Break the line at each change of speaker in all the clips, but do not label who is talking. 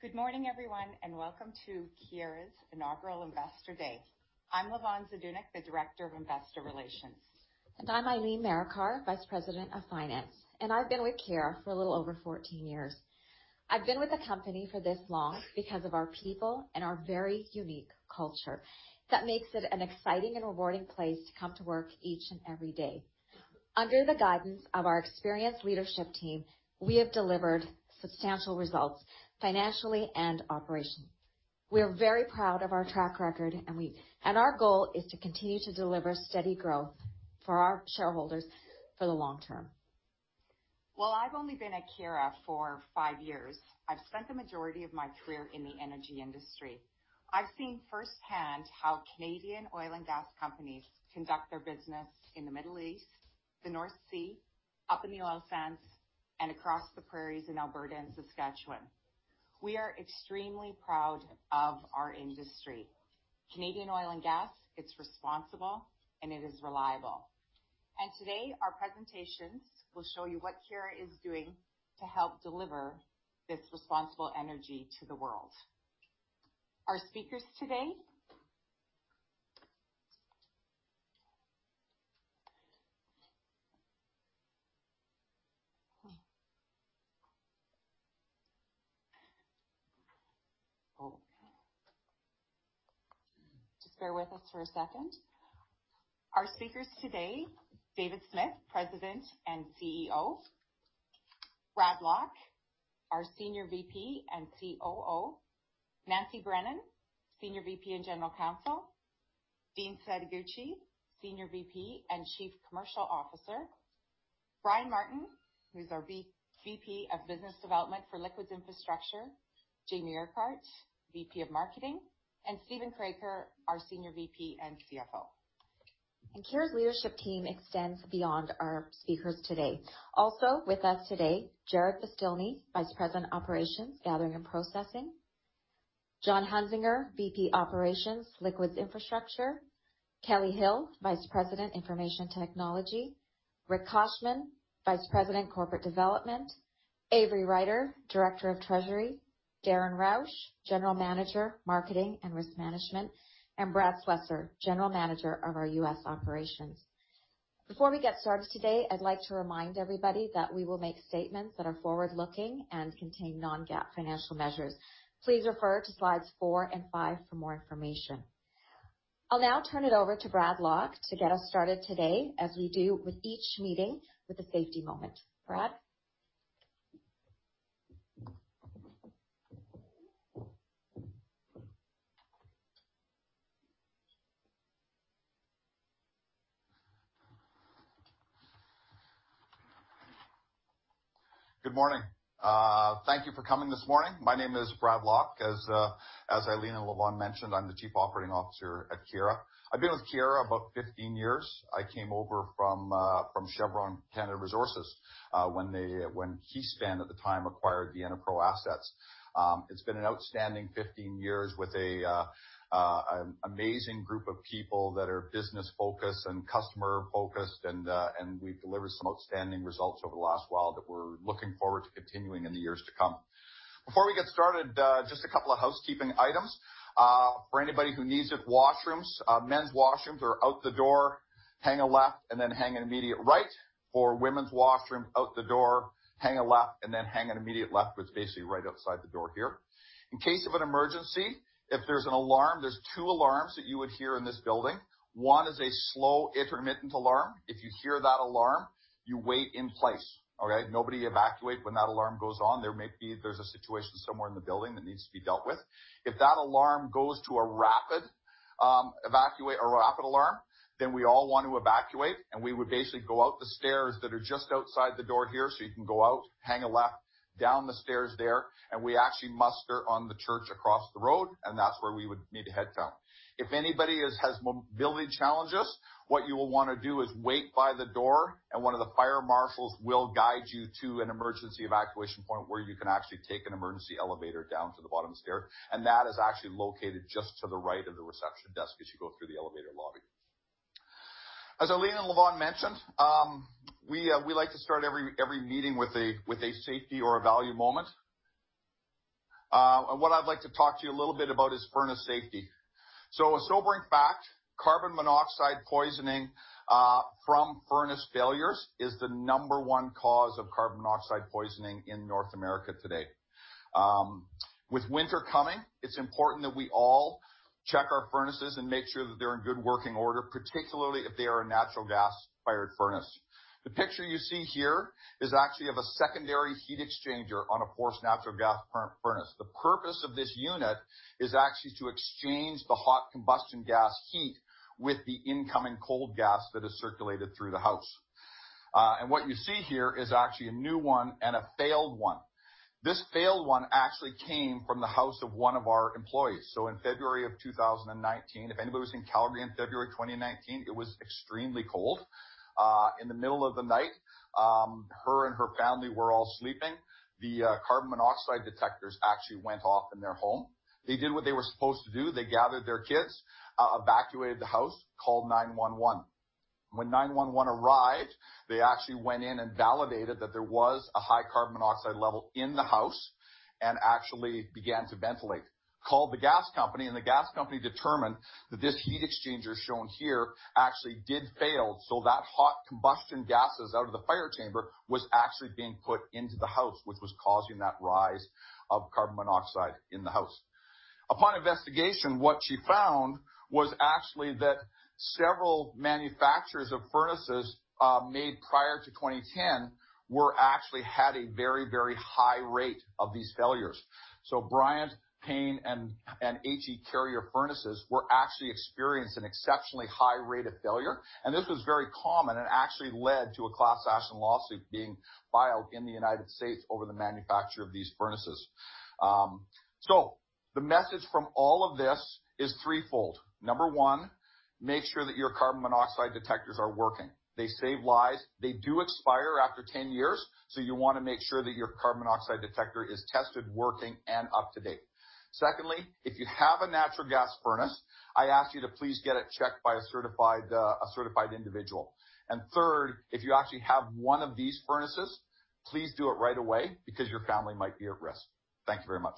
Good morning, everyone, and welcome to Keyera's inaugural Investor Day. I'm Lavonne Zdunich, the Director of Investor Relations.
I'm Eileen Marikar, Vice President of Finance, and I've been with Keyera for a little over 14 years. I've been with the company for this long because of our people and our very unique culture that makes it an exciting and rewarding place to come to work each and every day. Under the guidance of our experienced leadership team, we have delivered substantial results financially and operationally. We are very proud of our track record, and our goal is to continue to deliver steady growth for our shareholders for the long term.
While I've only been at Keyera for five years, I've spent the majority of my career in the energy industry. I've seen firsthand how Canadian oil and gas companies conduct their business in the Middle East, the North Sea, up in the oil sands, and across the prairies in Alberta and Saskatchewan. We are extremely proud of our industry. Canadian oil and gas, it's responsible, and it is reliable. Today, our presentations will show you what Keyera is doing to help deliver this responsible energy to the world. Just bear with us for a second. Our speakers today, David Smith, President and CEO, Bradley Lock, our Senior VP and COO, Nancy Brennan, Senior VP and General Counsel, Dean Setoguchi, Senior VP and Chief Commercial Officer, Brian Martin, who's our VP of Business Development for Liquids Infrastructure, Jamie Urquhart, VP of Marketing, and Steven Kroeker, our Senior VP and CFO.
Keyera's leadership team extends beyond our speakers today. Also with us today, Jarrod Beztilny, Vice President, Operations, Gathering and Processing, John Hunszinger, VP Operations, Liquids Infrastructure, Kelly Hill, Vice President, Information Technology, Rick Koshman, Vice President, Corporate Development, Avery Ryder, Director of Treasury, Darren Rousch, General Manager, Marketing and Risk Management, and Brad Slessor, General Manager of our U.S. Operations. Before we get started today, I'd like to remind everybody that we will make statements that are forward-looking and contain non-GAAP financial measures. Please refer to slides four and five for more information. I'll now turn it over to Bradley Lock to get us started today, as we do with each meeting, with a safety moment. Brad?
Good morning. Thank you for coming this morning. My name is Brad Lock. As Eileen and Lavonne mentioned, I'm the Chief Operating Officer at Keyera. I've been with Keyera about 15 years. I came over from Chevron Canada Resources, when KeySpan, at the time, acquired the EnerPro assets. It's been an outstanding 15 years with an amazing group of people that are business-focused and customer-focused and we've delivered some outstanding results over the last while that we're looking forward to continuing in the years to come. Before we get started, just a couple of housekeeping items. For anybody who needs it, washrooms, men's washrooms are out the door, hang a left, and then hang an immediate right. For women's washroom, out the door, hang a left, and then hang an immediate left, which is basically right outside the door here. In case of an emergency, if there's an alarm, there's two alarms that you would hear in this building. One is a slow intermittent alarm. If you hear that alarm, you wait in place. Okay? Nobody evacuate when that alarm goes on. There's a situation somewhere in the building that needs to be dealt with. If that alarm goes to a rapid alarm, we all want to evacuate, and we would basically go out the stairs that are just outside the door here. You can go out, hang a left down the stairs there, and we actually muster on the church across the road, and that's where we would need to head to. If anybody has mobility challenges, what you will want to do is wait by the door and one of the fire marshals will guide you to an emergency evacuation point where you can actually take an emergency elevator down to the bottom stair. That is actually located just to the right of the reception desk as you go through the elevator lobby. As Eileen and Lavonne mentioned, we like to start every meeting with a safety or a value moment. What I'd like to talk to you a little bit about is furnace safety. A sobering fact, carbon monoxide poisoning from furnace failures is the number one cause of carbon monoxide poisoning in North America today. With winter coming, it's important that we all check our furnaces and make sure that they're in good working order, particularly if they are a natural gas-fired furnace. The picture you see here is actually of a secondary heat exchanger on a forced natural gas furnace. The purpose of this unit is actually to exchange the hot combustion gas heat with the incoming cold gas that is circulated through the house. What you see here is actually a new one and a failed one. This failed one actually came from the house of one of our employees. In February of 2019, if anybody was in Calgary in February 2019, it was extremely cold. In the middle of the night, her and her family were all sleeping. The carbon monoxide detectors actually went off in their home. They did what they were supposed to do. They gathered their kids, evacuated the house, called 911. 911 arrived, they actually went in and validated that there was a high carbon monoxide level in the house, and actually began to ventilate. Called the gas company, the gas company determined that this heat exchanger shown here actually did fail. That hot combustion gases out of the fire chamber was actually being put into the house, which was causing that rise of carbon monoxide in the house. Upon investigation, what she found was actually that several manufacturers of furnaces made prior to 2010 actually had a very high rate of these failures. Bryant, Payne and Carrier furnaces were actually experiencing exceptionally high rate of failure, this was very common and actually led to a class action lawsuit being filed in the U.S. over the manufacture of these furnaces. The message from all of this is threefold. Number one, make sure that your carbon monoxide detectors are working. They save lives. They do expire after 10 years, so you want to make sure that your carbon monoxide detector is tested, working, and up to date. Secondly, if you have a natural gas furnace, I ask you to please get it checked by a certified individual. Third, if you actually have one of these furnaces, please do it right away because your family might be at risk. Thank you very much.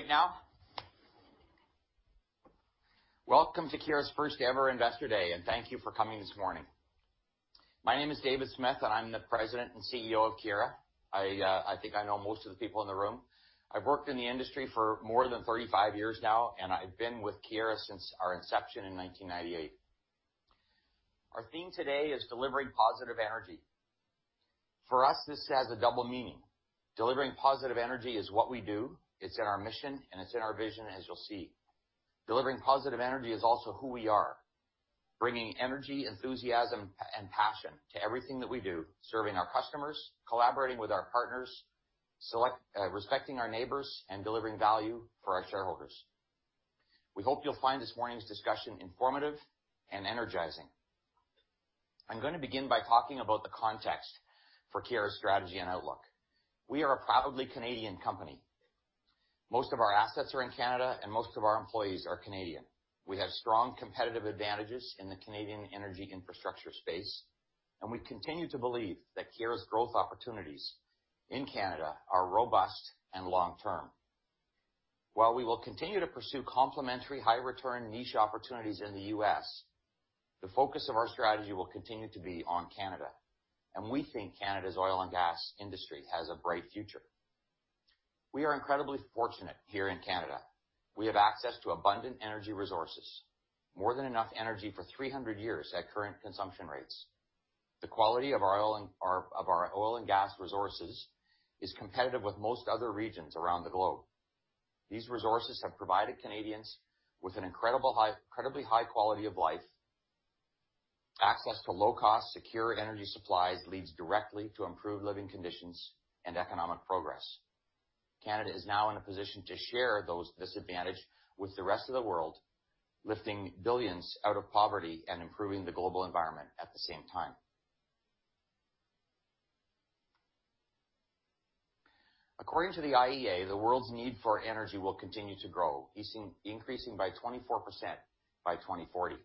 Good morning, everyone. Everyone awake now? Welcome to Keyera's first-ever Investor Day, and thank you for coming this morning. My name is David Smith, and I'm the President and CEO of Keyera. I think I know most of the people in the room. I've worked in the industry for more than 35 years now, and I've been with Keyera since our inception in 1998. Our theme today is delivering positive energy. For us, this has a double meaning. Delivering positive energy is what we do. It's in our mission, and it's in our vision, as you'll see. Delivering positive energy is also who we are. Bringing energy, enthusiasm, and passion to everything that we do, serving our customers, collaborating with our partners, respecting our neighbors, and delivering value for our shareholders. We hope you'll find this morning's discussion informative and energizing. I'm going to begin by talking about the context for Keyera's strategy and outlook. We are a proudly Canadian company. Most of our assets are in Canada, and most of our employees are Canadian. We have strong competitive advantages in the Canadian energy infrastructure space, and we continue to believe that Keyera's growth opportunities in Canada are robust and long-term. While we will continue to pursue complementary high-return niche opportunities in the U.S., the focus of our strategy will continue to be on Canada, and we think Canada's oil and gas industry has a bright future. We are incredibly fortunate here in Canada. We have access to abundant energy resources, more than enough energy for 300 years at current consumption rates. The quality of our oil and gas resources is competitive with most other regions around the globe. These resources have provided Canadians with an incredibly high quality of life. Access to low-cost, secure energy supplies leads directly to improved living conditions and economic progress. Canada is now in a position to share this advantage with the rest of the world, lifting billions out of poverty and improving the global environment at the same time. According to the IEA, the world's need for energy will continue to grow, increasing by 24% by 2040.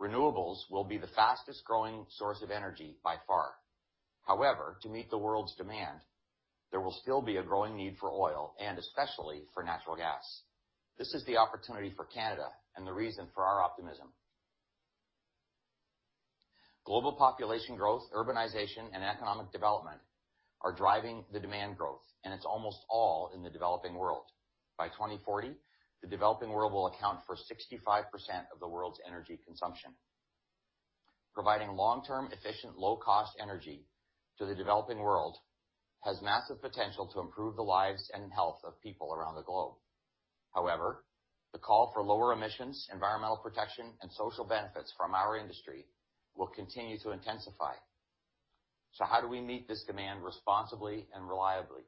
Renewables will be the fastest-growing source of energy by far. However, to meet the world's demand, there will still be a growing need for oil and especially for natural gas. This is the opportunity for Canada and the reason for our optimism. Global population growth, urbanization, and economic development are driving the demand growth, and it's almost all in the developing world. By 2040, the developing world will account for 65% of the world's energy consumption. Providing long-term, efficient, low-cost energy to the developing world has massive potential to improve the lives and health of people around the globe. The call for lower emissions, environmental protection, and social benefits from our industry will continue to intensify. How do we meet this demand responsibly and reliably?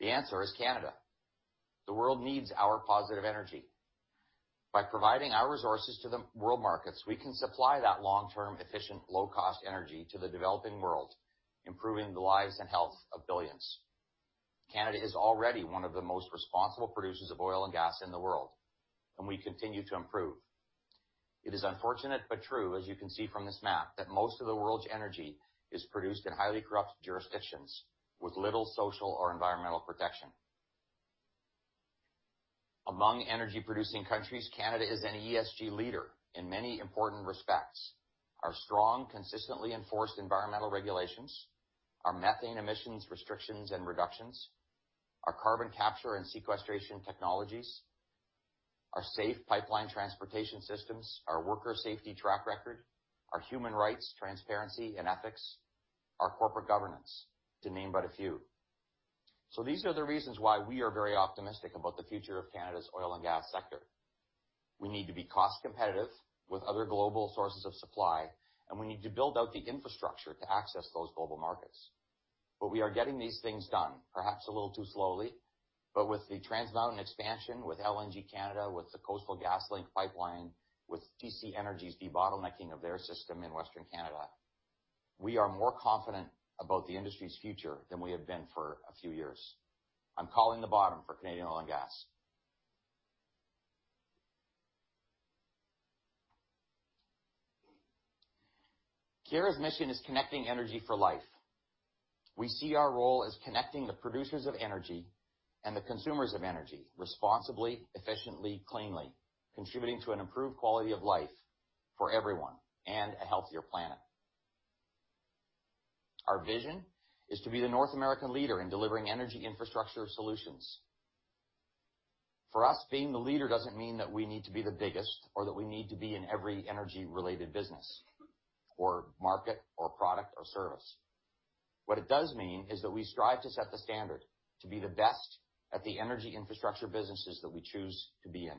The answer is Canada. The world needs our positive energy. By providing our resources to the world markets, we can supply that long-term, efficient, low-cost energy to the developing world, improving the lives and health of billions. Canada is already one of the most responsible producers of oil and gas in the world, and we continue to improve. It is unfortunate but true, as you can see from this map, that most of the world's energy is produced in highly corrupt jurisdictions with little social or environmental protection. Among energy-producing countries, Canada is an ESG leader in many important respects. Our strong, consistently enforced environmental regulations, our methane emissions restrictions and reductions, our carbon capture and sequestration technologies, our safe pipeline transportation systems, our worker safety track record, our human rights, transparency and ethics, our corporate governance, to name but a few. These are the reasons why we are very optimistic about the future of Canada's oil and gas sector. We need to be cost-competitive with other global sources of supply, and we need to build out the infrastructure to access those global markets. We are getting these things done, perhaps a little too slowly, but with the Trans Mountain expansion, with LNG Canada, with the Coastal GasLink Pipeline, with TC Energy's debottlenecking of their system in Western Canada, we are more confident about the industry's future than we have been for a few years. I'm calling the bottom for Canadian oil and gas. Keyera's mission is connecting energy for life. We see our role as connecting the producers of energy and the consumers of energy responsibly, efficiently, cleanly, contributing to an improved quality of life for everyone and a healthier planet. Our vision is to be the North American leader in delivering energy infrastructure solutions. For us, being the leader doesn't mean that we need to be the biggest or that we need to be in every energy-related business or market or product or service. What it does mean is that we strive to set the standard to be the best at the energy infrastructure businesses that we choose to be in,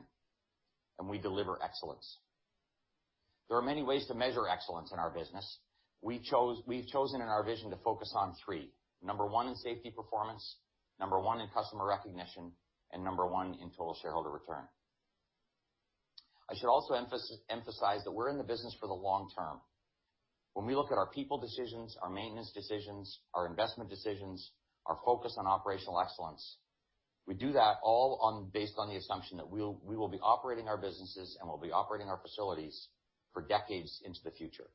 and we deliver excellence. There are many ways to measure excellence in our business. We've chosen in our vision to focus on three. Number one in safety performance, number one in customer recognition, and number one in total shareholder return. I should also emphasize that we're in the business for the long term. When we look at our people decisions, our maintenance decisions, our investment decisions, our focus on operational excellence, we do that all based on the assumption that we will be operating our businesses and we'll be operating our facilities for decades into the future.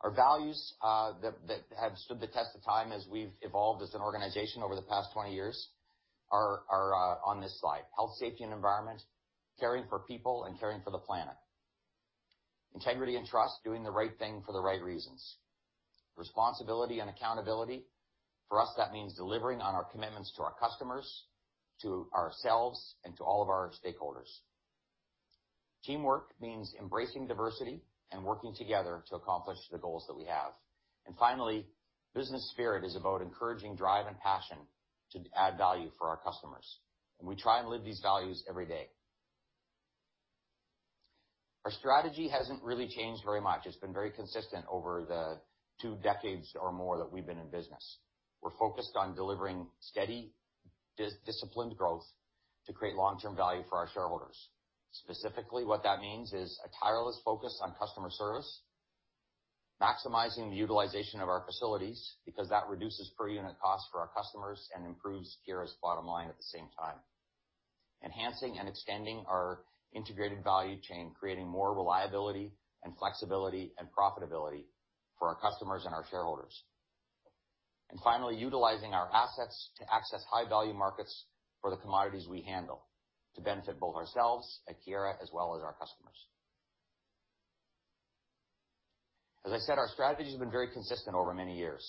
Our values that have stood the test of time as we've evolved as an organization over the past 20 years are on this slide. Health, safety, and environment, caring for people and caring for the planet. Integrity and trust, doing the right thing for the right reasons. Responsibility and accountability. For us, that means delivering on our commitments to our customers, to ourselves, and to all of our stakeholders. Teamwork means embracing diversity and working together to accomplish the goals that we have. Finally, business spirit is about encouraging drive and passion to add value for our customers. We try and live these values every day. Our strategy hasn't really changed very much. It's been very consistent over the two decades or more that we've been in business. We're focused on delivering steady, disciplined growth to create long-term value for our shareholders. Specifically, what that means is a tireless focus on customer service, maximizing the utilization of our facilities because that reduces per unit cost for our customers and improves Keyera's bottom line at the same time. Enhancing and extending our integrated value chain, creating more reliability and flexibility and profitability for our customers and our shareholders. Finally, utilizing our assets to access high-value markets for the commodities we handle to benefit both ourselves at Keyera as well as our customers. As I said, our strategy has been very consistent over many years.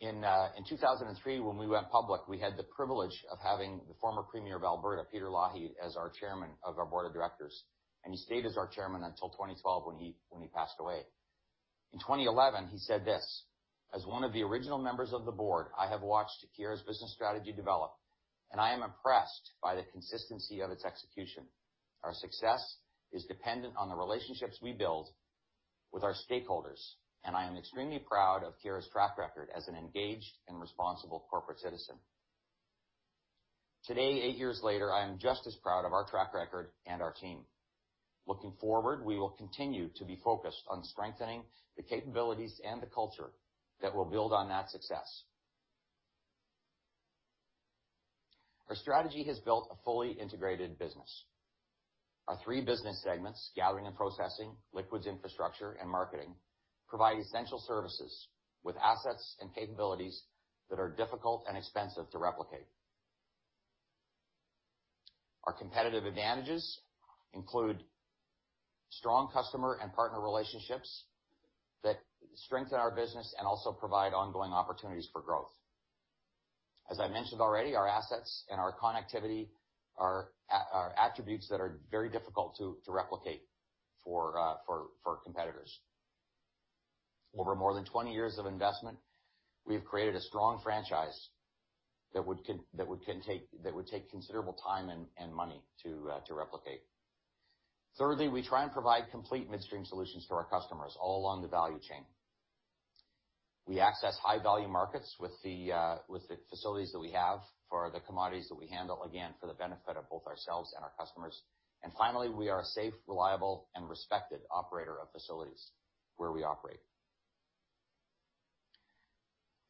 In 2003, when we went public, we had the privilege of having the former Premier of Alberta, Peter Lougheed, as our chairman of our board of directors, and he stayed as our chairman until 2012 when he passed away. In 2011, he said this: "As one of the original members of the board, I have watched Keyera's business strategy develop, and I am impressed by the consistency of its execution. Our success is dependent on the relationships we build with our stakeholders, and I am extremely proud of Keyera's track record as an engaged and responsible corporate citizen. Today, eight years later, I am just as proud of our track record and our team. Looking forward, we will continue to be focused on strengthening the capabilities and the culture that will build on that success. Our strategy has built a fully integrated business. Our three business segments, Gathering and Processing, Liquids Infrastructure, and Marketing, provide essential services with assets and capabilities that are difficult and expensive to replicate. Our competitive advantages include strong customer and partner relationships that strengthen our business and also provide ongoing opportunities for growth. As I mentioned already, our assets and our connectivity are attributes that are very difficult to replicate for competitors. Over more than 20 years of investment, we have created a strong franchise that would take considerable time and money to replicate. Thirdly, we try and provide complete midstream solutions to our customers all along the value chain. We access high-value markets with the facilities that we have for the commodities that we handle, again, for the benefit of both ourselves and our customers. Finally, we are a safe, reliable and respected operator of facilities where we operate.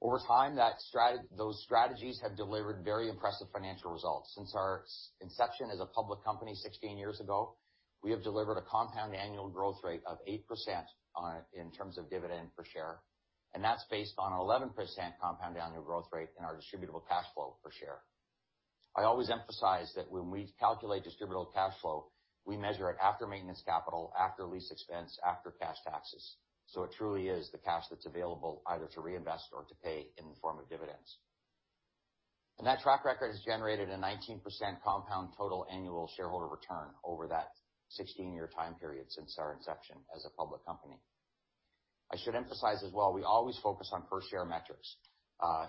Over time, those strategies have delivered very impressive financial results. Since our inception as a public company 16 years ago, we have delivered a compound annual growth rate of 8% in terms of dividend per share, and that's based on an 11% compound annual growth rate in our distributable cash flow per share. I always emphasize that when we calculate distributable cash flow, we measure it after maintenance capital, after lease expense, after cash taxes. It truly is the cash that's available either to reinvest or to pay in the form of dividends. That track record has generated a 19% compound total annual shareholder return over that 16-year time period since our inception as a public company. I should emphasize as well, we always focus on per-share metrics,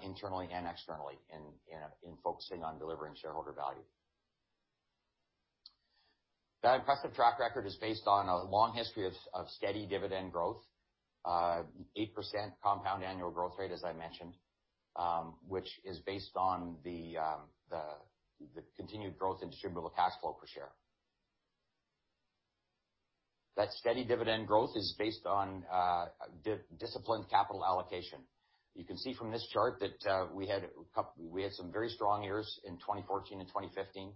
internally and externally in focusing on delivering shareholder value. That impressive track record is based on a long history of steady dividend growth, 8% compound annual growth rate, as I mentioned, which is based on the continued growth in distributable cash flow per share. That steady dividend growth is based on disciplined capital allocation. You can see from this chart that we had some very strong years in 2014 and 2015.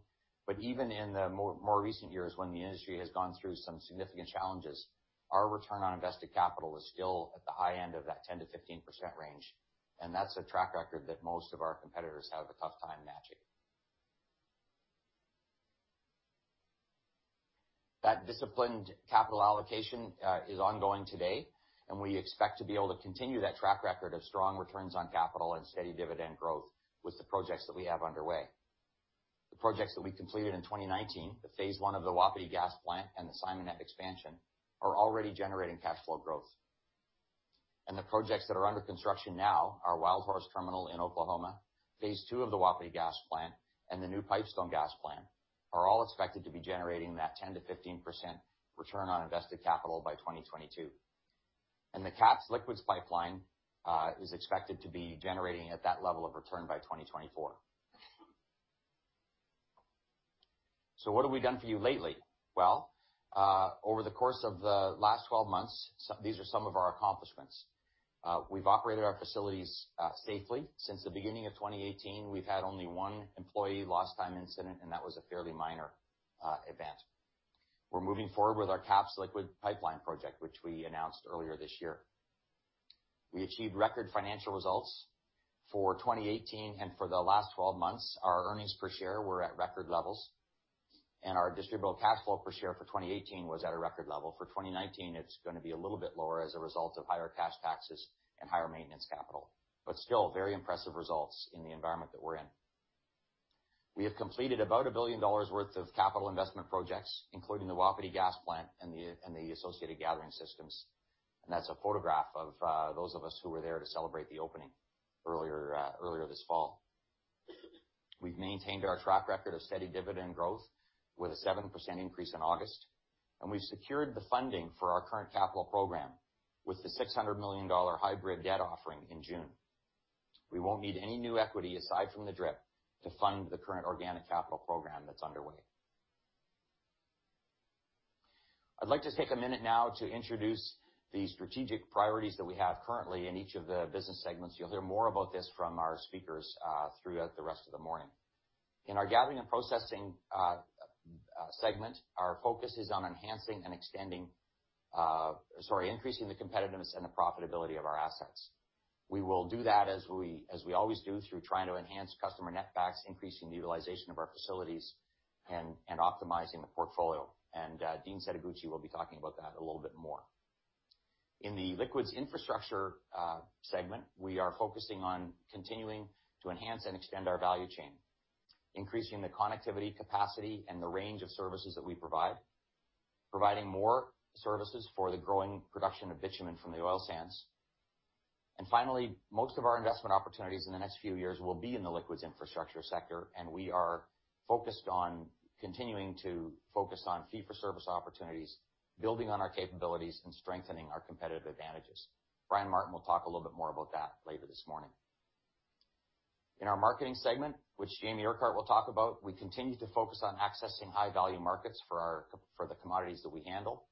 Even in the more recent years when the industry has gone through some significant challenges, our return on invested capital is still at the high end of that 10%-15% range. That's a track record that most of our competitors have a tough time matching. That disciplined capital allocation is ongoing today. We expect to be able to continue that track record of strong returns on capital and steady dividend growth with the projects that we have underway. The projects that we completed in 2019, the phase 1 of the Wapiti Gas Plant and the Simonette expansion, are already generating cash flow growth. The projects that are under construction now, our Wildhorse terminal in Oklahoma, phase 2 of the Wapiti Gas Plant, and the new Pipestone Gas Plant, are all expected to be generating that 10%-15% return on invested capital by 2022. The KAPS liquids pipeline is expected to be generating at that level of return by 2024. What have we done for you lately? Well, over the course of the last 12 months, these are some of our accomplishments. We've operated our facilities safely. Since the beginning of 2018, we've had only one employee lost-time incident, and that was a fairly minor event. We're moving forward with our KAPS liquid pipeline project, which we announced earlier this year. We achieved record financial results for 2018 and for the last 12 months. Our earnings per share were at record levels. Our distributable cash flow per share for 2018 was at a record level. For 2019, it's gonna be a little bit lower as a result of higher cash taxes and higher maintenance capital, still very impressive results in the environment that we're in. We have completed about 1 billion dollars worth of capital investment projects, including the Wapiti Gas Plant and the associated gathering systems. That's a photograph of those of us who were there to celebrate the opening earlier this fall. We've maintained our track record of steady dividend growth with a 7% increase in August, and we've secured the funding for our current capital program with the 600 million dollar hybrid debt offering in June. We won't need any new equity aside from the DRIP to fund the current organic capital program that's underway. I'd like to take a minute now to introduce the strategic priorities that we have currently in each of the business segments. You'll hear more about this from our speakers throughout the rest of the morning. In our Gathering and Processing segment, our focus is on enhancing and extending increasing the competitiveness and the profitability of our assets. We will do that as we always do, through trying to enhance customer netbacks, increasing the utilization of our facilities and optimizing the portfolio. Dean Setoguchi will be talking about that a little bit more. In the Liquids Infrastructure segment, we are focusing on continuing to enhance and extend our value chain, increasing the connectivity capacity and the range of services that we provide, providing more services for the growing production of bitumen from the oil sands. Finally, most of our investment opportunities in the next few years will be in the liquids infrastructure sector, and we are focused on continuing to focus on fee-for-service opportunities, building on our capabilities, and strengthening our competitive advantages. Brian Martin will talk a little bit more about that later this morning. In our marketing segment, which Jamie Urquhart will talk about, we continue to focus on accessing high-value markets for the commodities that we handle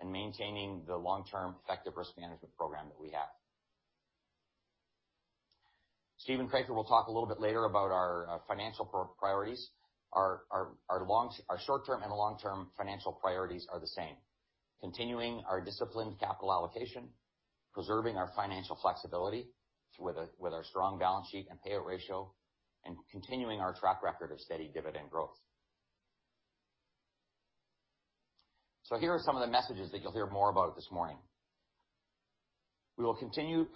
and maintaining the long-term effective risk management program that we have. Steven Kroeker will talk a little bit later about our financial priorities. Our short-term and long-term financial priorities are the same, continuing our disciplined capital allocation, preserving our financial flexibility with our strong balance sheet and payout ratio, and continuing our track record of steady dividend growth. Here are some of the messages that you'll hear more about this morning. We will continue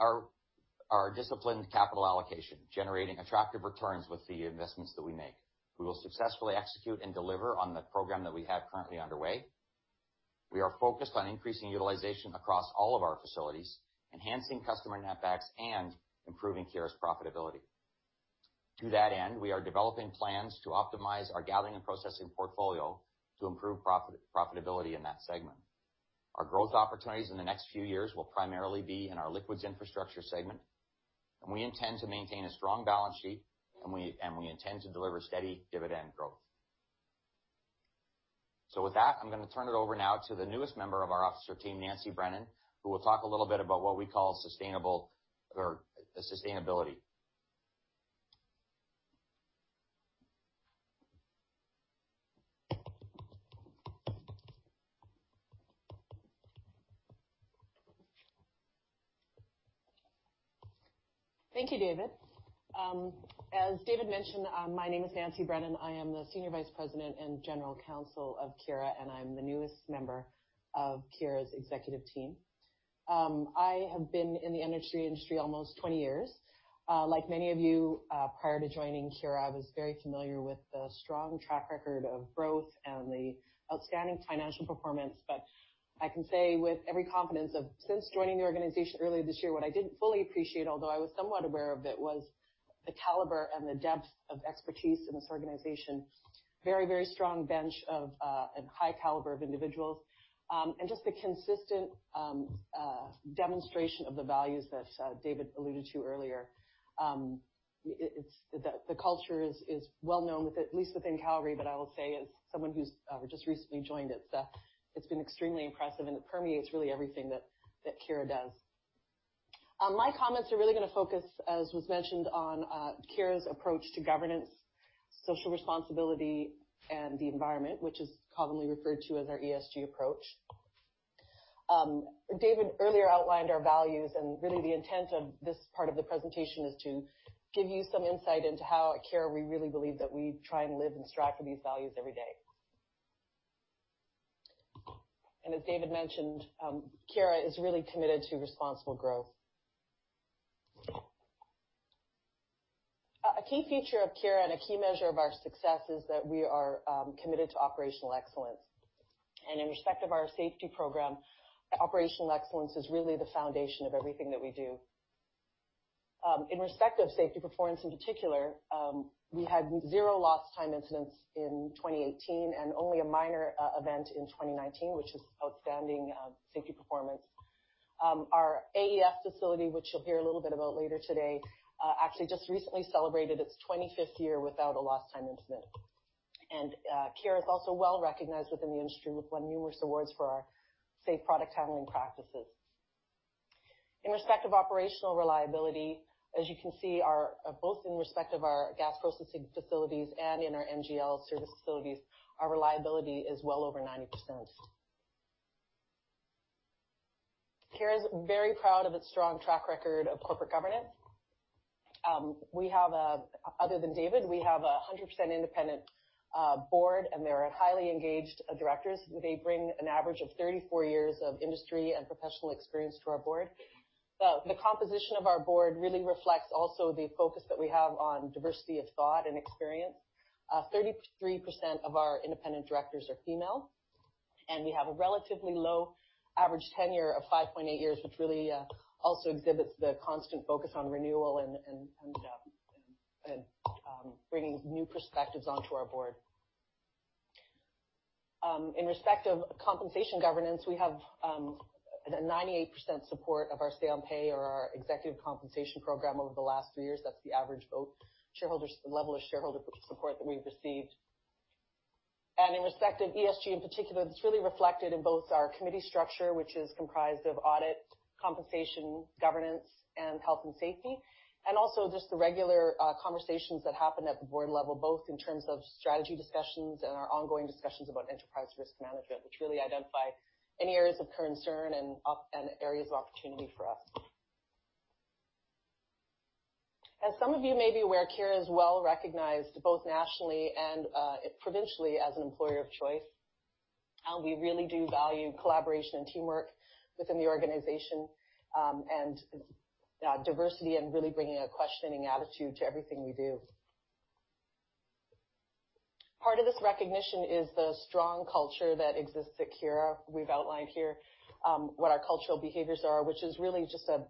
our disciplined capital allocation, generating attractive returns with the investments that we make. We will successfully execute and deliver on the program that we have currently underway. We are focused on increasing utilization across all of our facilities, enhancing customer netbacks, and improving Keyera's profitability. To that end, we are developing plans to optimize our Gathering and Processing portfolio to improve profitability in that segment. Our growth opportunities in the next few years will primarily be in our Liquids Infrastructure segment, and we intend to maintain a strong balance sheet, and we intend to deliver steady dividend growth. With that, I'm going to turn it over now to the newest member of our officer team, Nancy Brennan, who will talk a little bit about what we call sustainability.
Thank you, David. As David mentioned, my name is Nancy Brennan. I am the Senior Vice President and General Counsel of Keyera, and I'm the newest member of Keyera's executive team. I have been in the energy industry almost 20 years. Like many of you, prior to joining Keyera, I was very familiar with the strong track record of growth and the outstanding financial performance. I can say with every confidence of since joining the organization earlier this year, what I didn't fully appreciate, although I was somewhat aware of it, was the caliber and the depth of expertise in this organization, a very strong bench of a high caliber of individuals and just the consistent demonstration of the values that David alluded to earlier. The culture is well-known, at least within Calgary, but I will say as someone who's just recently joined, it's been extremely impressive, and it permeates really everything that Keyera does. My comments are really going to focus, as was mentioned, on Keyera's approach to governance, social responsibility, and the environment, which is commonly referred to as our ESG approach. David earlier outlined our values, really the intent of this part of the presentation is to give you some insight into how at Keyera, we really believe that we try and live and strive for these values every day. As David mentioned, Keyera is really committed to responsible growth. A key feature of Keyera and a key measure of our success is that we are committed to operational excellence. In respect of our safety program, operational excellence is really the foundation of everything that we do. In respect of safety performance in particular, we had zero lost time incidents in 2018 and only a minor event in 2019, which is outstanding safety performance. Our AEF facility, which you'll hear a little bit about later today, actually just recently celebrated its 25th year without a lost time incident. Keyera is also well-recognized within the industry. We've won numerous awards for our safe product handling practices. In respect of operational reliability, as you can see, both in respect of our gas processing facilities and in our NGL service facilities, our reliability is well over 90%. Keyera is very proud of its strong track record of corporate governance. Other than David, we have a 100% independent board, and they are highly engaged directors. They bring an average of 34 years of industry and professional experience to our board. The composition of our board really reflects also the focus that we have on diversity of thought and experience. 33% of our independent directors are female, and we have a relatively low average tenure of 5.8 years, which really also exhibits the constant focus on renewal and bringing new perspectives onto our board. In respect of compensation governance, we have a 98% support of our say on pay or our executive compensation program over the last three years. That's the average level of shareholder support that we've received. In respect of ESG in particular, that's really reflected in both our committee structure, which is comprised of audit, compensation, governance, and health and safety, and also just the regular conversations that happen at the board level, both in terms of strategy discussions and our ongoing discussions about enterprise risk management, which really identify any areas of concern and areas of opportunity for us. As some of you may be aware, Keyera is well-recognized both nationally and provincially as an employer of choice. We really do value collaboration and teamwork within the organization, and diversity and really bringing a questioning attitude to everything we do. Part of this recognition is the strong culture that exists at Keyera. We've outlined here what our cultural behaviors are, which is really just a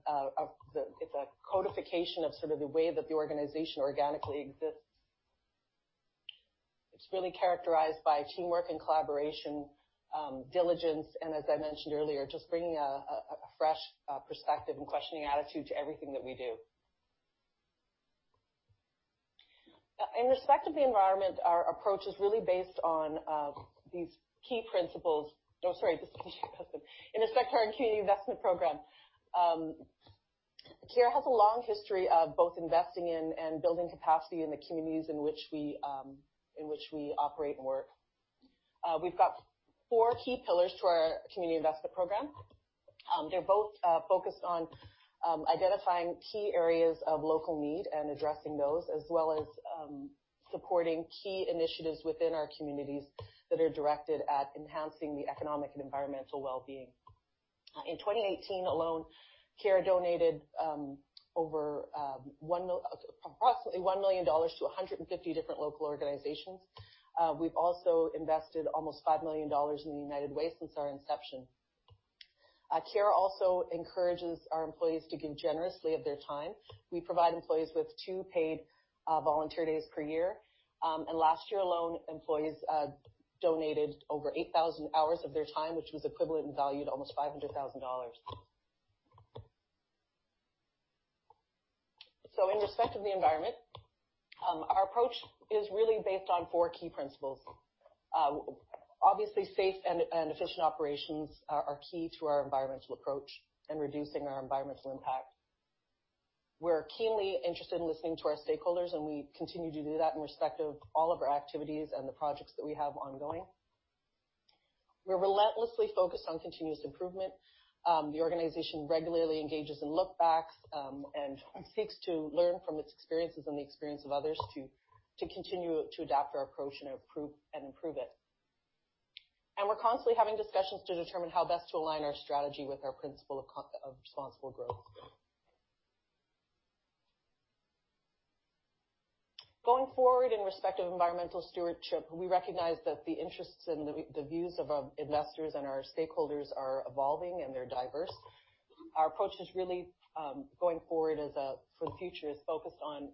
codification of sort of the way that the organization organically exists. It's really characterized by teamwork and collaboration, diligence, and as I mentioned earlier, just bringing a fresh perspective and questioning attitude to everything that we do. In respect of the environment, our approach is really based on these key principles. Sorry, this is the community investment. In respect to our community investment program, Keyera has a long history of both investing in and building capacity in the communities in which we operate and work. We've got four key pillars to our community investment program. They're both focused on identifying key areas of local need and addressing those, as well as supporting key initiatives within our communities that are directed at enhancing the economic and environmental well-being. In 2018 alone, Keyera donated approximately 1 million dollars to 150 different local organizations. We've also invested almost 5 million dollars in the United Way since our inception. Keyera also encourages our employees to give generously of their time. We provide employees with two paid volunteer days per year. Last year alone, employees donated over 8,000 hours of their time, which was equivalent in value to almost CAD 500,000. In respect of the environment, our approach is really based on four key principles. Obviously, safe and efficient operations are key to our environmental approach and reducing our environmental impact. We're keenly interested in listening to our stakeholders, and we continue to do that in respect of all of our activities and the projects that we have ongoing. We're relentlessly focused on continuous improvement. The organization regularly engages in look-backs and seeks to learn from its experiences and the experience of others to continue to adapt our approach and improve it. We're constantly having discussions to determine how best to align our strategy with our principle of responsible growth. Going forward in respect of environmental stewardship, we recognize that the interests and the views of our investors and our stakeholders are evolving, and they're diverse. Our approach going forward for the future is focused on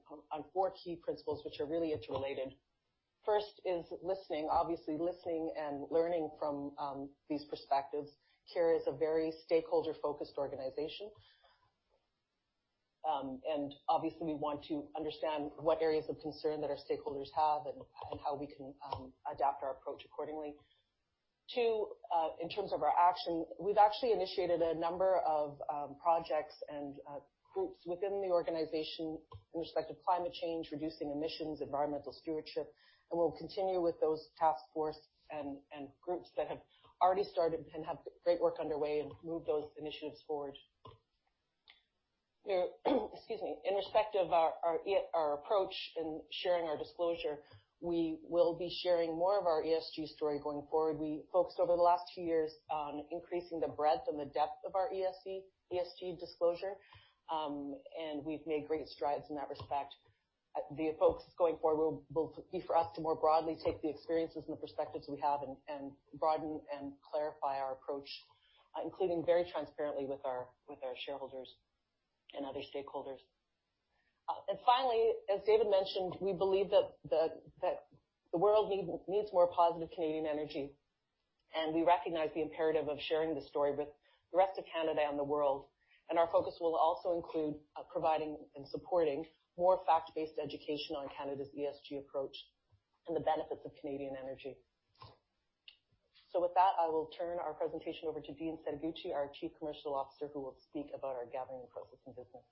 four key principles, which are really interrelated. First is listening. Obviously, listening and learning from these perspectives. Keyera is a very stakeholder-focused organization. Obviously, we want to understand what areas of concern that our stakeholders have and how we can adapt our approach accordingly. Two, in terms of our action, we've actually initiated a number of projects and groups within the organization in respect of climate change, reducing emissions, environmental stewardship, and we'll continue with those task forces and groups that have already started and have great work underway and move those initiatives forward. Excuse me. In respect of our approach in sharing our disclosure, we will be sharing more of our ESG story going forward. We focused over the last two years on increasing the breadth and the depth of our ESG disclosure. We've made great strides in that respect. The focus going forward will be for us to more broadly take the experiences and the perspectives we have and broaden and clarify our approach, including very transparently with our shareholders and other stakeholders. Finally, as David mentioned, we believe that the world needs more positive Canadian energy. We recognize the imperative of sharing the story with the rest of Canada and the world. Our focus will also include providing and supporting more fact-based education on Canada's ESG approach and the benefits of Canadian energy. With that, I will turn our presentation over to Dean Setoguchi, our Chief Commercial Officer, who will speak about our Gathering and Processing business.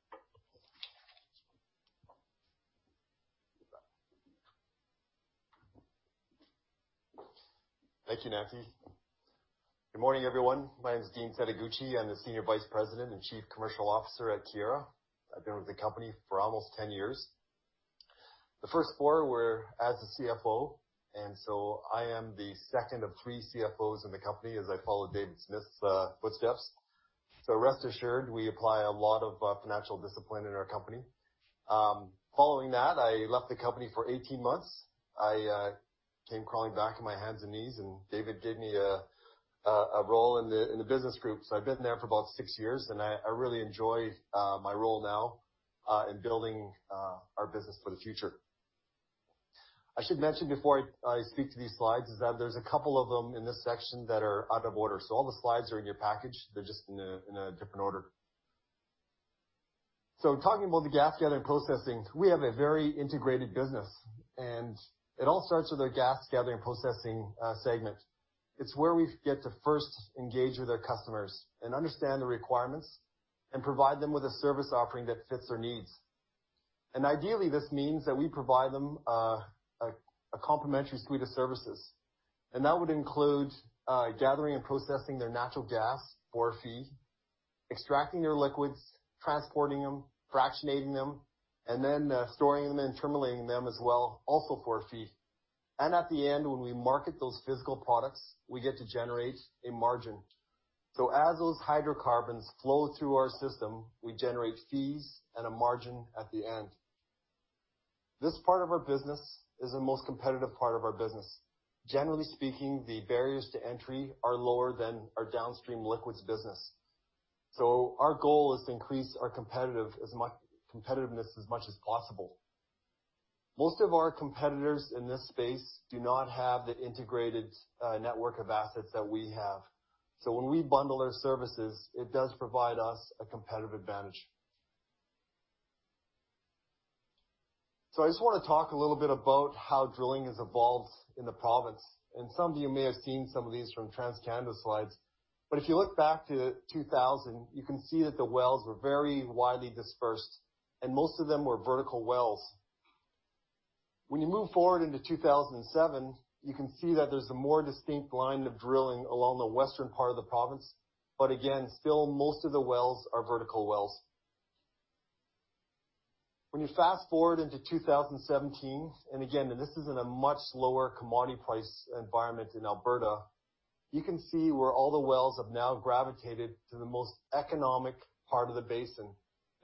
Thank you, Nancy. Good morning, everyone. My name is Dean Setoguchi. I'm the Senior Vice President and Chief Commercial Officer at Keyera. I've been with the company for almost 10 years. The first four were as a CFO, and so I am the second of three CFOs in the company as I follow David Smith's footsteps. Rest assured, we apply a lot of financial discipline in our company. Following that, I left the company for 18 months. I came crawling back on my hands and knees, and David gave me a role in the business group. I've been there for about six years, and I really enjoy my role now in building our business for the future. I should mention before I speak to these slides is that there's a couple of them in this section that are out of order. All the slides are in your package, they're just in a different order. Talking about the gas Gathering and Processing, we have a very integrated business, and it all starts with our gas Gathering and Processing segment. It's where we get to first engage with our customers and understand the requirements and provide them with a service offering that fits their needs. Ideally, this means that we provide them a complimentary suite of services. That would include gathering and processing their natural gas for a fee, extracting their liquids, transporting them, fractionating them, and then storing them and terminaling them as well, also for a fee. At the end, when we market those physical products, we get to generate a margin. As those hydrocarbons flow through our system, we generate fees and a margin at the end. This part of our business is the most competitive part of our business. Generally speaking, the barriers to entry are lower than our downstream liquids business. Our goal is to increase our competitiveness as much as possible. Most of our competitors in this space do not have the integrated network of assets that we have. When we bundle our services, it does provide us a competitive advantage. I just want to talk a little bit about how drilling has evolved in the province, and some of you may have seen some of these from TransCanada slides, but if you look back to 2000, you can see that the wells were very widely dispersed, and most of them were vertical wells. When you move forward into 2007, you can see that there's a more distinct line of drilling along the western part of the province. Again, still most of the wells are vertical wells. When you fast-forward into 2017. Again, this is in a much slower commodity price environment in Alberta, you can see where all the wells have now gravitated to the most economic part of the basin.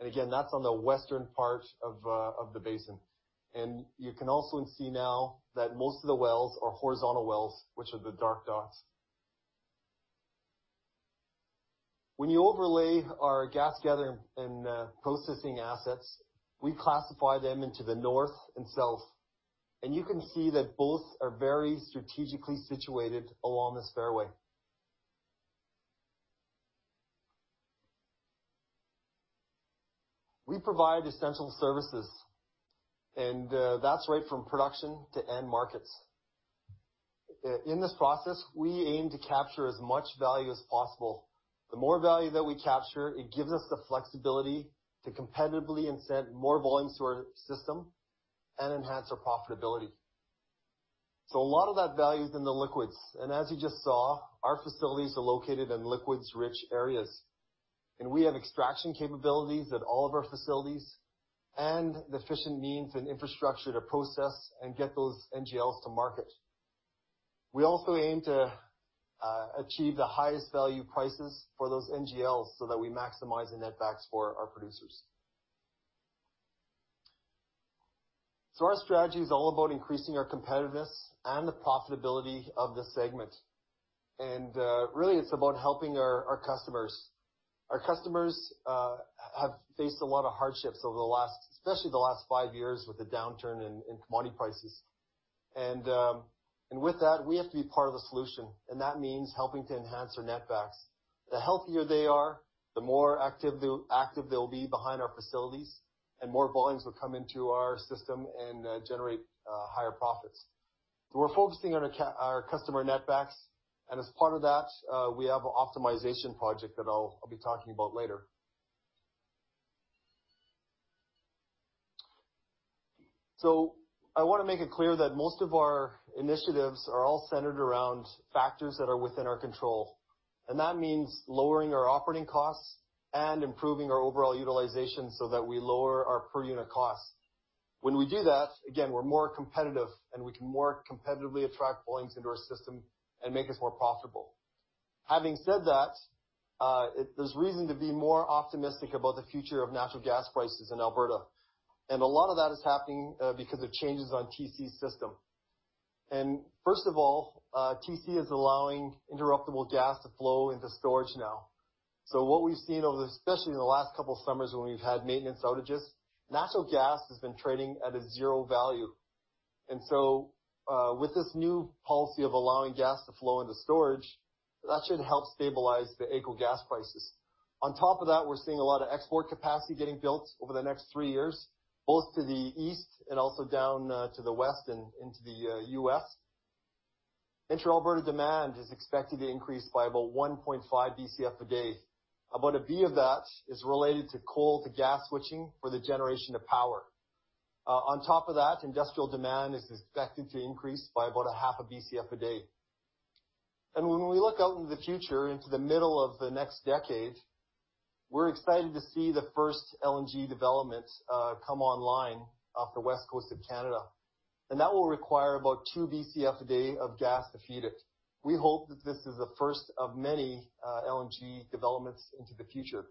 Again, that's on the western part of the basin. You can also see now that most of the wells are horizontal wells, which are the dark dots. When you overlay our gas Gathering and Processing assets, we classify them into the north and south. You can see that both are very strategically situated along this fairway. We provide essential services. That's right from production to end markets. In this process, we aim to capture as much value as possible. The more value that we capture, it gives us the flexibility to competitively incent more volumes to our system and enhance our profitability. A lot of that value is in the liquids. As you just saw, our facilities are located in liquids-rich areas, and we have extraction capabilities at all of our facilities and the efficient means and infrastructure to process and get those NGLs to market. We also aim to achieve the highest value prices for those NGLs so that we maximize the net backs for our producers. Our strategy is all about increasing our competitiveness and the profitability of this segment. Really, it's about helping our customers. Our customers have faced a lot of hardships over, especially the last five years with the downturn in commodity prices. With that, we have to be part of the solution, and that means helping to enhance their netbacks. The healthier they are, the more active they'll be behind our facilities, and more volumes will come into our system and generate higher profits. We're focusing on our customer netbacks, and as part of that, we have an optimization project that I'll be talking about later. I want to make it clear that most of our initiatives are all centered around factors that are within our control, and that means lowering our operating costs and improving our overall utilization, so that we lower our per-unit costs. When we do that, again, we're more competitive, and we can more competitively attract volumes into our system and make us more profitable. Having said that, there's reason to be more optimistic about the future of natural gas prices in Alberta. A lot of that is happening because of changes on TC's system. First of all, TC is allowing interruptible gas to flow into storage now. What we've seen, especially in the last couple of summers when we've had maintenance outages, natural gas has been trading at a zero value. With this new policy of allowing gas to flow into storage, that should help stabilize the AECO gas prices. On top of that, we're seeing a lot of export capacity getting built over the next three years, both to the east and also down to the west and into the U.S. Inter-Alberta demand is expected to increase by about 1.5 Bcf a day. About 1 B of that is related to coal to gas switching for the generation of power. On top of that, industrial demand is expected to increase by about 0.5 Bcf a day. When we look out into the future, into the middle of the next decade, we're excited to see the first LNG development come online off the West Coast of Canada. That will require about 2 Bcf a day of gas to feed it. We hope that this is the first of many LNG developments into the future.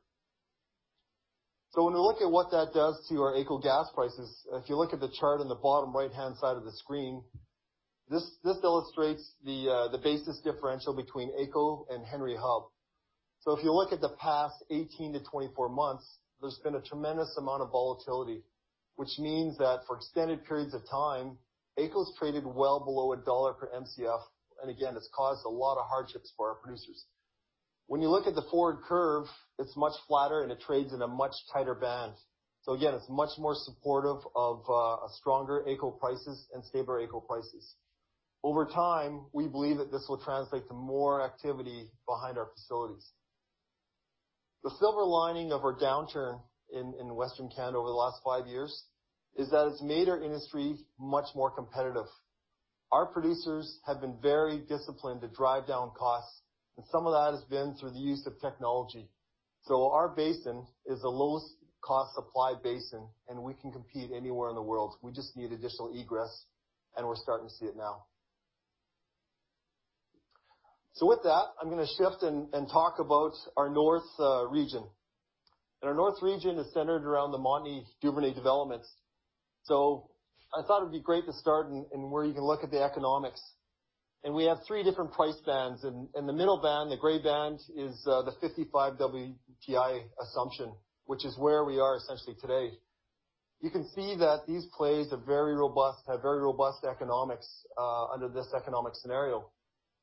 When we look at what that does to our AECO gas prices, if you look at the chart on the bottom right-hand side of the screen, this illustrates the basis differential between AECO and Henry Hub. If you look at the past 18-24 months, there's been a tremendous amount of volatility, which means that for extended periods of time, AECO's traded well below CAD 1 per Mcf, and again, it's caused a lot of hardships for our producers. When you look at the forward curve, it's much flatter, and it trades in a much tighter band. Again, it's much more supportive of stronger AECO prices and stabler AECO prices. Over time, we believe that this will translate to more activity behind our facilities. The silver lining of our downturn in Western Canada over the last five years is that it's made our industry much more competitive. Our producers have been very disciplined to drive down costs, and some of that has been through the use of technology. Our basin is the lowest cost supply basin, and we can compete anywhere in the world. We just need additional egress, and we are starting to see it now. With that, I am going to shift and talk about our north region. Our north region is centered around the Montney and Duvernay developments. I thought it would be great to start and where you can look at the economics. We have three different price bands, and the middle band, the gray band, is the 55 WTI assumption, which is where we are essentially today. You can see that these plays have very robust economics under this economic scenario,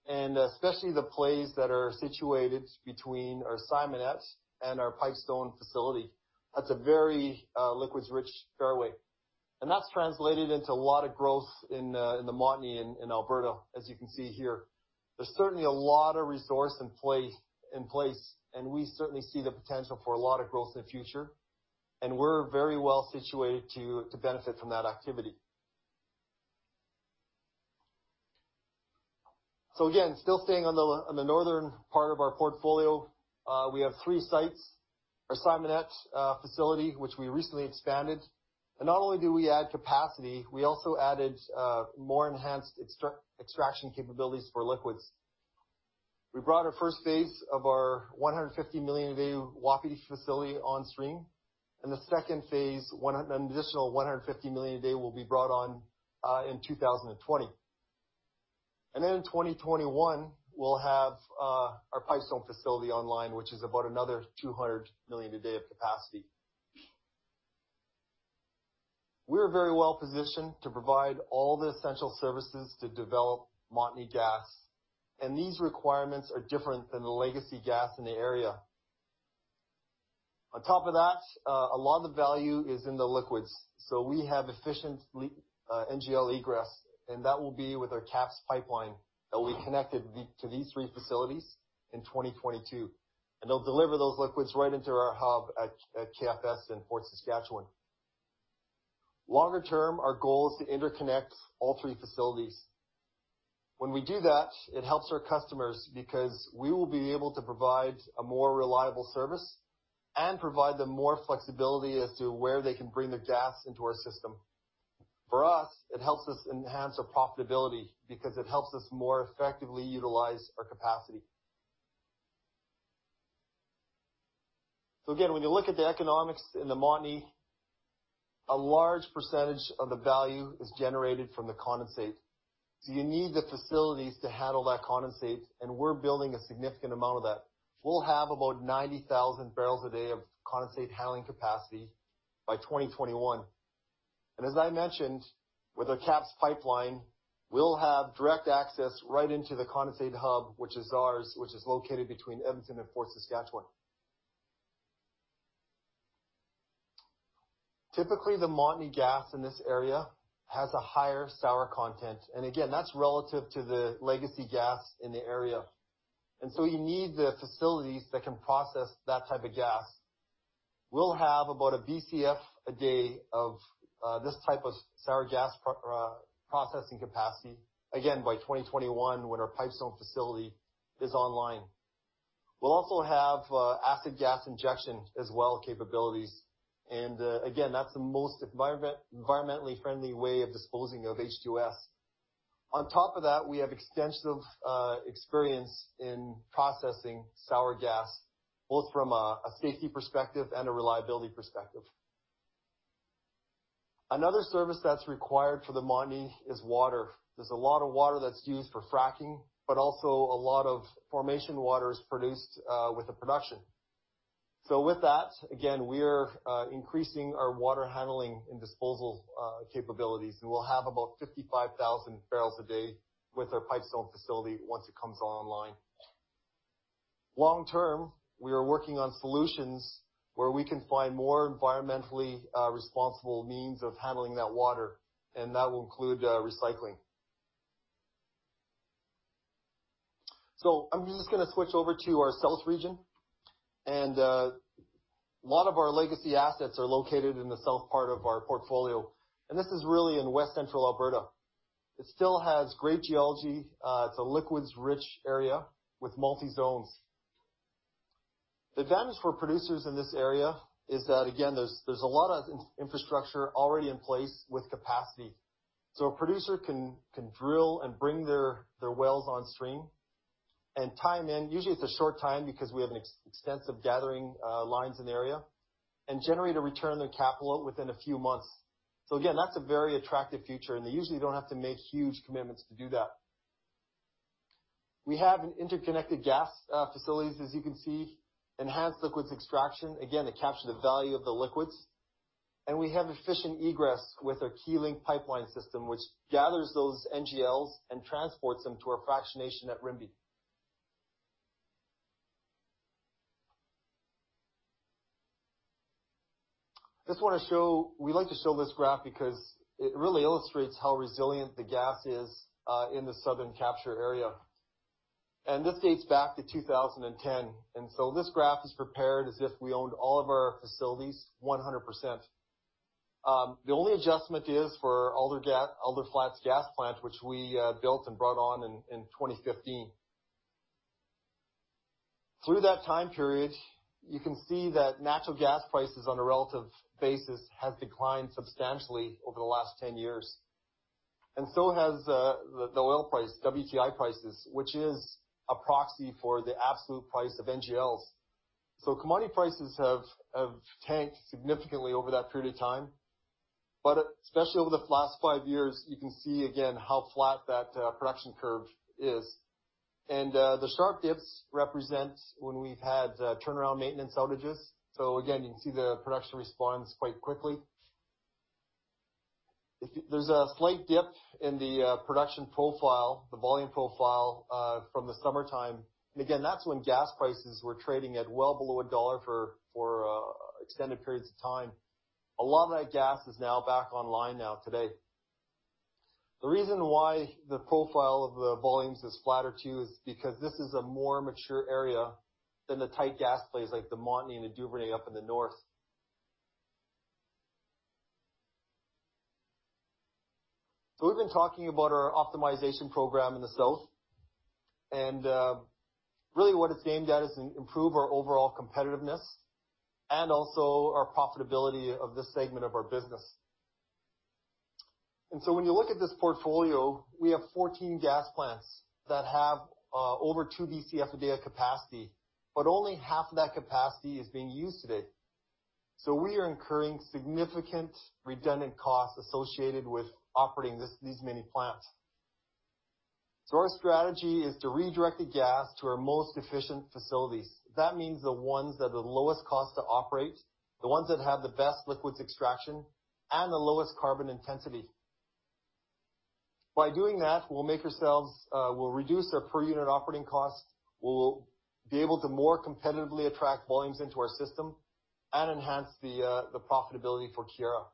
and especially the plays that are situated between our Simonette and our Pipestone facility. That's a very liquids-rich fairway. That's translated into a lot of growth in the Montney in Alberta, as you can see here. There's certainly a lot of resource in place. We certainly see the potential for a lot of growth in the future. We're very well situated to benefit from that activity. Again, still staying on the northern part of our portfolio, we have three sites. Our Simonette facility, which we recently expanded. Not only did we add capacity, we also added more enhanced extraction capabilities for liquids. We brought our first phase of our 150 million a day Wapiti facility on stream. The second phase, an additional 150 million a day, will be brought on in 2020. In 2021, we'll have our Pipestone facility online, which is about another 200 million a day of capacity. We are very well-positioned to provide all the essential services to develop Montney gas. These requirements are different than the legacy gas in the area. On top of that, a lot of the value is in the liquids. We have efficient NGL egress, and that will be with our KAPS Pipeline that we connected to these three facilities in 2022. They'll deliver those liquids right into our hub at KFS in Fort Saskatchewan. Longer term, our goal is to interconnect all three facilities. When we do that, it helps our customers because we will be able to provide a more reliable service and provide them more flexibility as to where they can bring their gas into our system. For us, it helps us enhance our profitability because it helps us more effectively utilize our capacity. Again, when you look at the economics in the Montney, a large percentage of the value is generated from the condensate. You need the facilities to handle that condensate, and we're building a significant amount of that. We'll have about 90,000 barrels a day of condensate handling capacity by 2021. As I mentioned, with our KAPS Pipeline, we'll have direct access right into the condensate hub, which is ours, which is located between Edmonton and Fort Saskatchewan. Typically, the Montney gas in this area has a higher sour content. Again, that's relative to the legacy gas in the area. You need the facilities that can process that type of gas. We'll have about a Bcf a day of this type of sour gas processing capacity, again by 2021, when our Pipestone facility is online. We'll also have acid gas injection as well capabilities. Again, that's the most environmentally friendly way of disposing of H2S. On top of that, we have extensive experience in processing sour gas, both from a safety perspective and a reliability perspective. Another service that's required for the Montney is water. There's a lot of water that's used for fracking, but also a lot of formation water is produced with the production. With that, again, we are increasing our water handling and disposal capabilities, and we'll have about 55,000 barrels a day with our Pipestone facility once it comes online. Long term, we are working on solutions where we can find more environmentally responsible means of handling that water, and that will include recycling. I'm just going to switch over to our South region. A lot of our legacy assets are located in the south part of our portfolio, and this is really in West Central Alberta. It still has great geology. It's a liquids-rich area with multi zones. The advantage for producers in this area is that, again, there's a lot of infrastructure already in place with capacity. A producer can drill and bring their wells on stream and tie in, usually it's a short time because we have extensive gathering lines in the area, and generate a return on their capital within a few months. Again, that's a very attractive future, and they usually don't have to make huge commitments to do that. We have an interconnected gas facilities, as you can see, enhanced liquids extraction, again, to capture the value of the liquids. We have efficient egress with our Keylink pipeline system, which gathers those NGLs and transports them to our fractionation at Rimbey. We like to show this graph because it really illustrates how resilient the gas is in the southern capture area. This dates back to 2010. This graph is prepared as if we owned all of our facilities 100%. The only adjustment is for Alder Flats Gas Plant, which we built and brought on in 2015. Through that time period, you can see that natural gas prices on a relative basis have declined substantially over the last 10 years. Has the oil price, WTI prices, which is a proxy for the absolute price of NGLs. Commodity prices have tanked significantly over that period of time. Especially over the last five years, you can see again how flat that production curve is. The sharp dips represent when we've had turnaround maintenance outages. Again, you can see the production responds quite quickly. There's a slight dip in the production profile, the volume profile from the summertime. Again, that's when gas prices were trading at well below CAD 1 for extended periods of time. A lot of that gas is now back online now today. The reason why the profile of the volumes is flatter too, is because this is a more mature area than the tight gas plays like the Montney and Duvernay up in the north. We've been talking about our optimization program in the south, and really what it's aimed at is to improve our overall competitiveness and also our profitability of this segment of our business. When you look at this portfolio, we have 14 gas plants that have over 2 Bcf a day of capacity, but only half of that capacity is being used today. We are incurring significant redundant costs associated with operating these many plants. Our strategy is to redirect the gas to our most efficient facilities. That means the ones that are the lowest cost to operate, the ones that have the best liquids extraction, and the lowest carbon intensity. We'll reduce our per unit operating costs. We'll be able to more competitively attract volumes into our system and enhance the profitability for Keyera.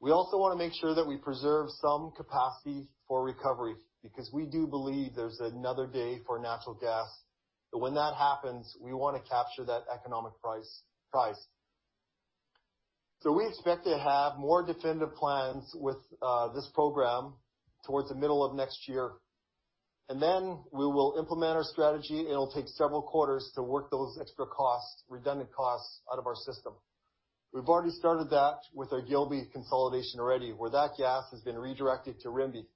We want to make sure that we preserve some capacity for recovery, because we do believe there's another day for natural gas. When that happens, we want to capture that economic price. We expect to have more definitive plans with this program towards the middle of next year, and then we will implement our strategy. It'll take several quarters to work those extra costs, redundant costs, out of our system. We've already started that with our Gilby consolidation already, where that gas has been redirected to Rimbey.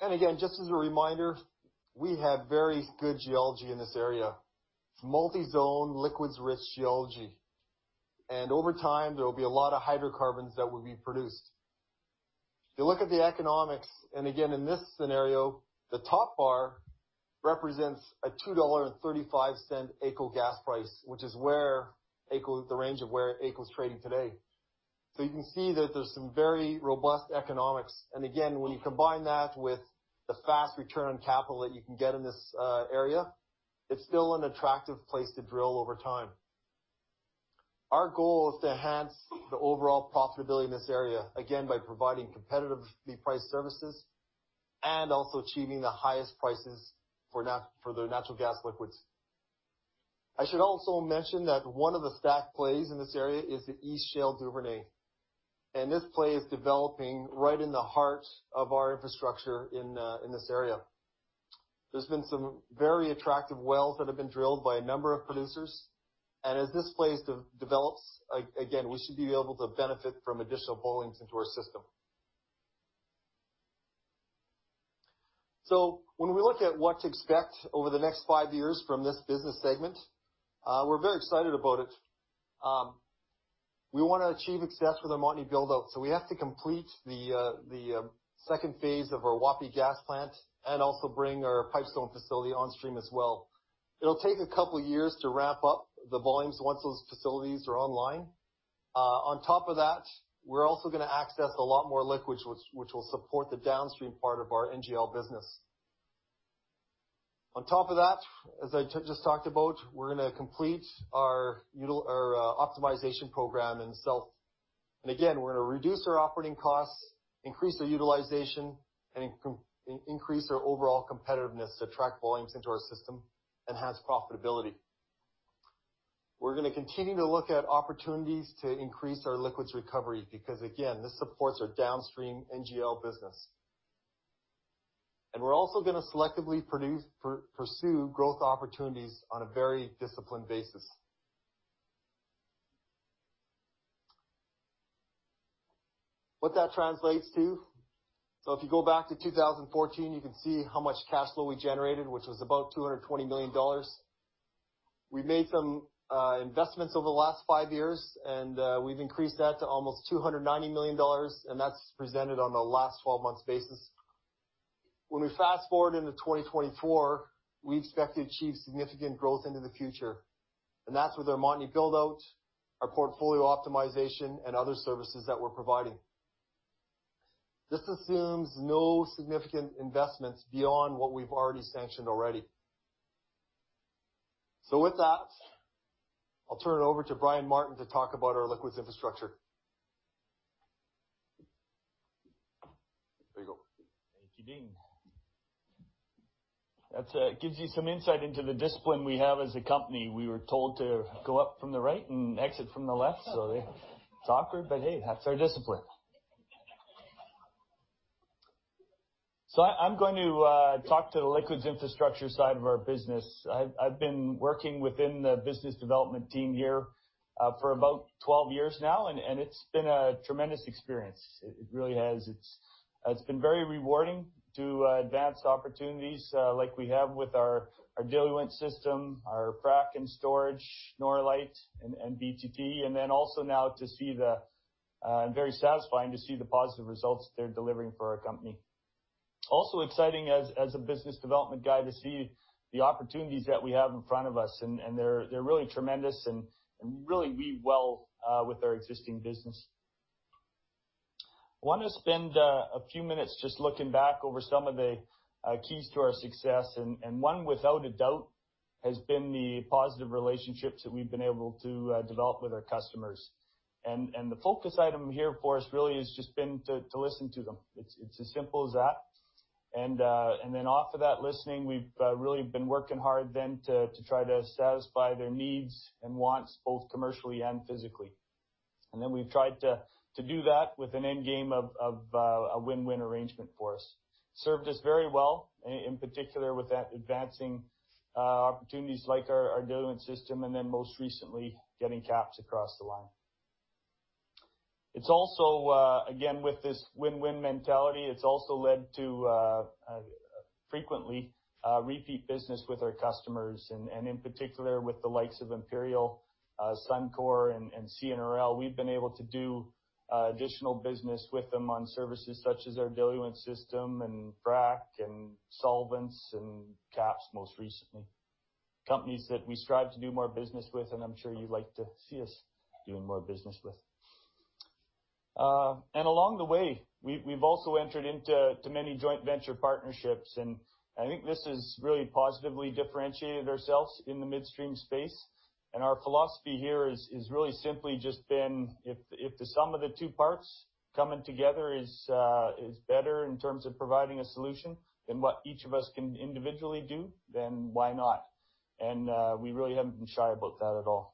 Again, just as a reminder, we have very good geology in this area. It's multi-zone, liquids risk geology. Over time, there will be a lot of hydrocarbons that will be produced. If you look at the economics, and again, in this scenario, the top bar represents a 2.35 dollar AECO gas price, which is the range of where AECO's trading today. You can see that there's some very robust economics. Again, when you combine that with the fast return on capital that you can get in this area, it's still an attractive place to drill over time. Our goal is to enhance the overall profitability in this area, again, by providing competitively priced services and also achieving the highest prices for the natural gas liquids. I should also mention that one of the stack plays in this area is the East Shale Duvernay, and this play is developing right in the heart of our infrastructure in this area. There's been some very attractive wells that have been drilled by a number of producers. As this plays develops, again, we should be able to benefit from additional volumes into our system. When we look at what to expect over the next five years from this business segment, we're very excited about it. We want to achieve success with our Montney build-out, so we have to complete the phase 2 of our Wapiti gas plant and also bring our Pipestone facility on stream as well. It'll take a couple of years to ramp up the volumes once those facilities are online. On top of that, we're also going to access a lot more liquids, which will support the downstream part of our NGL business. On top of that, as I just talked about, we're going to complete our optimization program in the south. Again, we're going to reduce our operating costs, increase our utilization, and increase our overall competitiveness to attract volumes into our system, enhance profitability. We're going to continue to look at opportunities to increase our liquids recovery because, again, this supports our downstream NGL business. We're also going to selectively pursue growth opportunities on a very disciplined basis. What that translates to, so if you go back to 2014, you can see how much cash flow we generated, which was about 220 million dollars. We made some investments over the last five years, and we've increased that to almost 290 million dollars, and that's presented on a last 12 months basis. When we fast-forward into 2024, we expect to achieve significant growth into the future, and that's with our Montney build-out, our portfolio optimization, and other services that we're providing. This assumes no significant investments beyond what we've already sanctioned already. With that, I'll turn it over to Brian Martin to talk about our liquids infrastructure. There you go.
Thank you, Dean. That gives you some insight into the discipline we have as a company. We were told to go up from the right and exit from the left, so it's awkward, but hey, that's our discipline. I'm going to talk to the liquids infrastructure side of our business. I've been working within the business development team here for about 12 years now, and it's been a tremendous experience. It really has. It's been very rewarding to advance opportunities like we have with our diluent system, our frac and storage, Norlite, and BTT, and then also now, and very satisfying to see the positive results they're delivering for our company. Also exciting as a business development guy, to see the opportunities that we have in front of us, and they're really tremendous and really weave well with our existing business. I want to spend a few minutes just looking back over some of the keys to our success. One, without a doubt, has been the positive relationships that we've been able to develop with our customers. The focus item here for us really has just been to listen to them. It's as simple as that. Off of that listening, we've really been working hard then to try to satisfy their needs and wants, both commercially and physically. We've tried to do that with an end game of a win-win arrangement for us. Served us very well, in particular with advancing opportunities like our diluent system and then most recently, getting KAPS across the line. Again, with this win-win mentality, it's also led to frequently repeat business with our customers and in particular with the likes of Imperial, Suncor, and CNRL. We've been able to do additional business with them on services such as our diluent system, frac, solvents, and KAPS, most recently. Companies that we strive to do more business with and I'm sure you'd like to see us doing more business with. Along the way, we've also entered into many joint venture partnerships, and I think this has really positively differentiated ourselves in the midstream space. Our philosophy here is really simply just been, if the sum of the two parts coming together is better in terms of providing a solution than what each of us can individually do, then why not? We really haven't been shy about that at all.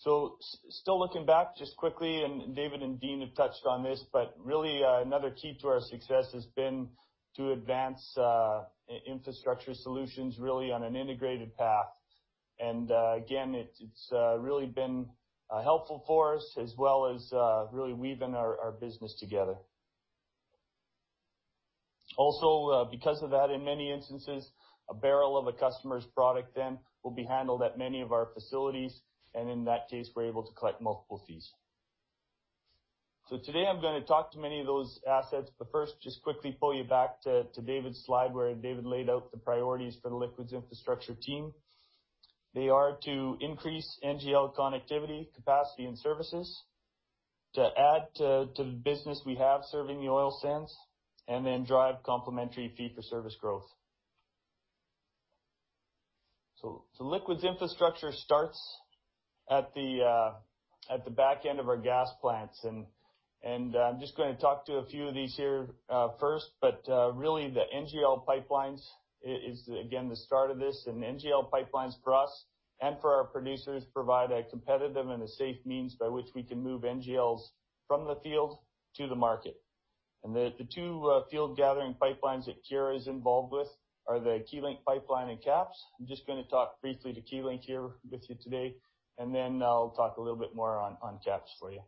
Still looking back just quickly, David and Dean have touched on this, really another key to our success has been to advance infrastructure solutions really on an integrated path. Again, it's really been helpful for us, as well as really weaving our business together. Because of that, in many instances, a barrel of a customer's product then will be handled at many of our facilities, and in that case, we're able to collect multiple fees. Today I'm going to talk to many of those assets. First, just quickly pull you back to David's slide where David laid out the priorities for the Liquids Infrastructure team. They are to increase NGL connectivity, capacity and services, to add to the business we have serving the oil sands, and then drive complementary fee-for-service growth. Liquids Infrastructure starts at the back end of our gas plants, and I'm just going to talk to a few of these here first. Really, the NGL pipelines is, again, the start of this. NGL pipelines for us and for our producers provide a competitive and a safe means by which we can move NGLs from the field to the market. The two field gathering pipelines that Keyera is involved with are the Keylink pipeline and KAPS. I'm just going to talk briefly to Keylink here with you today, and then I'll talk a little bit more on KAPS for you.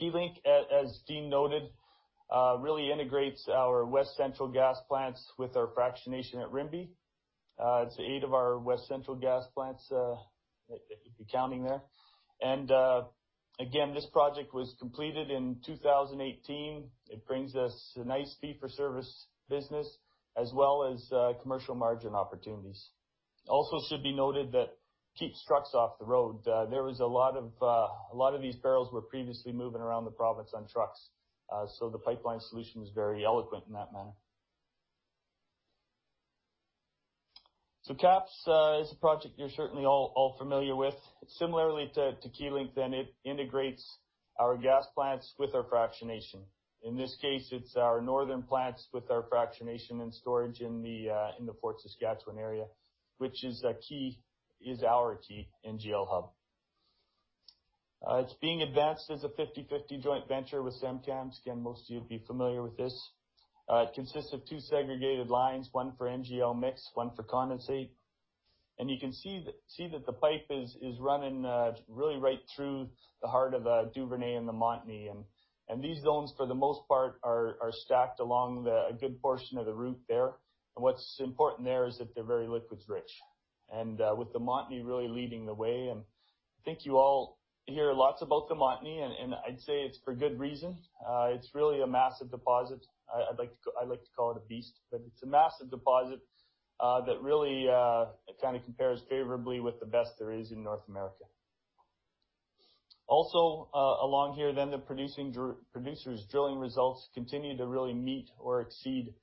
Keylink, as Dean noted, really integrates our West Central gas plants with our fractionation at Rimbey. It's eight of our West Central gas plants, if you're counting there. Again, this project was completed in 2018. It brings us a nice fee-for-service business as well as commercial margin opportunities. Also should be noted that it keeps trucks off the road. A lot of these barrels were previously moving around the province on trucks. The pipeline solution was very eloquent in that manner. KAPS is a project you're certainly all familiar with. Similarly to Keylink, it integrates our gas plants with our fractionation. In this case, it's our northern plants with our fractionation and storage in the Fort Saskatchewan area, which is our key NGL hub. It's being advanced as a 50/50 joint venture with SemCAMS. Again, most of you will be familiar with this. It consists of two segregated lines, one for NGL mix, one for condensate. You can see that the pipe is running really right through the heart of Duvernay and the Montney. These zones, for the most part, are stacked along a good portion of the route there. What's important there is that they're very liquids rich. With the Montney really leading the way, I think you all hear lots about the Montney, I'd say it's for good reason. It's really a massive deposit. I like to call it a beast, but it's a massive deposit that really kind of compares favorably with the best there is in North America. Also along here, the producers' drilling results continue to really meet or exceed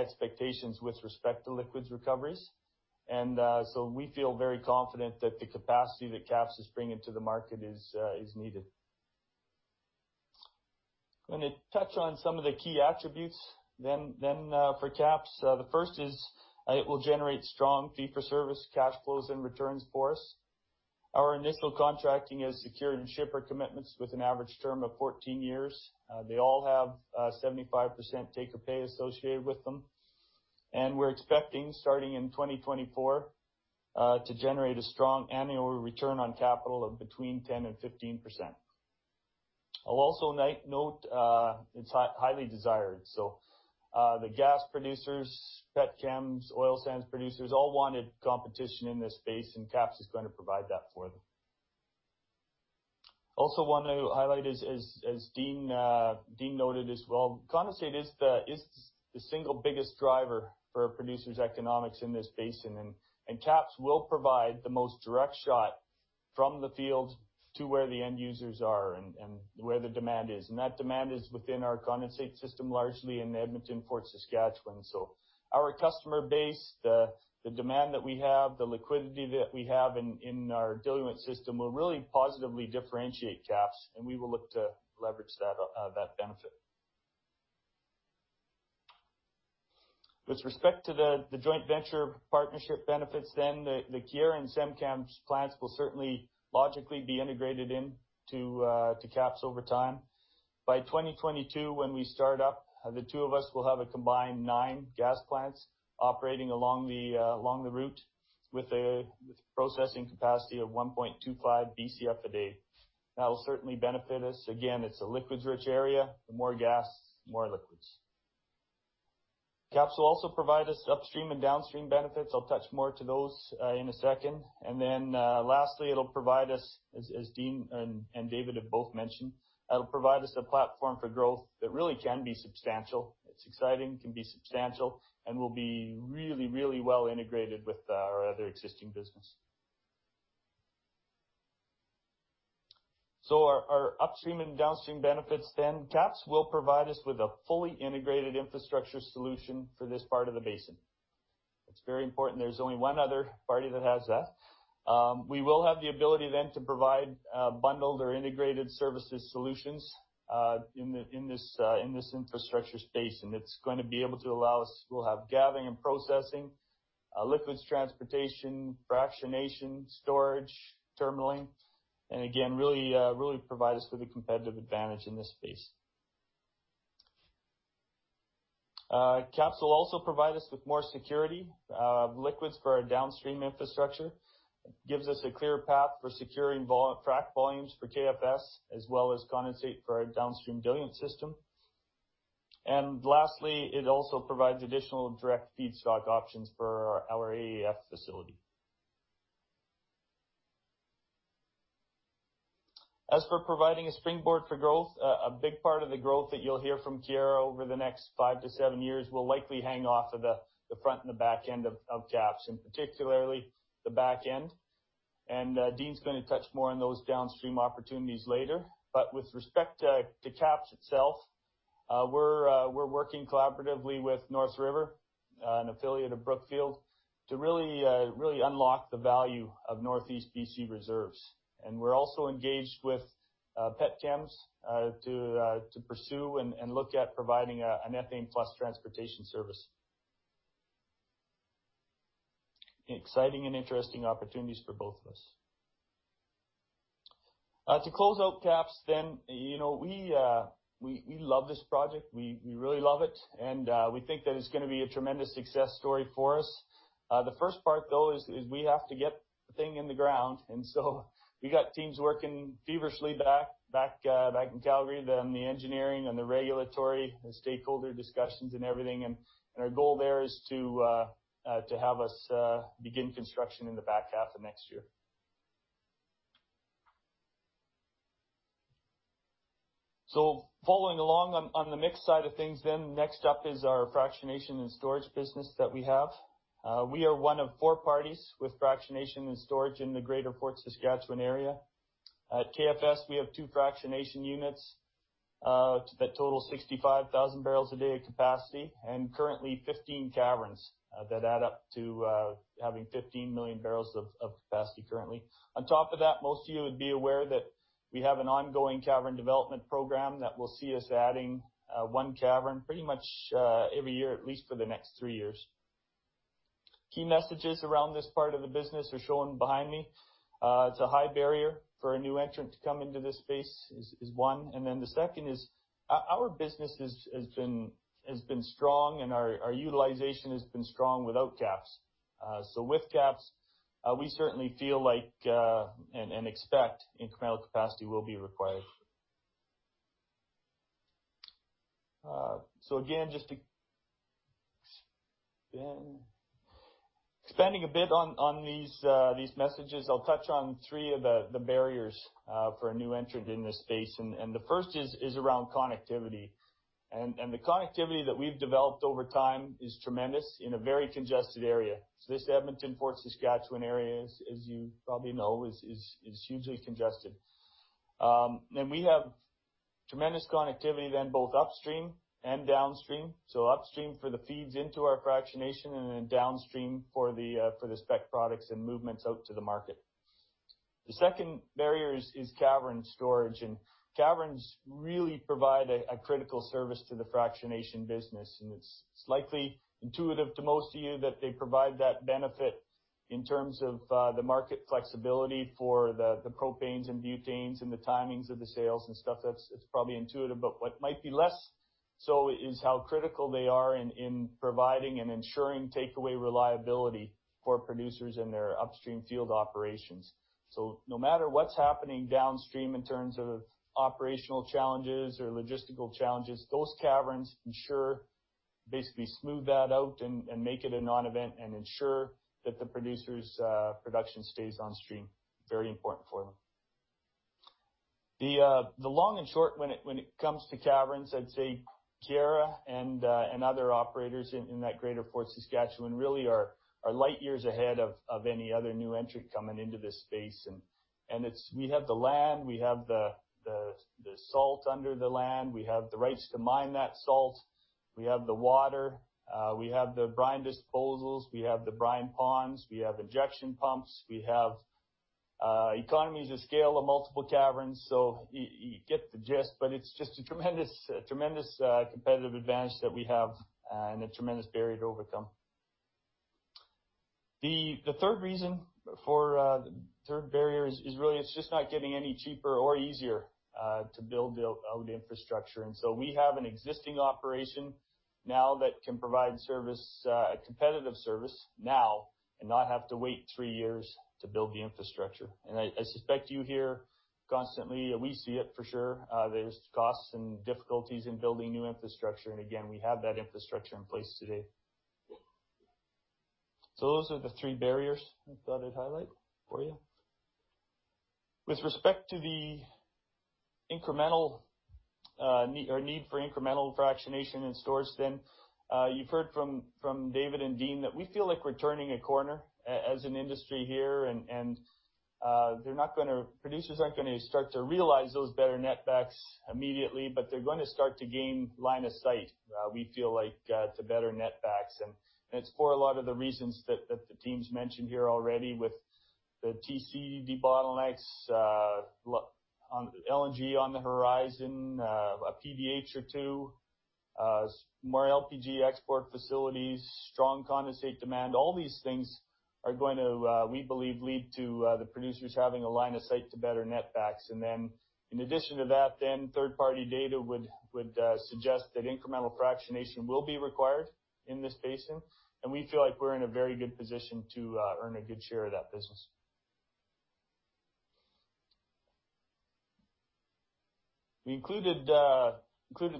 expectations with respect to liquids recoveries. We feel very confident that the capacity that KAPS is bringing to the market is needed. I'm going to touch on some of the key attributes for KAPS. The first is it will generate strong fee-for-service cash flows and returns for us. Our initial contracting has secured shipper commitments with an average term of 14 years. They all have 75% take-or-pay associated with them. We're expecting starting in 2024, to generate a strong annual return on capital of between 10% and 15%. I'll also note it's highly desired. The gas producers, petchems, oil sands producers, all wanted competition in this space, and KAPS is going to provide that for them. Also want to highlight as Dean noted as well, condensate is the single biggest driver for a producer's economics in this basin. KAPS will provide the most direct shot from the field to where the end users are and where the demand is. That demand is within our condensate system, largely in Edmonton, Fort Saskatchewan. Our customer base, the demand that we have, the liquidity that we have in our diluent system, will really positively differentiate KAPS, and we will look to leverage that benefit. With respect to the joint venture partnership benefits, the Keyera and Cenovus plants will certainly logically be integrated into KAPS over time. By 2022, when we start up, the two of us will have a combined nine gas plants operating along the route with a processing capacity of 1.25 Bcf a day. That will certainly benefit us. Again, it's a liquids-rich area, the more gas, the more liquids. KAPS will also provide us upstream and downstream benefits. I'll touch more to those in a second. Lastly, it'll provide us, as Dean and David have both mentioned, it'll provide us a platform for growth that really can be substantial. It's exciting, can be substantial, and will be really well integrated with our other existing business. Our upstream and downstream benefits, KAPS will provide us with a fully integrated infrastructure solution for this part of the basin. It's very important. There's only one other party that has that. We will have the ability to provide bundled or integrated services solutions in this infrastructure space. We'll have gathering and processing, liquids transportation, fractionation, storage, terminaling, and again, really provide us with a competitive advantage in this space. KAPS will also provide us with more security of liquids for our downstream infrastructure. Gives us a clear path for securing frack volumes for KFS as well as condensate for our downstream diluent system. Lastly, it also provides additional direct feedstock options for our AEF facility. As for providing a springboard for growth, a big part of the growth that you'll hear from Keyera over the next five to seven years will likely hang off of the front and the back end of KAPS, and particularly the back end. Dean's going to touch more on those downstream opportunities later. With respect to KAPS itself, we're working collaboratively with NorthRiver, an affiliate of Brookfield, to really unlock the value of Northeast B.C. reserves. We're also engaged with petchems to pursue and look at providing an ethane plus transportation service. Exciting and interesting opportunities for both of us. To close out KAPS, we love this project. We really love it. We think that it's going to be a tremendous success story for us. The first part, though, is we have to get the thing in the ground, we got teams working feverishly back in Calgary, the engineering and the regulatory and stakeholder discussions and everything. Our goal there is to have us begin construction in the back half of next year. Following along on the mix side of things, next up is our fractionation and storage business that we have. We are one of four parties with fractionation and storage in the greater Fort Saskatchewan area. At KFS, we have two fractionation units that total 65,000 barrels a day of capacity and currently 15 caverns that add up to having 15 million barrels of capacity currently. On top of that, most of you would be aware that we have an ongoing cavern development program that will see us adding one cavern pretty much every year, at least for the next three years. Key messages around this part of the business are shown behind me. It's a high barrier for a new entrant to come into this space is one, the second is, our business has been strong and our utilization has been strong without KAPS. With KAPS, we certainly feel like and expect incremental capacity will be required. Again, just expanding a bit on these messages, I'll touch on three of the barriers for a new entrant in this space. The first is around connectivity. The connectivity that we've developed over time is tremendous in a very congested area. This Edmonton, Fort Saskatchewan area, as you probably know, is hugely congested. We have tremendous connectivity then both upstream and downstream. Upstream for the feeds into our fractionation and then downstream for the spec products and movements out to the market. The second barrier is cavern storage. Caverns really provide a critical service to the fractionation business, and it's likely intuitive to most of you that they provide that benefit. In terms of the market flexibility for the propanes and butanes and the timings of the sales and stuff, that's probably intuitive, but what might be less so is how critical they are in providing and ensuring takeaway reliability for producers in their upstream field operations. No matter what's happening downstream in terms of operational challenges or logistical challenges, those caverns ensure, basically smooth that out and make it a non-event and ensure that the producer's production stays on stream. Very important for them. The long and short when it comes to caverns, I'd say Keyera and other operators in that greater Fort Saskatchewan really are light years ahead of any other new entrant coming into this space. We have the land, we have the salt under the land, we have the rights to mine that salt. We have the water. We have the brine disposals. We have the brine ponds. We have ejection pumps. We have economies of scale of multiple caverns. You get the gist, but it's just a tremendous competitive advantage that we have and a tremendous barrier to overcome. The third barrier is really it's just not getting any cheaper or easier to build out infrastructure. We have an existing operation now that can provide service, a competitive service now, and not have to wait three years to build the infrastructure. I suspect you hear constantly, and we see it for sure, there's costs and difficulties in building new infrastructure. Again, we have that infrastructure in place today. Those are the three barriers I thought I'd highlight for you. With respect to the need for incremental fractionation in storage, you've heard from David and Dean that we feel like we're turning a corner as an industry here, producers aren't going to start to realize those better net backs immediately, but they're going to start to gain line of sight, we feel like, to better net backs. It's for a lot of the reasons that the teams mentioned here already with the TC Energy bottlenecks, LNG on the horizon, a PDH or two, more LPG export facilities, strong condensate demand. All these things are going to, we believe lead to the producers having a line of sight to better net backs. In addition to that, third-party data would suggest that incremental fractionation will be required in this basin, and we feel like we're in a very good position to earn a good share of that business. We included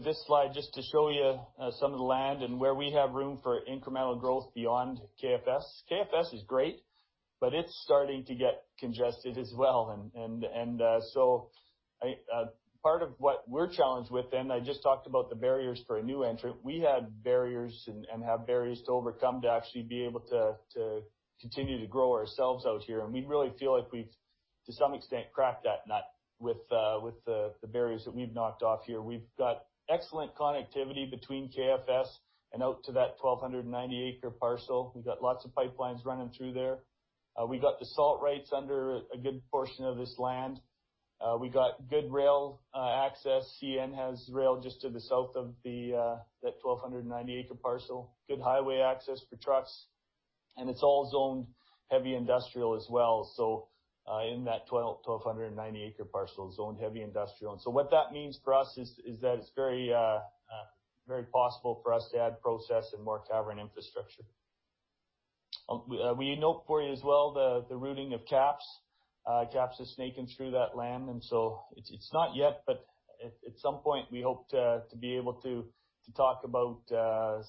this slide just to show you some of the land and where we have room for incremental growth beyond KFS. KFS is great, but it's starting to get congested as well. Part of what we're challenged with then, I just talked about the barriers for a new entrant. We had barriers and have barriers to overcome to actually be able to continue to grow ourselves out here. We really feel like we've, to some extent, cracked that nut with the barriers that we've knocked off here. We've got excellent connectivity between KFS and out to that 1,290-acre parcel. We've got lots of pipelines running through there. We got the salt rights under a good portion of this land. We got good rail access. CN has rail just to the south of that 1,290 acre parcel. Good highway access for trucks. It's all zoned heavy industrial as well. In that 1,290 acre parcel, zoned heavy industrial. What that means for us is that it's very possible for us to add process and more cavern infrastructure. We note for you as well the routing of KAPS. KAPS is snaking through that land, and so it's not yet, but at some point we hope to be able to talk about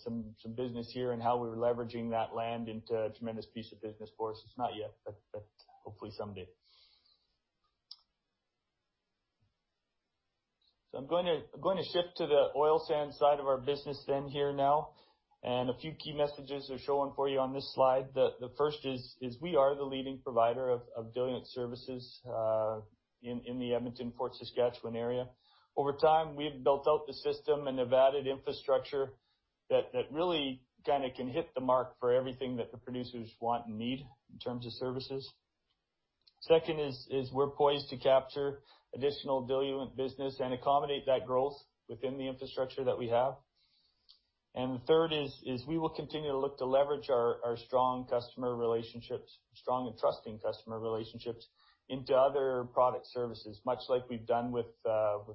some business here and how we're leveraging that land into a tremendous piece of business for us. It's not yet, but hopefully someday. I'm going to shift to the oil sands side of our business then here now, and a few key messages are shown for you on this slide. The first is we are the leading provider of diluent services in the Edmonton, Fort Saskatchewan area. Over time, we've built out the system and have added infrastructure that really kind of can hit the mark for everything that the producers want and need in terms of services. Second is we're poised to capture additional diluent business and accommodate that growth within the infrastructure that we have. The third is we will continue to look to leverage our strong customer relationships, strong and trusting customer relationships, into other product services, much like we've done with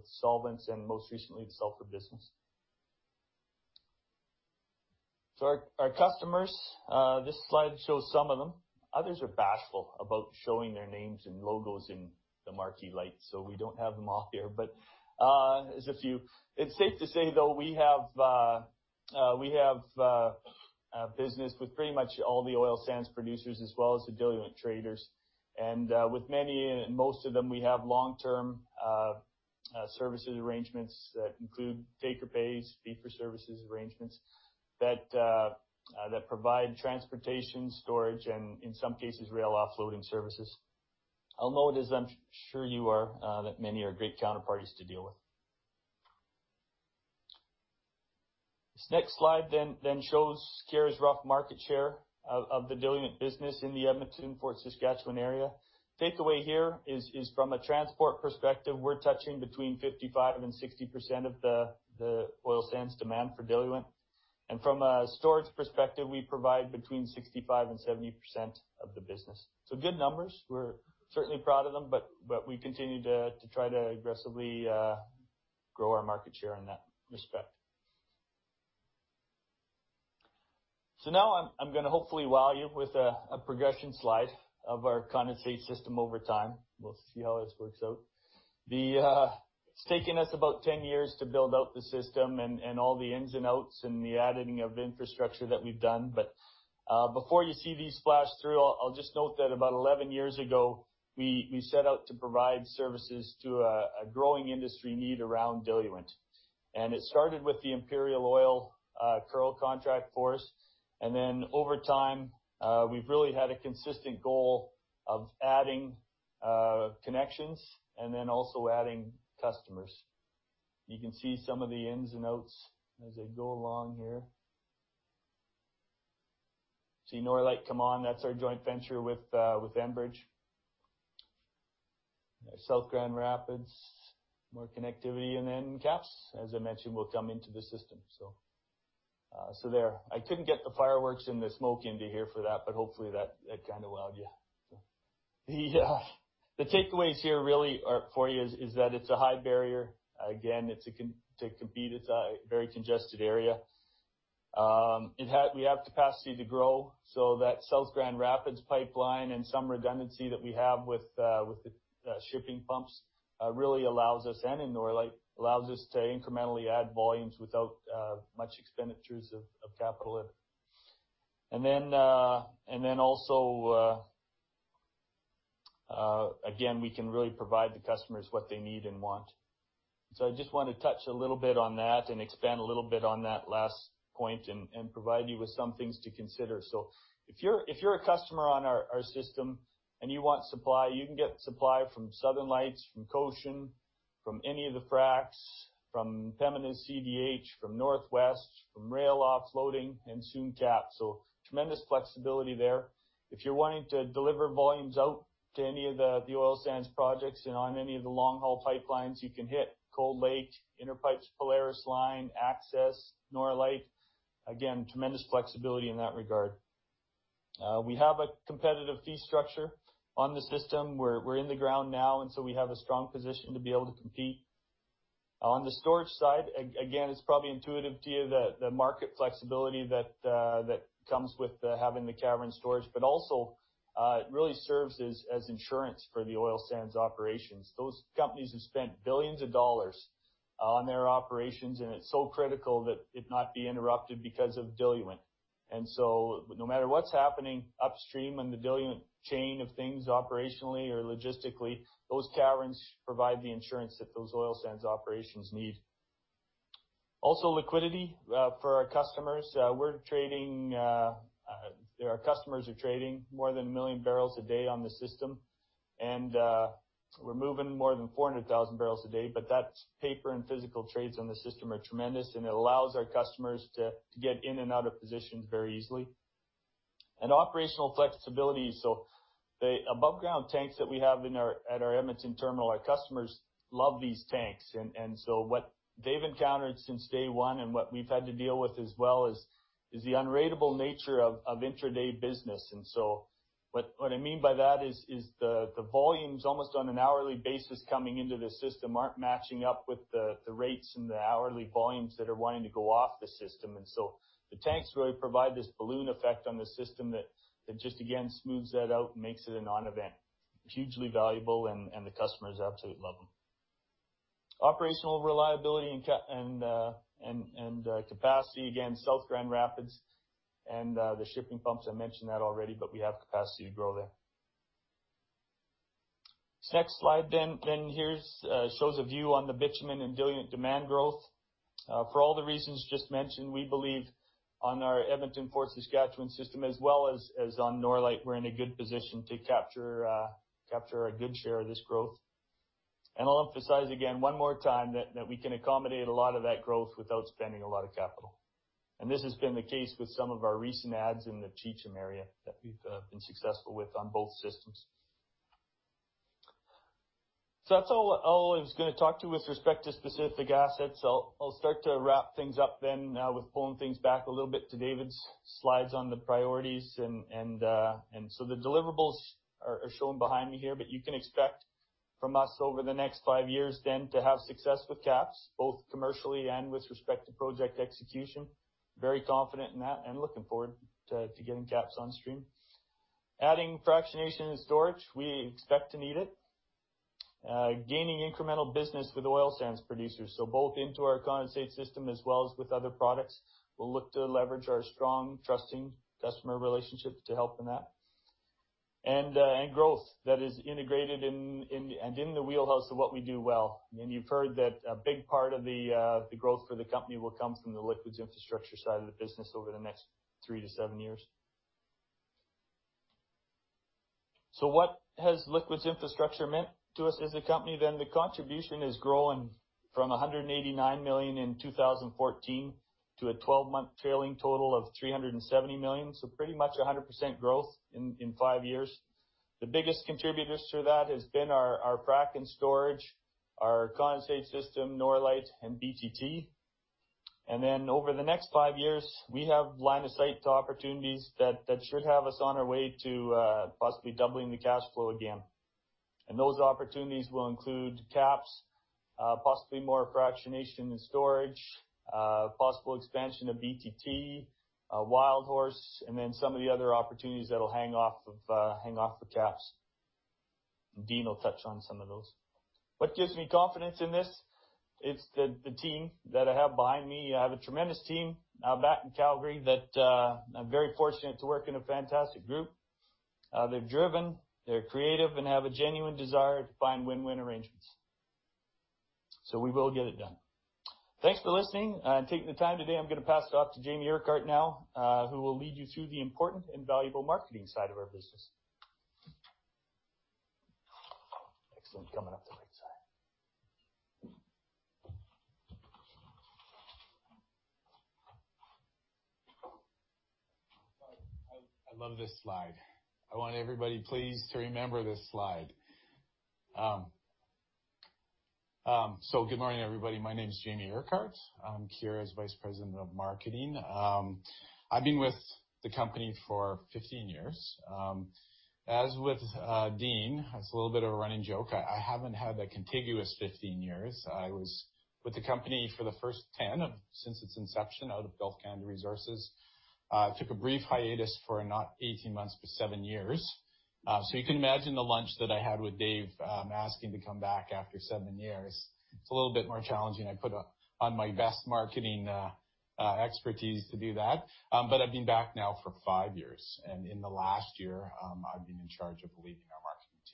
solvents and most recently, the sulfur business. Our customers, this slide shows some of them. Others are bashful about showing their names and logos in the marquee lights, so we don't have them all here, but here's a few. It's safe to say, though, we have business with pretty much all the oil sands producers as well as the diluent traders. With many and most of them, we have long-term services arrangements that include take or pay, fee for services arrangements that provide transportation, storage, and in some cases, rail offloading services. I'll note, as I'm sure you are, that many are great counterparties to deal with. This next slide then shows Keyera's rough market share of the diluent business in the Edmonton, Fort Saskatchewan area. Takeaway here is from a transport perspective, we're touching between 55% and 60% of the oil sands demand for diluent. From a storage perspective, we provide between 65% and 70% of the business. Good numbers. We're certainly proud of them, we continue to try to aggressively grow our market share in that respect. Now I'm going to hopefully wow you with a progression slide of our condensate system over time. We'll see how this works out. It's taken us about 10 years to build out the system and all the ins and outs and the adding of infrastructure that we've done. Before you see these flash through, I'll just note that about 11 years ago, we set out to provide services to a growing industry need around diluent. It started with the Imperial Oil's Kearl contract for us. Over time, we've really had a consistent goal of adding connections and then also adding customers. You can see some of the ins and outs as I go along here. See Norlite come on, that's our joint venture with Enbridge. South Grand Rapids, more connectivity. KAPS, as I mentioned, will come into the system. I couldn't get the fireworks and the smoke into here for that. Hopefully that kind of wowed you. The takeaways here really for you is that it's a high barrier. To compete, it's a very congested area. We have capacity to grow. That South Grand Rapids Pipeline and some redundancy that we have with the shipping pumps really allows us, and in Norlite, allows us to incrementally add volumes without much expenditures of capital. Again, we can really provide the customers what they need and want. I just want to touch a little bit on that and expand a little bit on that last point and provide you with some things to consider. If you're a customer on our system and you want supply, you can get supply from Southern Lights, from Cochin, from any of the fracs, from Pembina CDH, from Northwest, from rail offloading, and soon KAPS. Tremendous flexibility there. If you're wanting to deliver volumes out to any of the oil sands projects and on any of the long-haul pipelines, you can hit Cold Lake, Inter Pipeline's Polaris Pipeline, Access Pipeline, Norlite Pipeline. Again, tremendous flexibility in that regard. We have a competitive fee structure on the system. We're in the ground now, and so we have a strong position to be able to compete. On the storage side, again, it's probably intuitive to you that the market flexibility that comes with having the cavern storage, but also, it really serves as insurance for the oil sands operations. Those companies have spent billions dollars on their operations, it's so critical that it not be interrupted because of diluent. No matter what's happening upstream in the diluent chain of things, operationally or logistically, those caverns provide the insurance that those oil sands operations need. Also, liquidity for our customers. Our customers are trading more than 1 million barrels a day on the system, we're moving more than 400,000 barrels a day, that's paper and physical trades on the system are tremendous, it allows our customers to get in and out of positions very easily. Operational flexibility. The above-ground tanks that we have at our Edmonton Terminal, our customers love these tanks. What they've encountered since day one and what we've had to deal with as well is the unratable nature of intra-day business. What I mean by that is, the volumes almost on an hourly basis coming into the system aren't matching up with the rates and the hourly volumes that are wanting to go off the system. The tanks really provide this balloon effect on the system that just, again, smooths that out and makes it a non-event. Hugely valuable, the customers absolutely love them. Operational reliability and capacity. Again, South Grand Rapids and the shipping pumps, I mentioned that already, but we have capacity to grow there. This next slide shows a view on the bitumen and diluent demand growth. For all the reasons just mentioned, we believe on our Edmonton Fort Saskatchewan system as well as on Norlite, we're in a good position to capture a good share of this growth. I'll emphasize again one more time that we can accommodate a lot of that growth without spending a lot of capital. This has been the case with some of our recent adds in the Cheecham area that we've been successful with on both systems. That's all I was going to talk to with respect to specific assets. I'll start to wrap things up then now with pulling things back a little bit to David's slides on the priorities. The deliverables are shown behind me here, but you can expect from us over the next five years then to have success with KAPS, both commercially and with respect to project execution. Very confident in that and looking forward to getting KAPS on stream. Adding fractionation and storage, we expect to need it. Gaining incremental business with oil sands producers, both into our condensate system as well as with other products. We'll look to leverage our strong, trusting customer relationships to help in that. Growth that is integrated and in the wheelhouse of what we do well. You've heard that a big part of the growth for the company will come from the liquids infrastructure side of the business over the next three to seven years. What has liquids infrastructure meant to us as a company then? The contribution is growing from 189 million in 2014 to a 12-month trailing total of 370 million. Pretty much 100% growth in five years. The biggest contributors to that has been our frac and storage. Our condensate system, Norlite and BTT. Over the next five years, we have line of sight to opportunities that should have us on our way to possibly doubling the cash flow again. Those opportunities will include KAPS, possibly more fractionation and storage, possible expansion of BTT, Wildhorse, and some of the other opportunities that'll hang off of KAPS. Dean will touch on some of those. What gives me confidence in this, it's the team that I have behind me. I have a tremendous team back in Calgary that I'm very fortunate to work in a fantastic group. They're driven, they're creative, and have a genuine desire to find win-win arrangements. We will get it done. Thanks for listening and taking the time today. I'm going to pass it off to Jamie Urquhart now, who will lead you through the important and valuable marketing side of our business.
Excellent. Coming up to the right side. I love this slide. I want everybody please to remember this slide. Good morning, everybody. My name's Jamie Urquhart. I'm Keyera's Vice President of Marketing. I've been with the company for 15 years. As with Dean, it's a little bit of a running joke, I haven't had a contiguous 15 years. I was with the company for the first 10, since its inception, out of Gulf Canada Resources. Took a brief hiatus for not 18 months, but seven years. You can imagine the lunch that I had with Dave, asking to come back after seven years. It's a little bit more challenging. I put on my best marketing expertise to do that. I've been back now for five years, and in the last year, I've been in charge of leading our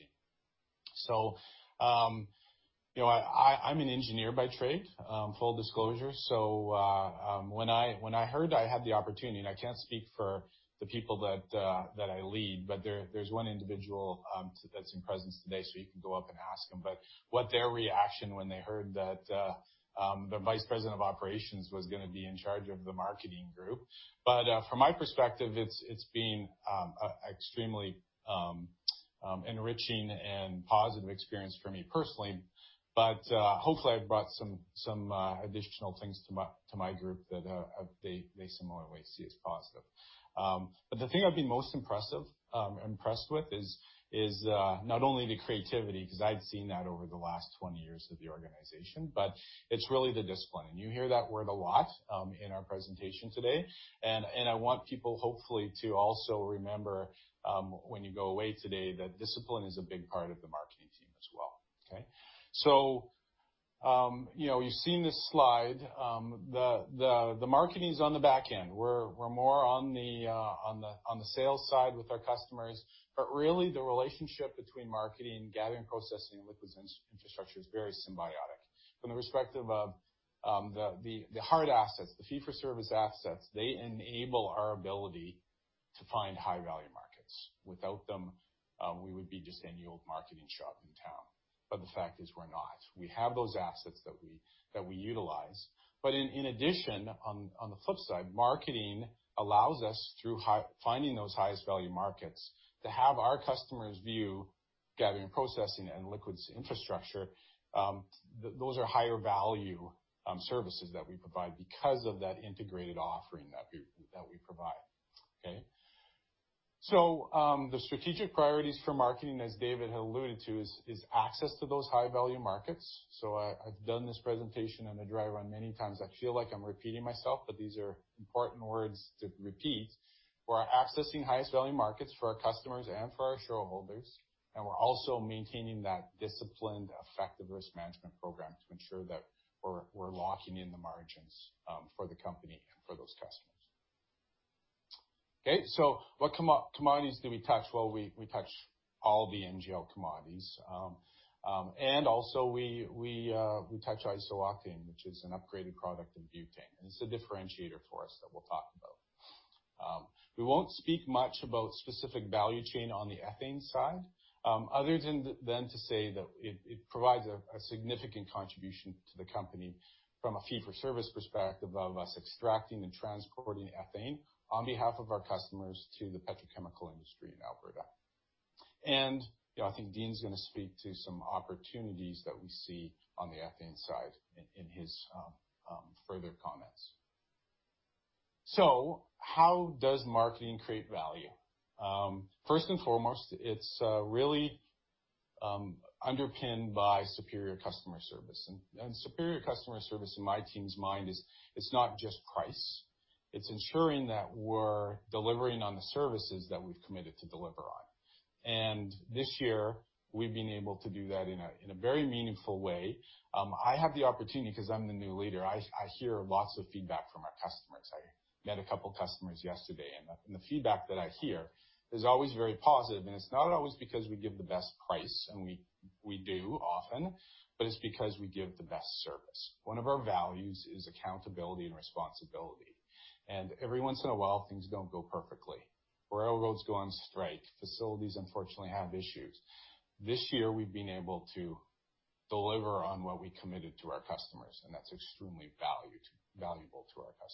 marketing team. I'm an engineer by trade, full disclosure. When I heard I had the opportunity, and I can't speak for the people that I lead, but there's one individual that's in presence today, so you can go up and ask him, but what their reaction when they heard that the Vice President of Operations was going to be in charge of the marketing group. From my perspective, it's been extremely enriching and positive experience for me personally. Hopefully I've brought some additional things to my group that they similarly see as positive. The thing I've been most impressed with is not only the creativity, because I've seen that over the last 20 years of the organization, but it's really the discipline. You hear that word a lot in our presentation today. I want people hopefully to also remember, when you go away today, that discipline is a big part of the Marketing team as well. Okay? So, you've seen this slide. The Marketing's on the back end. We're more on the sales side with our customers. But really the relationship between Marketing, Gathering, Processing, and Liquids Infrastructure is very symbiotic. From the perspective of the hard assets, the fee-for-service assets, they enable our ability to find high-value markets. Without them, we would be just any old marketing shop in town. But the fact is we're not. We have those assets that we utilize. But in addition, on the flip side, Marketing allows us through finding those highest value markets to have our customers view Gathering, Processing, and Liquids Infrastructure. Those are higher value services that we provide because of that integrated offering that we provide. Okay? The strategic priorities for marketing, as David had alluded to, is access to those high-value markets. I've done this presentation on a dry run many times. I feel like I'm repeating myself, but these are important words to repeat. We're accessing highest value markets for our customers and for our shareholders, and we're also maintaining that disciplined, effective risk management program to ensure that we're locking in the margins for the company and for those customers. What commodities do we touch? We touch all the NGL commodities. Also we touch iso-octane, which is an upgraded product of butane, and it's a differentiator for us that we'll talk about. We won't speak much about specific value chain on the ethane side, other than to say that it provides a significant contribution to the company from a fee-for-service perspective of us extracting and transporting ethane on behalf of our customers to the petrochemical industry in Alberta. I think Dean's going to speak to some opportunities that we see on the ethane side in his further comments. How does marketing create value? First and foremost, it's really underpinned by superior customer service. Superior customer service in my team's mind is, it's not just price. It's ensuring that we're delivering on the services that we've committed to deliver on. This year, we've been able to do that in a very meaningful way. I have the opportunity because I'm the new leader, I hear lots of feedback from our customers. I met a couple customers yesterday, and the feedback that I hear is always very positive, and it's not always because we give the best price, and we do often, but it's because we give the best service. One of our values is accountability and responsibility. Every once in a while, things don't go perfectly. Railroads go on strike. Facilities unfortunately have issues. This year, we've been able to deliver on what we committed to our customers, and that's extremely valuable to our customer.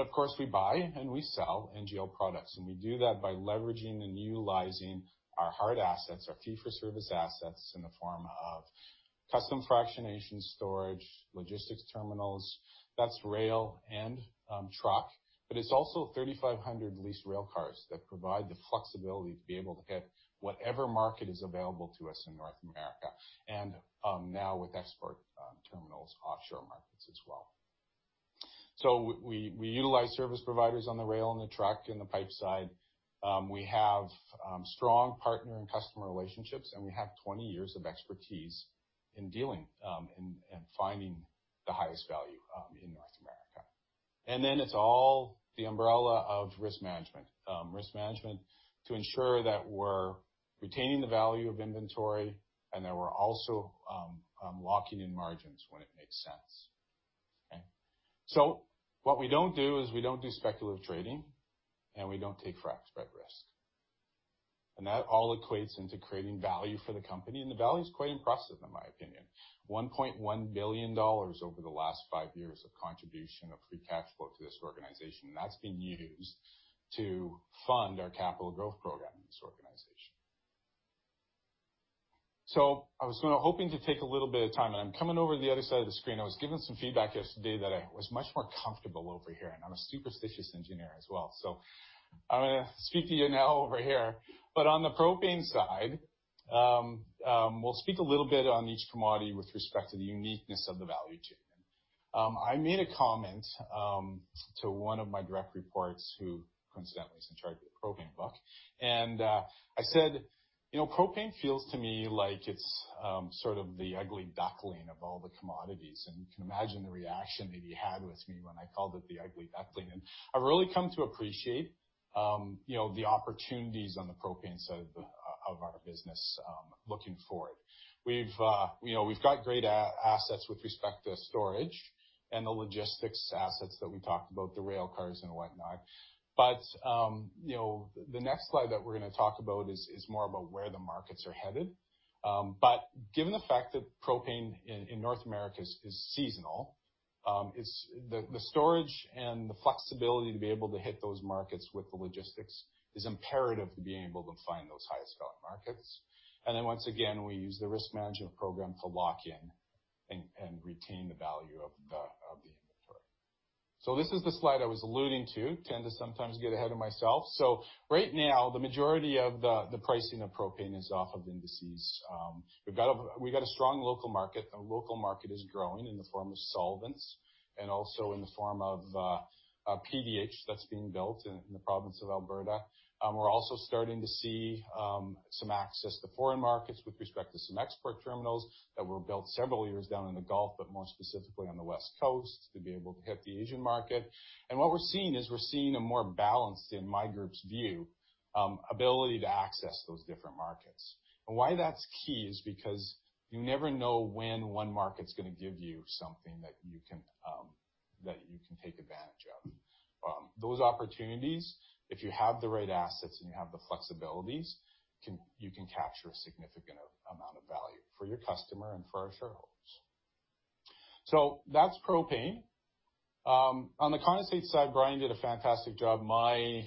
Of course we buy and we sell NGL products, and we do that by leveraging and utilizing our hard assets, our fee-for-service assets in the form of custom fractionation storage, logistics terminals, that's rail and truck, but it's also 3,500 leased rail cars that provide the flexibility to be able to hit whatever market is available to us in North America, and now with export terminals, offshore markets as well. We utilize service providers on the rail and the truck and the pipe side. We have strong partner and customer relationships, and we have 20 years of expertise in dealing and finding the highest value in North America. It's all the umbrella of risk management. Risk management to ensure that we're retaining the value of inventory and that we're also locking in margins when it makes sense. Okay. What we don't do is we don't do speculative trading, and we don't take frac spread risk. That all equates into creating value for the company, and the value is quite impressive in my opinion. 1.1 billion dollars over the last five years of contribution of free cash flow to this organization. That's been used to fund our capital growth program in this organization. I was hoping to take a little bit of time, and I'm coming over to the other side of the screen. I was given some feedback yesterday that I was much more comfortable over here, and I'm a superstitious engineer as well. I'm going to speak to you now over here, but on the propane side, we'll speak a little bit on each commodity with respect to the uniqueness of the value chain. I made a comment to one of my direct reports who coincidentally is in charge of the propane book. I said, "propane feels to me like it's sort of the ugly duckling of all the commodities." You can imagine the reaction that he had with me when I called it the ugly duckling. I've really come to appreciate the opportunities on the propane side of our business, looking forward. We've got great assets with respect to storage and the logistics assets that we talked about, the rail cars and whatnot. The next slide that we're going to talk about is more about where the markets are headed. Given the fact that propane in North America is seasonal, the storage and the flexibility to be able to hit those markets with the logistics is imperative to being able to find those highest value markets. Once again, we use the risk management program to lock in and retain the value of the inventory. This is the slide I was alluding to. Tend to sometimes get ahead of myself. Right now, the majority of the pricing of propane is off of indices. We've got a strong local market. The local market is growing in the form of solvents and also in the form of PDH that's being built in the province of Alberta. We're also starting to see some access to foreign markets with respect to some export terminals that were built several years down in the Gulf, but more specifically on the West Coast to be able to hit the Asian market. What we're seeing is we're seeing a more balanced, in my group's view, ability to access those different markets. Why that's key is because you never know when one market's going to give you something that you can take advantage of. Those opportunities, if you have the right assets and you have the flexibilities, you can capture a significant amount of value for your customer and for our shareholders. That's propane. On the condensate side, Brian did a fantastic job. My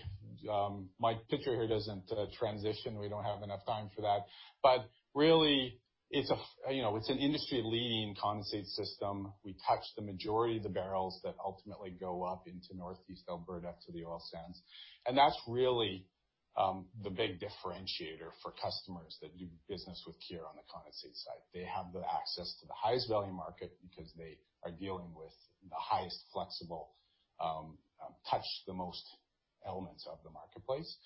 picture here doesn't transition. We don't have enough time for that. Really, it's an industry-leading condensate system. We touch the majority of the barrels that ultimately go up into Northeast Alberta to the oil sands. That's really the big differentiator for customers that do business with Keyera on the condensate side. They have the access to the highest value market because they are dealing with the highest flexible, touch the most elements of the marketplace.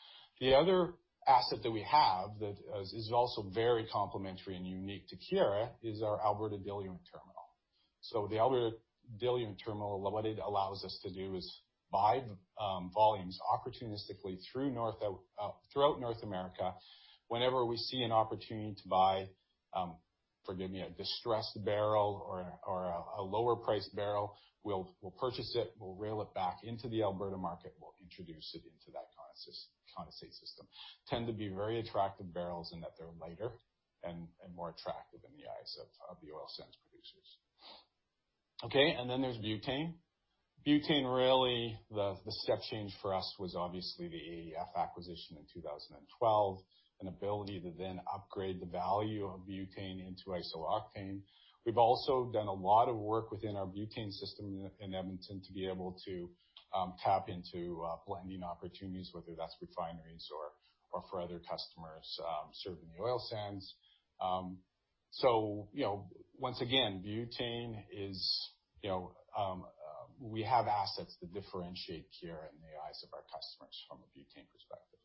The other asset that we have that is also very complementary and unique to Keyera is our Alberta diluent terminal. The Alberta diluent terminal, what it allows us to do is buy volumes opportunistically throughout North America. Whenever we see an opportunity to buy, forgive me, a distressed barrel or a lower-priced barrel, we'll purchase it, we'll rail it back into the Alberta market, we'll introduce it into that condensate system. Tend to be very attractive barrels in that they're lighter and more attractive in the eyes of the oil sands producers. Okay, there's butane. Butane, really, the step change for us was obviously the AEF acquisition in 2012, an ability to then upgrade the value of butane into iso-octane. We've also done a lot of work within our butane system in Edmonton to be able to tap into blending opportunities, whether that's refineries or for other customers serving the oil sands. Once again, we have assets that differentiate Keyera in the eyes of our customers from a butane perspective.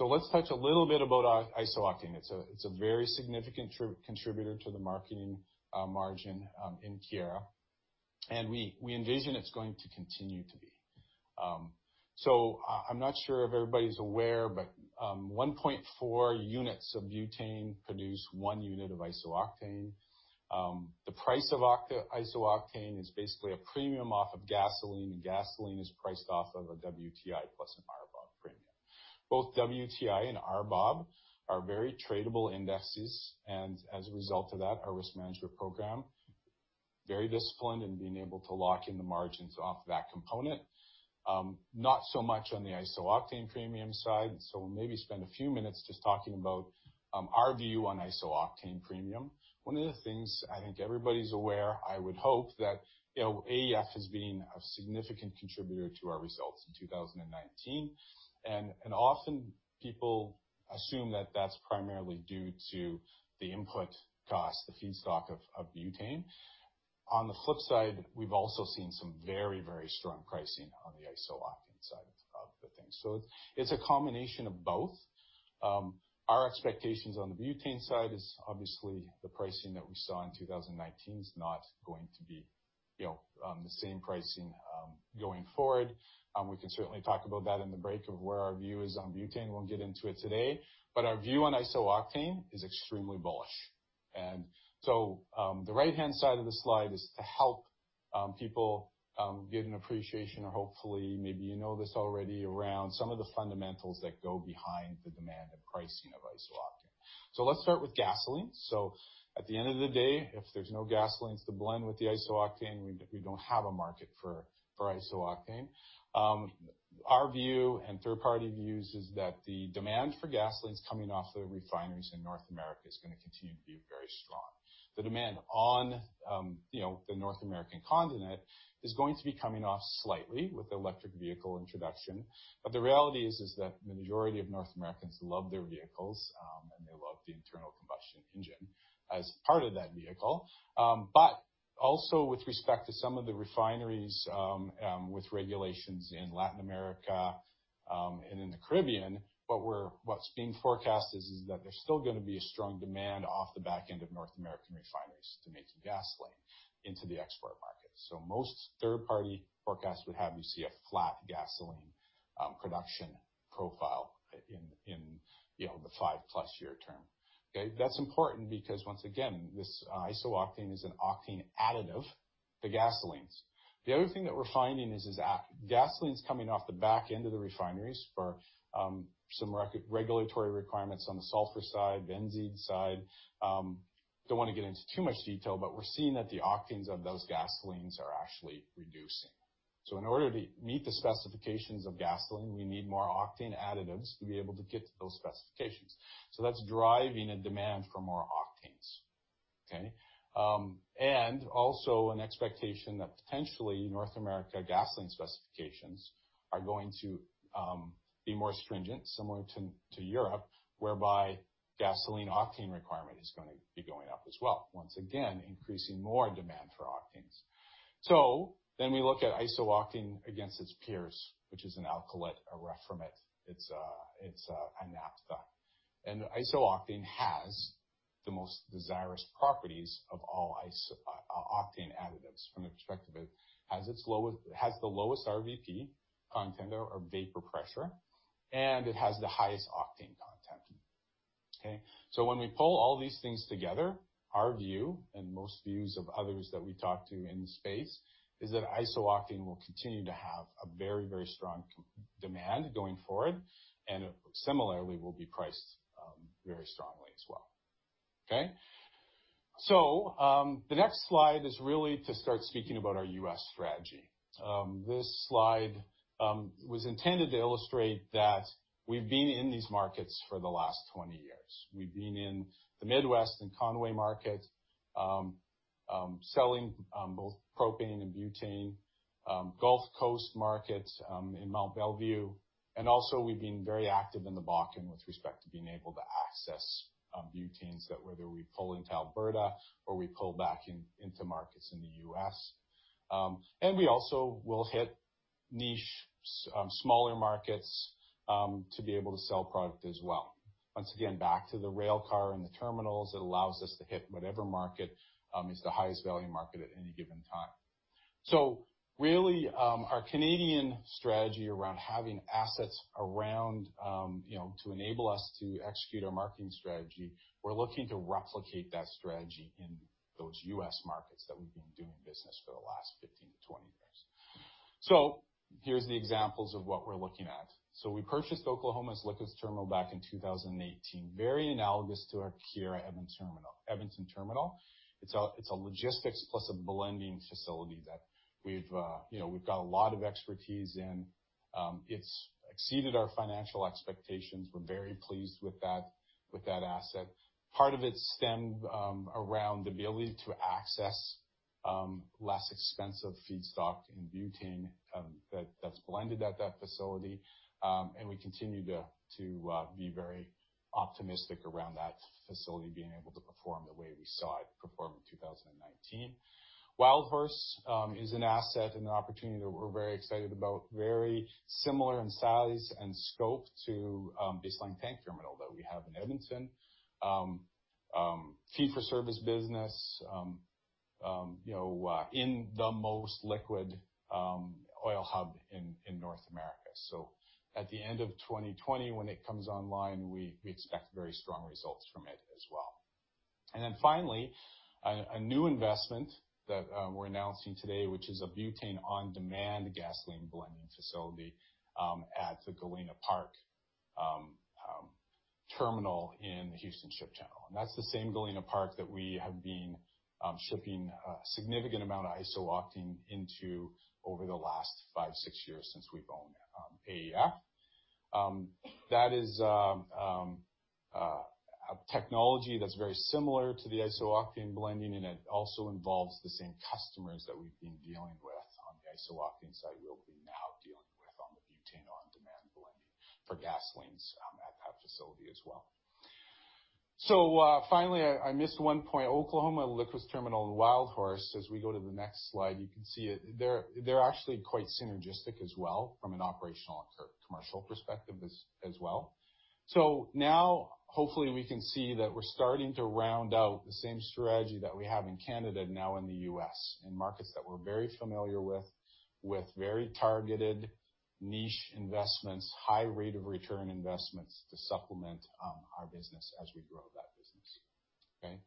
Let's touch a little bit about iso-octane. It's a very significant contributor to the marketing margin in Keyera. We envision it's going to continue to be. I'm not sure if everybody's aware, but 1.4 units of butane produce one unit of iso-octane. The price of iso-octane is basically a premium off of gasoline. Gasoline is priced off of a WTI plus an RBOB premium. Both WTI and RBOB are very tradable indexes. As a result of that, our risk management program, very disciplined in being able to lock in the margins off that component. Not so much on the iso-octane premium side. We'll maybe spend a few minutes just talking about our view on iso-octane premium. One of the things I think everybody's aware, I would hope, that AEF has been a significant contributor to our results in 2019. Often people assume that that's primarily due to the input cost, the feedstock of butane. On the flip side, we've also seen some very strong pricing on the iso-octane side of the thing. It's a combination of both. Our expectations on the butane side is obviously the pricing that we saw in 2019 is not going to be the same pricing going forward. We can certainly talk about that in the break of where our view is on butane. Our view on iso-octane is extremely bullish. The right-hand side of the slide is to help people get an appreciation or hopefully maybe you know this already around some of the fundamentals that go behind the demand and pricing of iso-octane. Let's start with gasoline. At the end of the day, if there's no gasolines to blend with the iso-octane, we don't have a market for iso-octane. Our view and third-party views is that the demand for gasolines coming off the refineries in North America is going to continue to be very strong. The demand on the North American continent is going to be coming off slightly with the electric vehicle introduction. The reality is that the majority of North Americans love their vehicles, and they love the internal combustion engine as part of that vehicle. Also with respect to some of the refineries, with regulations in Latin America, and in the Caribbean, what's being forecasted is that there's still going to be a strong demand off the back end of North American refineries to make gasoline into the export market. Most third-party forecasts would have you see a flat gasoline production profile in the 5-plus year term. Okay? That's important because once again, this iso-octane is an octane additive to gasolines. The other thing that we're finding is that gasoline's coming off the back end of the refineries for some regulatory requirements on the sulfur side, benzene side. Don't want to get into too much detail, but we're seeing that the octanes of those gasolines are actually reducing. In order to meet the specifications of gasoline, we need more octane additives to be able to get to those specifications. That's driving a demand for more octanes. Okay. Also an expectation that potentially North America gasoline specifications are going to be more stringent, similar to Europe, whereby gasoline octane requirement is going to be going up as well, once again, increasing more demand for octanes. Then we look at iso-octane against its peers, which is an alkylate, a reformate. It's a naphtha. Iso-octane has the most desirous properties of all octane additives from the perspective of, has the lowest RVP content or vapor pressure, and it has the highest octane content. Okay. When we pull all these things together, our view and most views of others that we talk to in the space is that iso-octane will continue to have a very strong demand going forward and similarly will be priced very strongly as well. Okay? The next slide is really to start speaking about our U.S. strategy. This slide was intended to illustrate that we've been in these markets for the last 20 years. We've been in the Midwest and Conway market, selling both propane and butane, Gulf Coast market, in Mont Belvieu. Also we've been very active in the Bakken with respect to being able to access butanes that whether we pull into Alberta or we pull back into markets in the U.S. We also will hit niche, smaller markets, to be able to sell product as well. Once again, back to the railcar and the terminals, it allows us to hit whatever market, is the highest value market at any given time. Really, our Canadian strategy around having assets around to enable us to execute our marketing strategy, we're looking to replicate that strategy in those U.S. markets that we've been doing business for the last 15 to 20 years. Here's the examples of what we're looking at. We purchased Oklahoma Liquids Terminal back in 2018, very analogous to our Keyera Edmonton Terminal. It's a logistics plus a blending facility that we've got a lot of expertise in. It's exceeded our financial expectations. We're very pleased with that asset. Part of it stemmed around the ability to access less expensive feedstock in butane, that's blended at that facility. We continue to be very optimistic around that facility being able to perform the way we saw it perform in 2019. Wildhorse is an asset and an opportunity that we're very excited about, very similar in size and scope to Baseline Terminal that we have in Edmonton. Fee-for-service business in the most liquid oil hub in North America. At the end of 2020, when it comes online, we expect very strong results from it as well. Finally, a new investment that we're announcing today, which is a butane on-demand gasoline blending facility at the Galena Park terminal in the Houston Ship Channel. That's the same Galena Park that we have been shipping a significant amount of iso-octane into over the last five, six years since we've owned AEF. That is a technology that's very similar to the iso-octane blending, and it also involves the same customers that we've been dealing with on the iso-octane side. We'll be now dealing with on the butane on-demand blending for gasolines at that facility as well. Finally, I missed one point. Oklahoma liquids terminal and Wildhorse, as we go to the next slide, you can see they're actually quite synergistic as well from an operational and commercial perspective as well. Now, hopefully, we can see that we're starting to round out the same strategy that we have in Canada now in the U.S., in markets that we're very familiar with very targeted niche investments, high rate of return investments to supplement our business as we grow that business. Okay?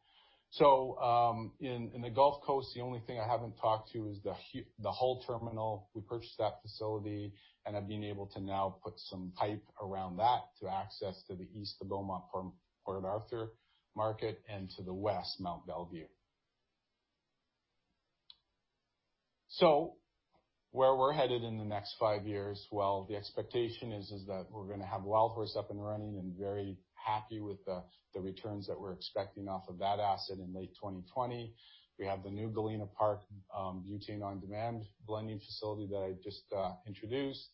In the Gulf Coast, the only thing I haven't talked to is the Hull terminal. We purchased that facility. I've been able to now put some pipe around that to access to the east of Beaumont Port Arthur market, and to the west, Mont Belvieu. Where we're headed in the next five years. The expectation is that we're going to have Wildhorse up and running and very happy with the returns that we're expecting off of that asset in late 2020. We have the new Galena Park butane on-demand blending facility that I just introduced.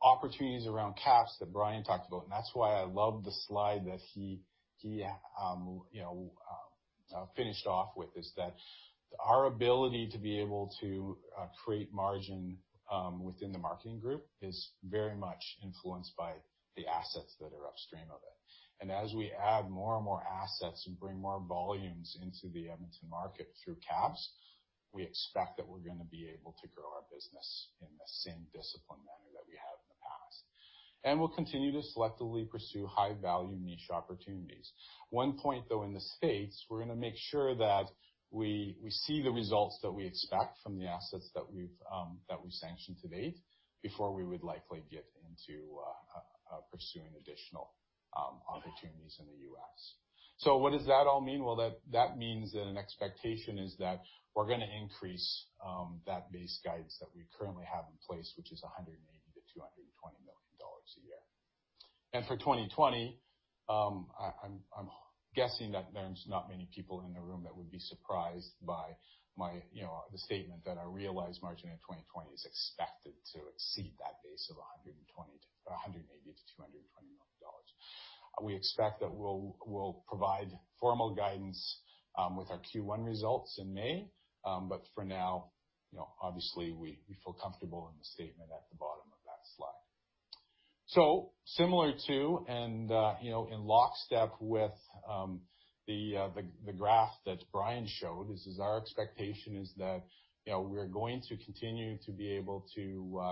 Opportunities around KAPS that Brian talked about, and that's why I love the slide that he finished off with, is that our ability to be able to create margin within the marketing group is very much influenced by the assets that are upstream of it. As we add more and more assets and bring more volumes into the Edmonton market through KAPS, we expect that we're going to be able to grow our business in the same disciplined manner that we have in the past. We'll continue to selectively pursue high-value niche opportunities. One point, though, in the U.S., we're going to make sure that we see the results that we expect from the assets that we've sanctioned to date before we would likely get into pursuing additional opportunities in the U.S. What does that all mean? Well, that means that an expectation is that we're going to increase that base guidance that we currently have in place, which is 180 million to 220 million dollars a year. For 2020, I'm guessing that there's not many people in the room that would be surprised by the statement that our realized margin in 2020 is expected to exceed that base of 180 million-220 million dollars. We expect that we'll provide formal guidance with our Q1 results in May. For now, obviously, we feel comfortable in the statement at the bottom of that slide. Similar to, and in lockstep with the graph that Brian showed, is our expectation is that we're going to continue to be able to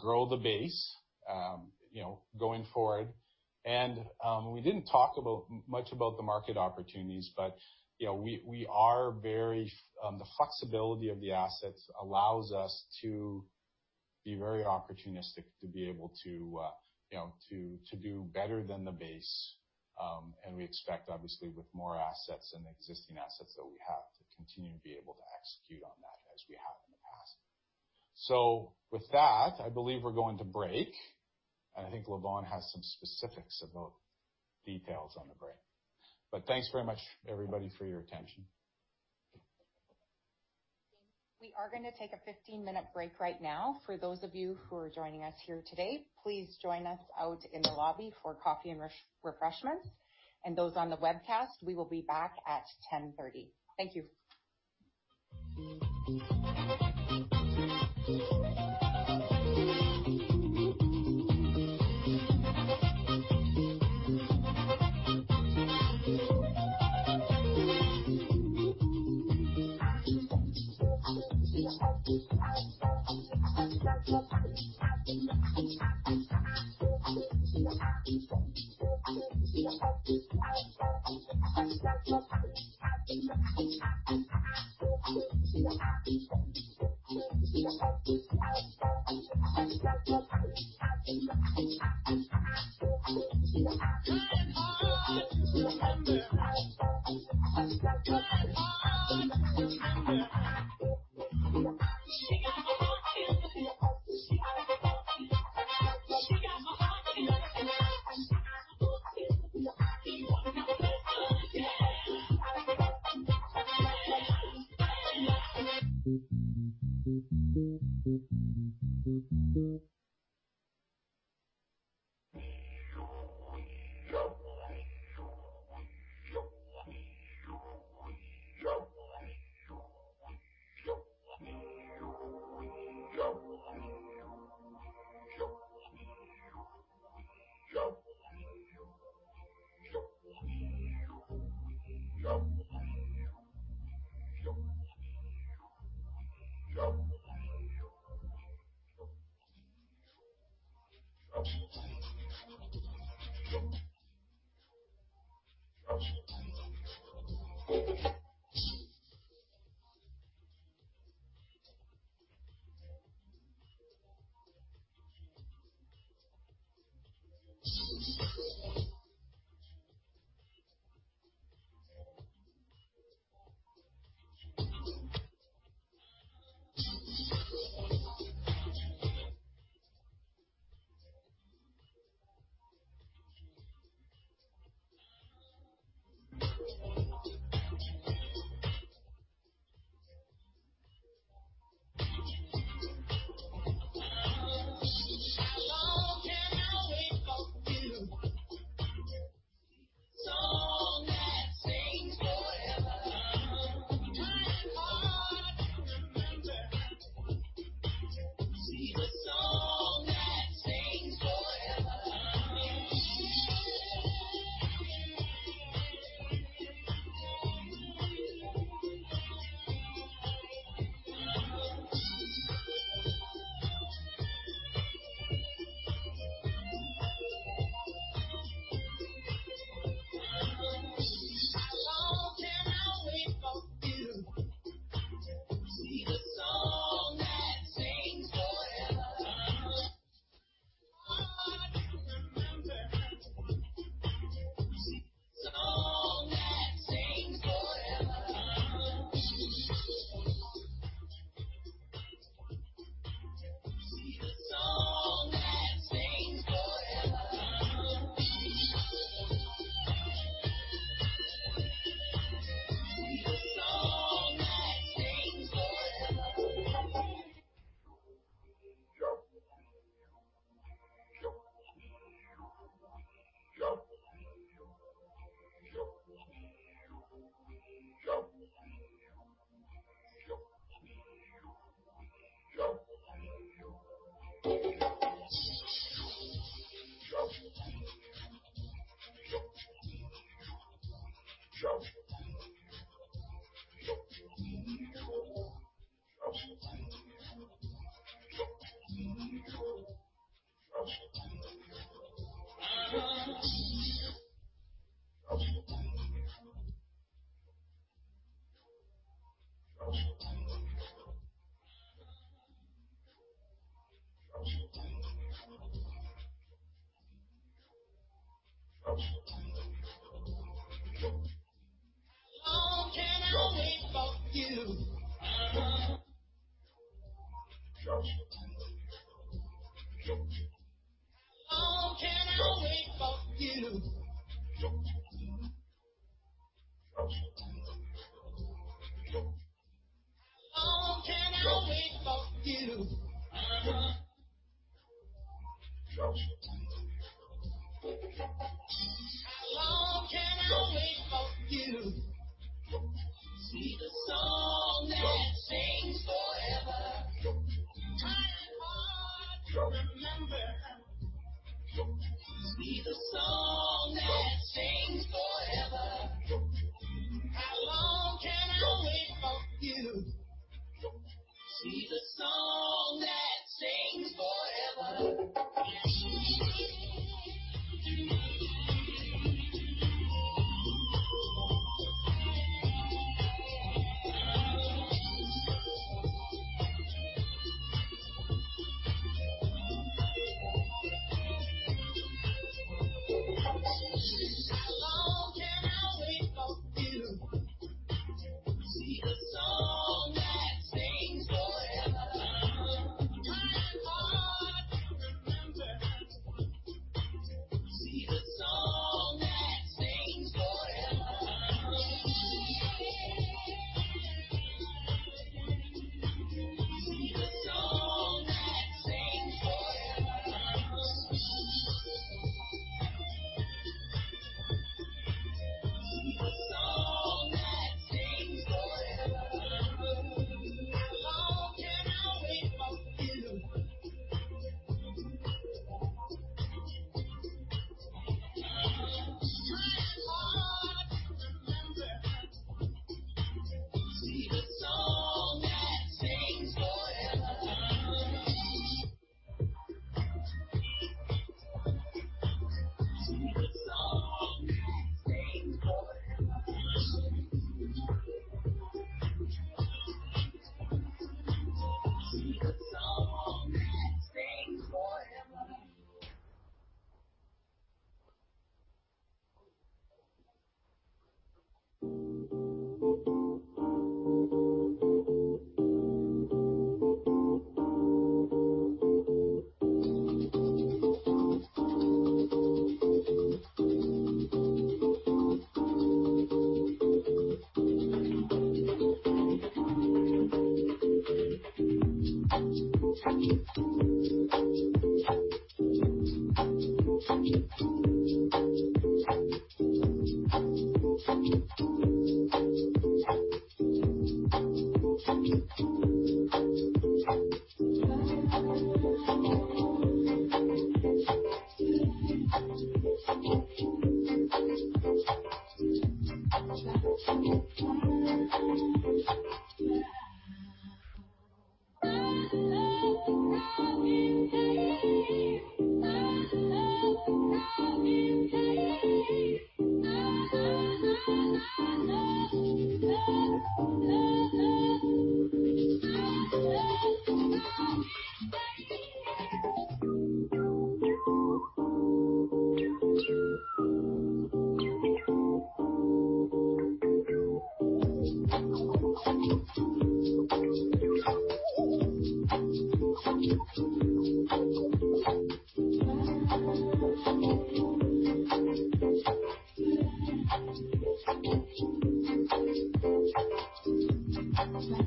grow the base going forward. We didn't talk much about the market opportunities, but the flexibility of the assets allows us to be very opportunistic to be able to do better than the base. We expect, obviously, with more assets and the existing assets that we have, to continue to be able to execute on that as we have in the past. With that, I believe we're going to break, and I think Lavonne has some specifics about details on the break. Thanks very much, everybody, for your attention.
We are going to take a 15-minute break right now. For those of you who are joining us here today, please join us out in the lobby for coffee and refreshments. Those on the webcast, we will be back at 10:30. Thank you.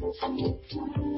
How long can I wait for you?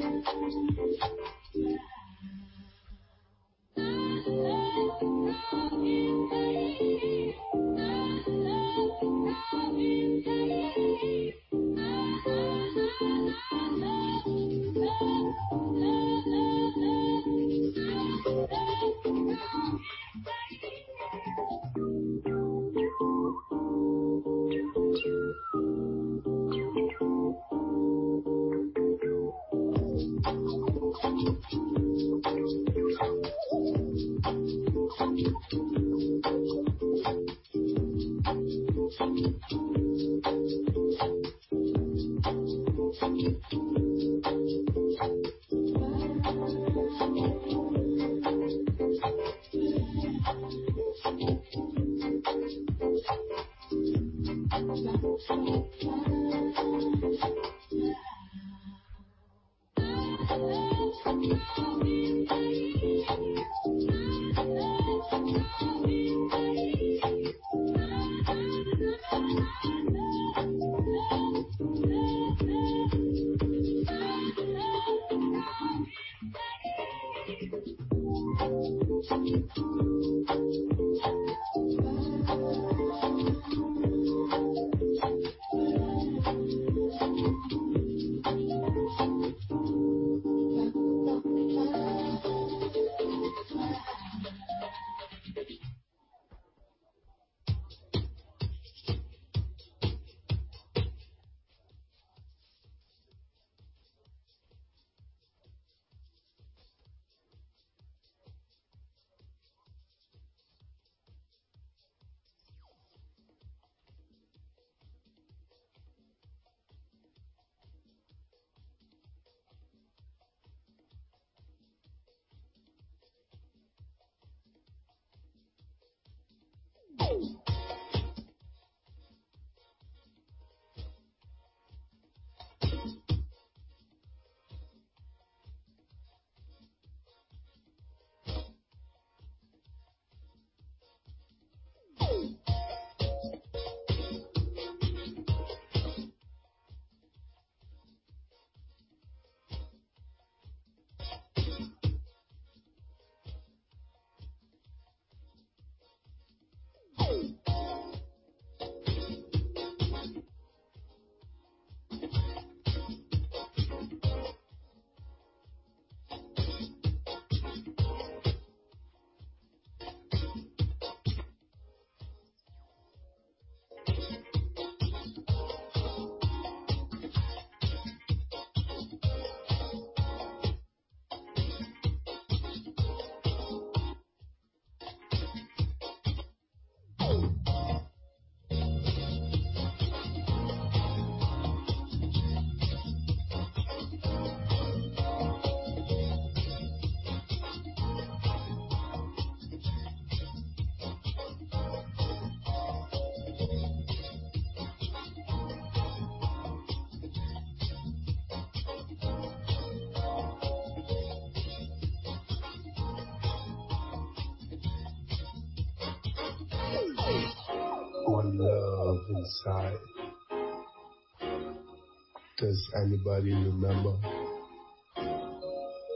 To see the song that sings forever. How long can I wait for you? To see the song that sings forever. Trying hard to remember. To see the song that sings forever. To see the song that sings forever. To see the song that sings forever. How long can I wait for you? Trying hard to remember. To see the song that sings forever. To see the song that sings forever. To see the song that sings forever. One love inside. Does anybody remember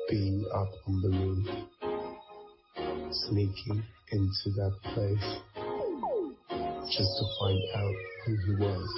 being up on the roof, sneaking into that place just to find out who he was?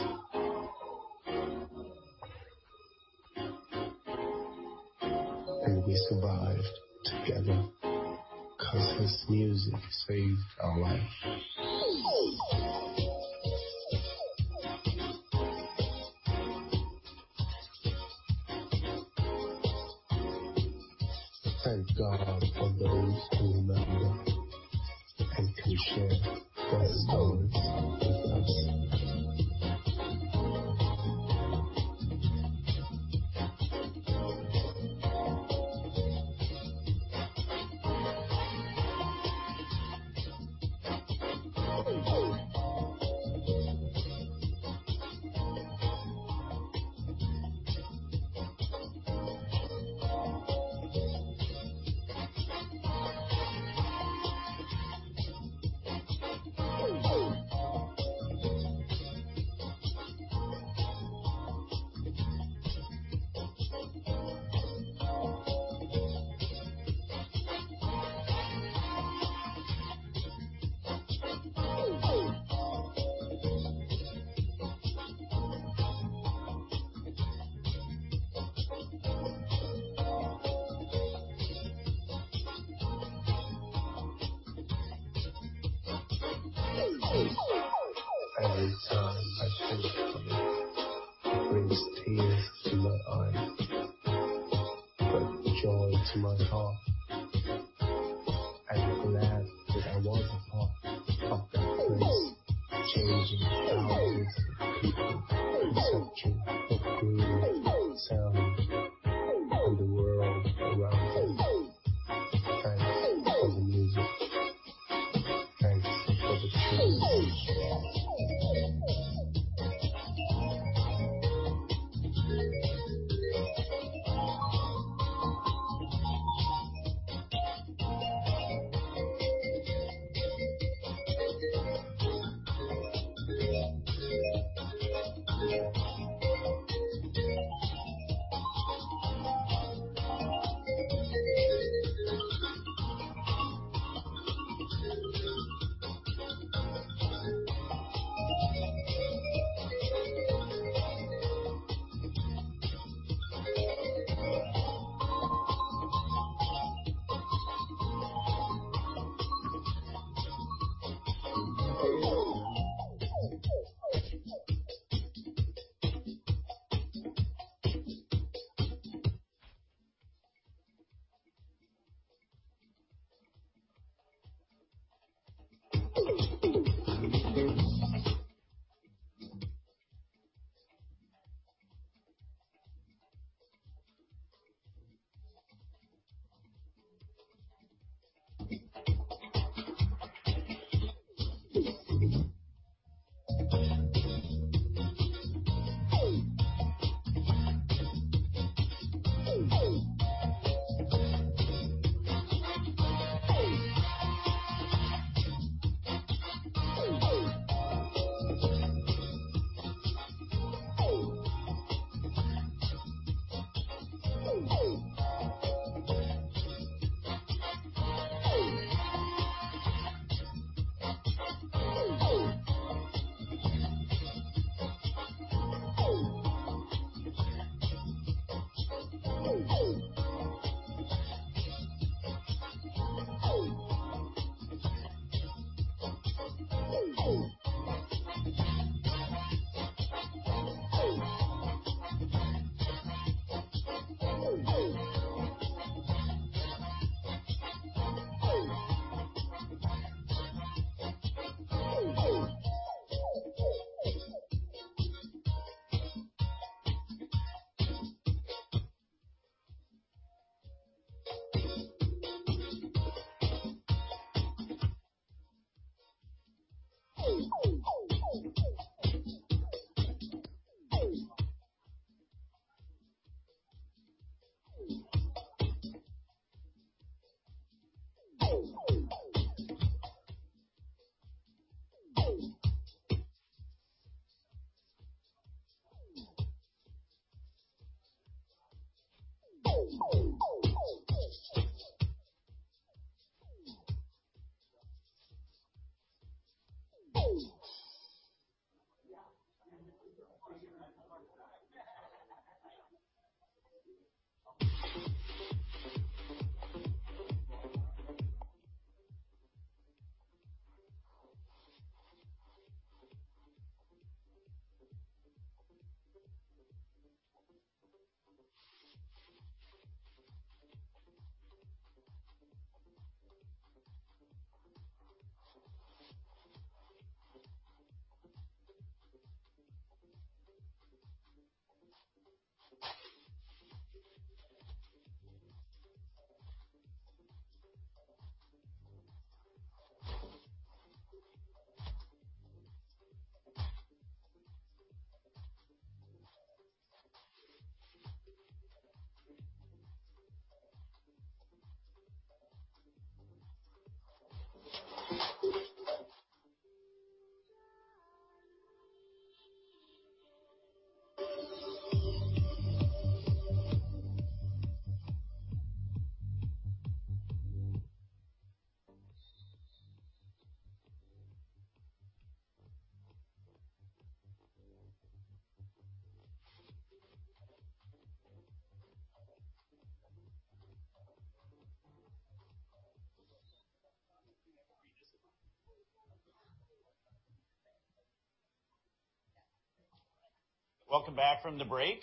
Welcome back from the break.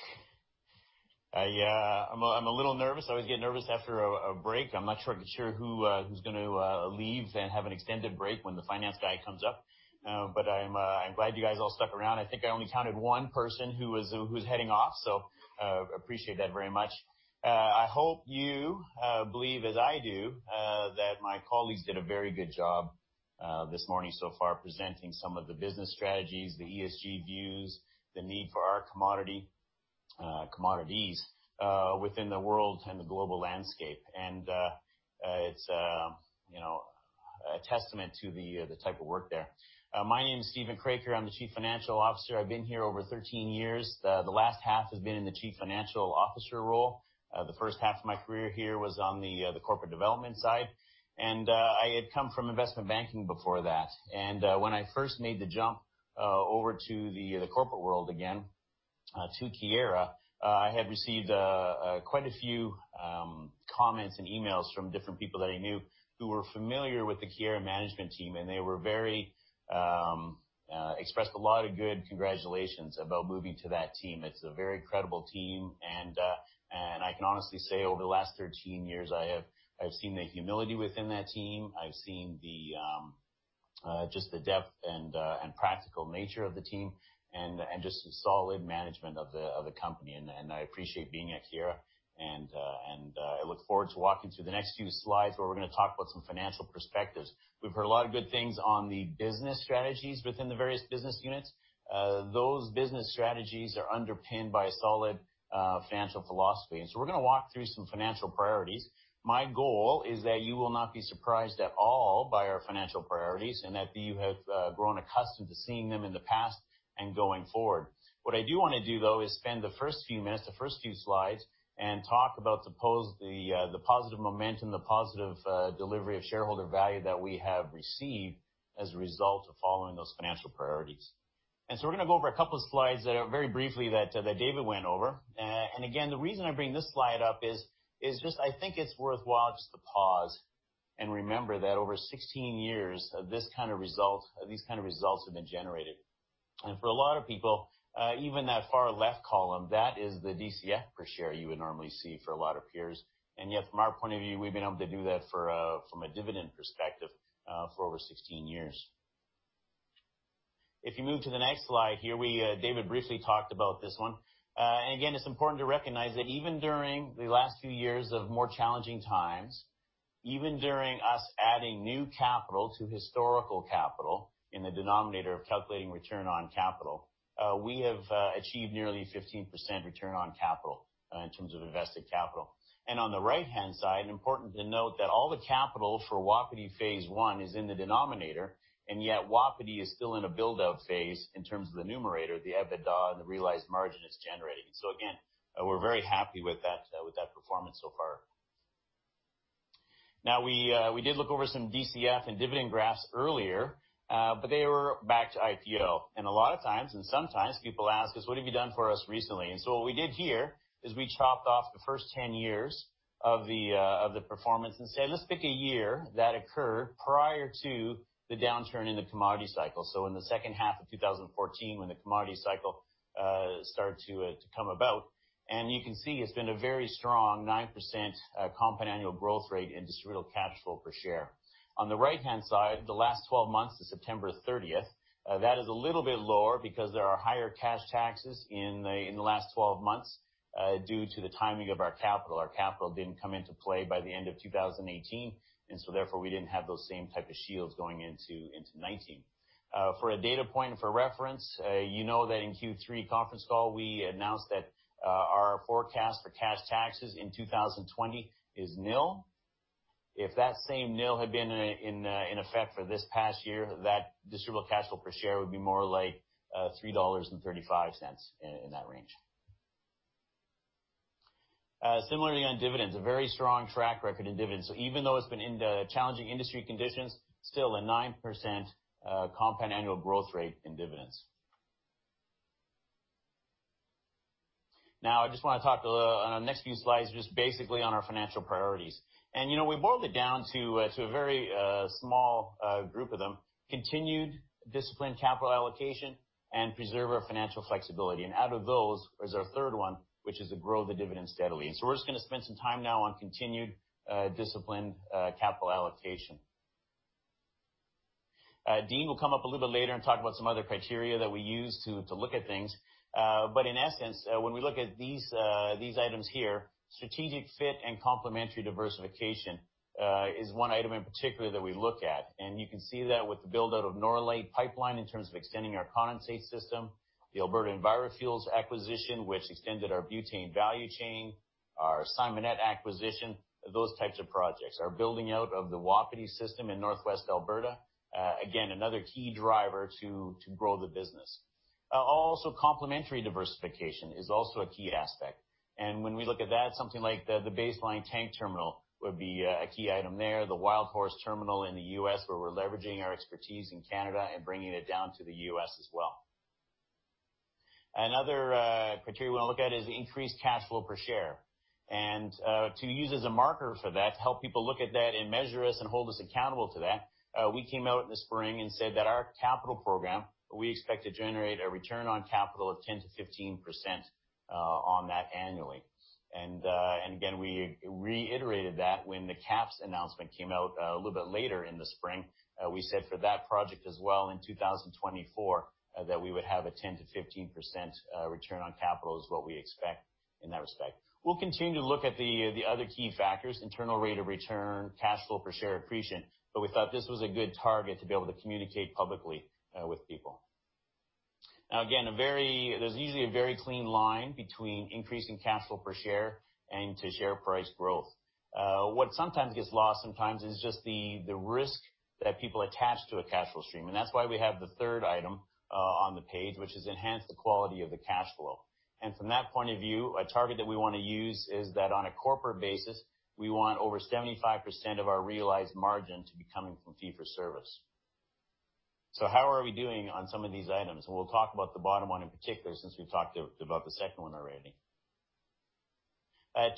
I'm a little nervous. I always get nervous after a break. I'm not sure who's going to leave and have an extended break when the finance guy comes up. I'm glad you guys all stuck around. I think I only counted one person who's heading off, so appreciate that very much. I hope you believe, as I do, that my colleagues did a very good job this morning so far presenting some of the business strategies, the ESG views, the need for our commodities within the world and the global landscape. It's a testament to the type of work there. My name is Steven Kroeker. I'm the chief financial officer. I've been here over 13 years. The last half has been in the chief financial officer role. The first half of my career here was on the corporate development side. I had come from investment banking before that. When I first made the jump over to the corporate world again to Keyera. I had received quite a few comments and emails from different people that I knew who were familiar with the Keyera management team, and they expressed a lot of good congratulations about moving to that team. It's a very credible team, and I can honestly say over the last 13 years, I have seen the humility within that team. I've seen just the depth and practical nature of the team and just the solid management of the company, and I appreciate being at Keyera, and I look forward to walking through the next few slides where we're going to talk about some financial perspectives. We've heard a lot of good things on the business strategies within the various business units. Those business strategies are underpinned by a solid financial philosophy. We're going to walk through some financial priorities. My goal is that you will not be surprised at all by our financial priorities and that you have grown accustomed to seeing them in the past and going forward. What I do want to do, though, is spend the first few minutes, the first few slides, and talk about the positive momentum, the positive delivery of shareholder value that we have received as a result of following those financial priorities. We're going to go over a couple of slides very briefly that David went over. Again, the reason I bring this slide up is just I think it's worthwhile just to pause and remember that over 16 years, these kind of results have been generated. For a lot of people, even that far left column, that is the DCF per share you would normally see for a lot of peers. Yet, from our point of view, we've been able to do that from a dividend perspective for over 16 years. If you move to the next slide here, David briefly talked about this one. Again, it's important to recognize that even during the last few years of more challenging times, even during us adding new capital to historical capital in the denominator of calculating return on capital, we have achieved nearly 15% return on capital in terms of invested capital. On the right-hand side, important to note that all the capital for Wapiti Phase 1 is in the denominator, yet Wapiti is still in a build-out phase in terms of the numerator, the EBITDA and the realized margin it's generating. Again, we're very happy with that performance so far. We did look over some DCF and dividend graphs earlier, but they were back to IPO. Sometimes people ask us, "What have you done for us recently?" What we did here is we chopped off the first 10 years of the performance and said, let's pick a year that occurred prior to the downturn in the commodity cycle. In the second half of 2014, when the commodity cycle started to come about. You can see it's been a very strong 9% compound annual growth rate in distributable cash flow per share. On the right-hand side, the last 12 months to September 30th, that is a little bit lower because there are higher cash taxes in the last 12 months due to the timing of our capital. Our capital didn't come into play by the end of 2018. Therefore, we didn't have those same type of shields going into 2019. For a data point and for reference, you know that in Q3 conference call, we announced that our forecast for cash taxes in 2020 is nil. If that same nil had been in effect for this past year, that distributable cash flow per share would be more like 3.35 dollars, in that range. Similarly, on dividends, a very strong track record in dividends. Even though it's been in the challenging industry conditions, still a 9% compound annual growth rate in dividends. I just want to talk on the next few slides, just basically on our financial priorities. We boiled it down to a very small group of them, continued disciplined capital allocation and preserve our financial flexibility. Out of those is our third one, which is to grow the dividend steadily. We're just going to spend some time now on continued disciplined capital allocation. Dean will come up a little bit later and talk about some other criteria that we use to look at things. In essence, when we look at these items here, strategic fit and complementary diversification is one item in particular that we look at. You can see that with the build-out of Norlite Pipeline in terms of extending our condensate system, the Alberta EnviroFuels acquisition, which extended our butane value chain, our Simonette acquisition, those types of projects. Our building out of the Wapiti system in Northwest Alberta, again, another key driver to grow the business. Complementary diversification is also a key aspect. When we look at that, something like the Base Line Terminal would be a key item there. The Wildhorse Terminal in the U.S., where we're leveraging our expertise in Canada and bringing it down to the U.S. as well. Another criteria we want to look at is the increased cash flow per share. To use as a marker for that, to help people look at that and measure us and hold us accountable to that, we came out in the spring and said that our capital program, we expect to generate a return on capital of 10%-15% on that annually. Again, we reiterated that when the KAPS announcement came out a little bit later in the spring. We said for that project as well in 2024, that we would have a 10%-15% return on capital is what we expect in that respect. We'll continue to look at the other key factors, internal rate of return, cash flow per share accretion, but we thought this was a good target to be able to communicate publicly with people. Now again, there's usually a very clean line between increasing cash flow per share and to share price growth. What sometimes gets lost is just the risk that people attach to a cash flow stream. That's why we have the third item on the page, which is enhance the quality of the cash flow. From that point of view, a target that we want to use is that on a corporate basis, we want over 75% of our realized margin to be coming from fee-for-service. So how are we doing on some of these items? We'll talk about the bottom one in particular, since we've talked about the second one already.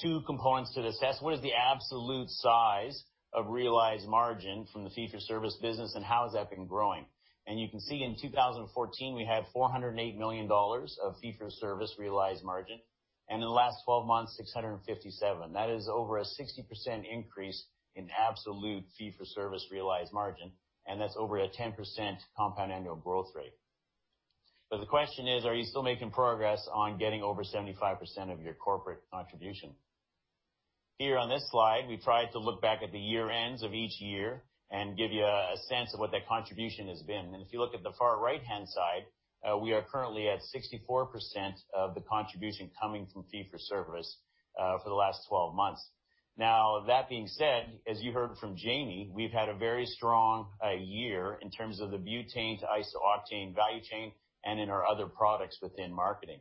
Two components to this test. What is the absolute size of realized margin from the fee-for-service business, and how has that been growing? You can see in 2014, we had 408 million dollars of fee-for-service realized margin. In the last 12 months, 657 million. That is over a 60% increase in absolute fee-for-service realized margin, and that's over a 10% compound annual growth rate. The question is, are you still making progress on getting over 75% of your corporate contribution? Here on this slide, we tried to look back at the year-ends of each year and give you a sense of what that contribution has been. If you look at the far right-hand side, we are currently at 64% of the contribution coming from fee-for-service for the last 12 months. Now, that being said, as you heard from Jamie, we've had a very strong year in terms of the butane to iso-octane value chain and in our other products within marketing.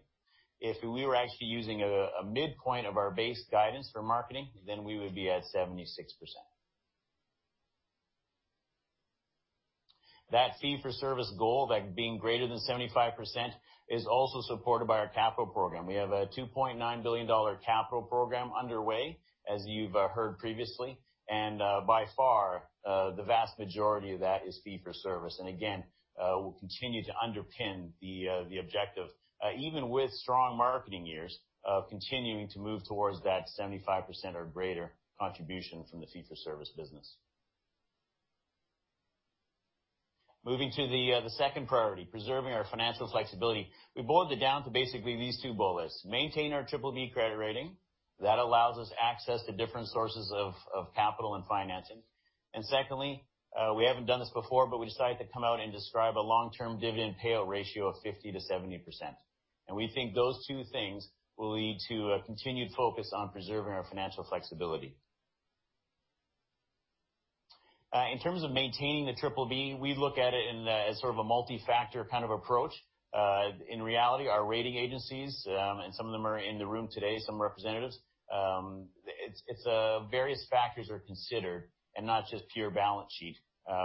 If we were actually using a midpoint of our base guidance for marketing, then we would be at 76%. That fee-for-service goal, that being greater than 75%, is also supported by our capital program. We have a 2.9 billion dollar capital program underway, as you've heard previously. By far, the vast majority of that is fee-for-service. Again, we'll continue to underpin the objective, even with strong marketing years, of continuing to move towards that 75% or greater contribution from the fee-for-service business. Moving to the second priority, preserving our financial flexibility. We boiled it down to basically these two bullets. Maintain our BBB credit rating. That allows us access to different sources of capital and financing. Secondly, we haven't done this before, but we decided to come out and describe a long-term dividend payout ratio of 50%-70%. We think those two things will lead to a continued focus on preserving our financial flexibility. In terms of maintaining the BBB, we look at it as sort of a multi-factor kind of approach. In reality, our rating agencies, and some of them are in the room today, some representatives, various factors are considered and not just pure balance sheet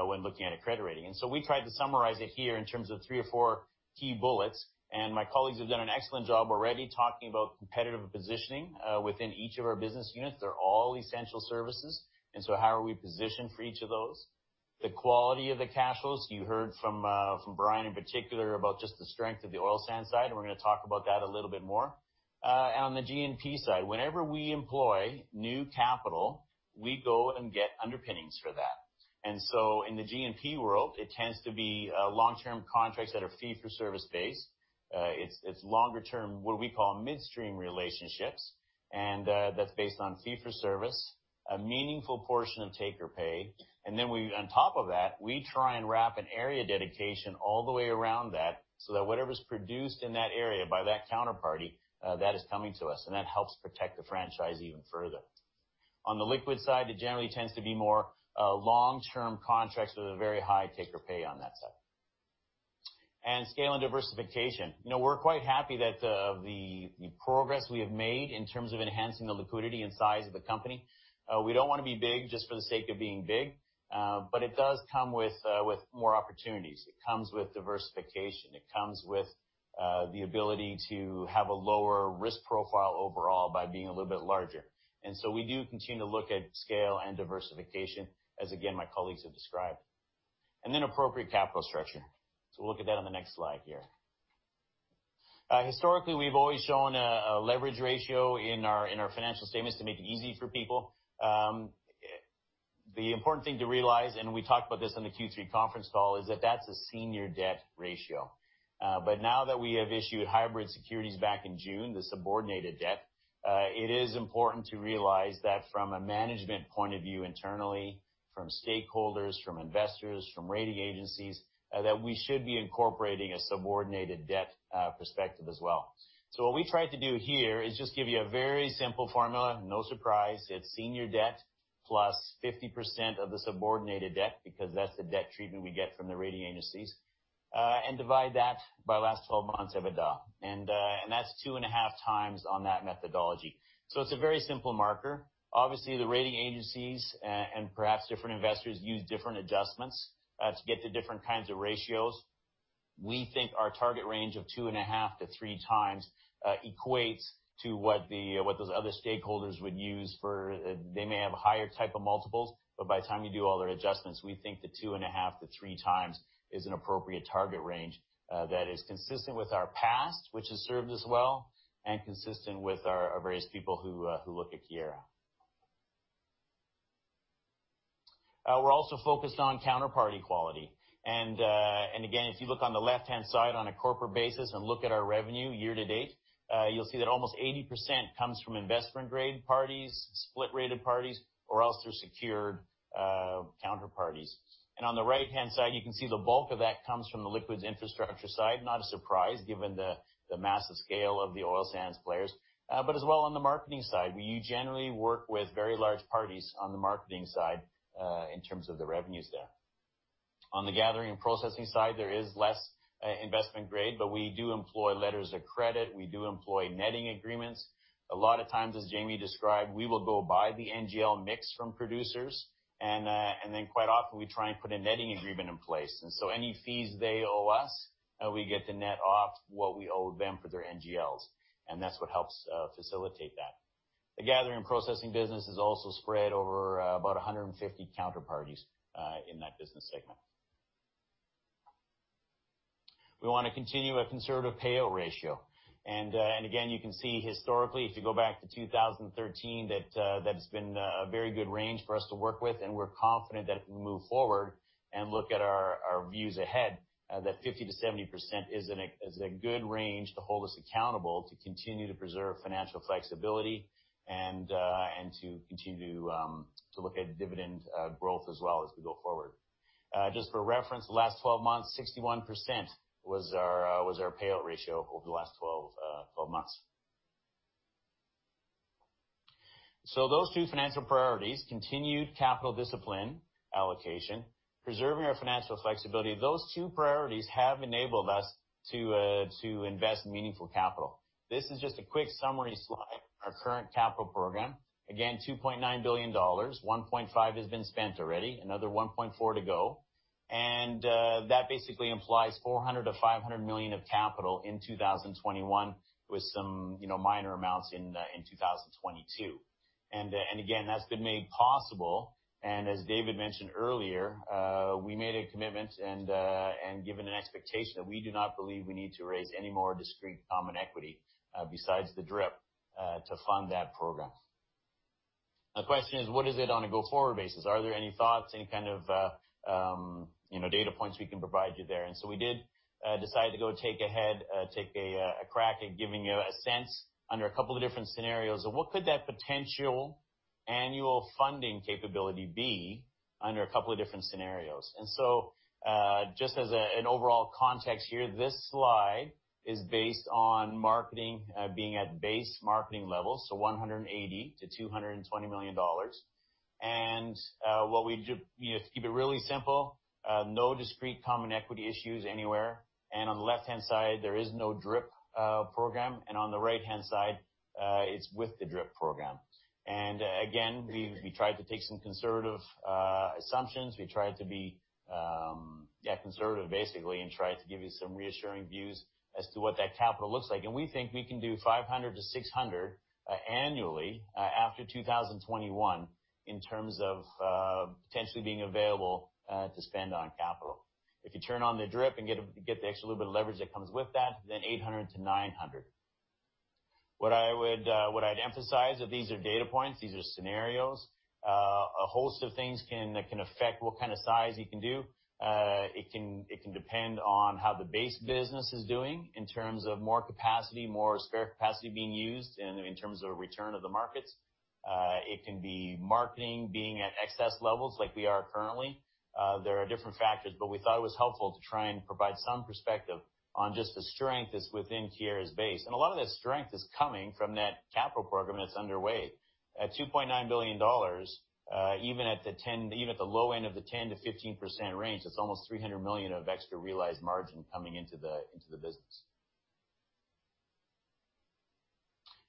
when looking at a credit rating. We tried to summarize it here in terms of three or four key bullets, and my colleagues have done an excellent job already talking about competitive positioning within each of our business units. They're all essential services. How are we positioned for each of those? The quality of the cash flows, you heard from Brian in particular about just the strength of the oil sands side, and we're going to talk about that a little bit more. On the G&P side, whenever we employ new capital, we go and get underpinnings for that. So in the G&P world, it tends to be long-term contracts that are fee-for-service based. It's longer-term, what we call midstream relationships, and that's based on fee-for-service, a meaningful portion of take or pay. Then on top of that, we try and wrap an area dedication all the way around that, so that whatever's produced in that area by that counterparty, that is coming to us, and that helps protect the franchise even further. On the liquid side, it generally tends to be more long-term contracts with a very high take or pay on that side. Scale and diversification. We're quite happy with the progress we have made in terms of enhancing the liquidity and size of the company. We don't want to be big just for the sake of being big, but it does come with more opportunities. It comes with diversification. It comes with the ability to have a lower risk profile overall by being a little bit larger. We do continue to look at scale and diversification as, again, my colleagues have described. Appropriate capital structure. We'll look at that on the next slide here. Historically, we've always shown a leverage ratio in our financial statements to make it easy for people. The important thing to realize, and we talked about this on the Q3 conference call, is that that's a senior debt ratio. Now that we have issued hybrid securities back in June, the subordinated debt, it is important to realize that from a management point of view internally, from stakeholders, from investors, from rating agencies, that we should be incorporating a subordinated debt perspective as well. What we tried to do here is just give you a very simple formula. No surprise. It's senior debt plus 50% of the subordinated debt, because that's the debt treatment we get from the rating agencies, and divide that by last 12 months of EBITDA. That's 2.5 times on that methodology. It's a very simple marker. Obviously, the rating agencies and perhaps different investors use different adjustments to get to different kinds of ratios. We think our target range of two and a half to three times equates to what those other stakeholders would use for. They may have higher type of multiples, but by the time you do all their adjustments, we think the two and a half to three times is an appropriate target range that is consistent with our past, which has served us well, and consistent with our various people who look at Keyera. We're also focused on counterparty quality. Again, if you look on the left-hand side on a corporate basis and look at our revenue year to date, you'll see that almost 80% comes from investment-grade parties, split-rated parties, or else they're secured counterparties. On the right-hand side, you can see the bulk of that comes from the liquids infrastructure side. Not a surprise, given the massive scale of the oil sands players. As well on the marketing side, we generally work with very large parties on the marketing side in terms of the revenues there. On the Gathering and Processing side, there is less investment grade, but we do employ letters of credit. We do employ netting agreements. A lot of times, as Jamie described, we will go buy the NGL mix from producers and then quite often we try and put a netting agreement in place. Any fees they owe us, we get to net off what we owe them for their NGLs, and that's what helps facilitate that. The Gathering and Processing business is also spread over about 150 counterparties in that business segment. We want to continue a conservative payout ratio. Again, you can see historically, if you go back to 2013, that has been a very good range for us to work with and we're confident that if we move forward and look at our views ahead, that 50%-70% is a good range to hold us accountable to continue to preserve financial flexibility and to continue to look at dividend growth as well as we go forward. Just for reference, the last 12 months, 61% was our payout ratio over the last 12 months. Those two financial priorities, continued capital discipline allocation, preserving our financial flexibility, those two priorities have enabled us to invest meaningful capital. This is just a quick summary slide. Our current capital program, again, 2.9 billion dollars, 1.5 billion has been spent already, another 1.4 billion to go. That basically implies 400 million-500 million of capital in 2021 with some minor amounts in 2022. Again, that's been made possible, and as David mentioned earlier, we made a commitment and given an expectation that we do not believe we need to raise any more discrete common equity, besides the DRIP, to fund that program. The question is, what is it on a go-forward basis? Are there any thoughts, any kind of data points we can provide you there? We did decide to go take a crack at giving you a sense under a couple of different scenarios of what could that potential annual funding capability be under a couple of different scenarios. Just as an overall context here, this slide is based on marketing being at base marketing levels, 180 million-220 million dollars. To keep it really simple, no discrete common equity issues anywhere. On the left-hand side, there is no DRIP program, and on the right-hand side, it's with the DRIP program. Again, we tried to take some conservative assumptions. We tried to be conservative, basically, and tried to give you some reassuring views as to what that capital looks like. We think we can do 500 million-600 million annually after 2021 in terms of potentially being available to spend on capital. If you turn on the DRIP and get the extra little bit of leverage that comes with that, then 800 million-900 million. What I'd emphasize that these are data points. These are scenarios. A host of things can affect what kind of size you can do. It can depend on how the base business is doing in terms of more capacity, more spare capacity being used in terms of return of the markets. It can be marketing being at excess levels like we are currently. There are different factors, but we thought it was helpful to try and provide some perspective on just the strength that's within Keyera's base. A lot of that strength is coming from that capital program that's underway. At 2.9 billion dollars, even at the low end of the 10%-15% range, that's almost 300 million of extra realized margin coming into the business.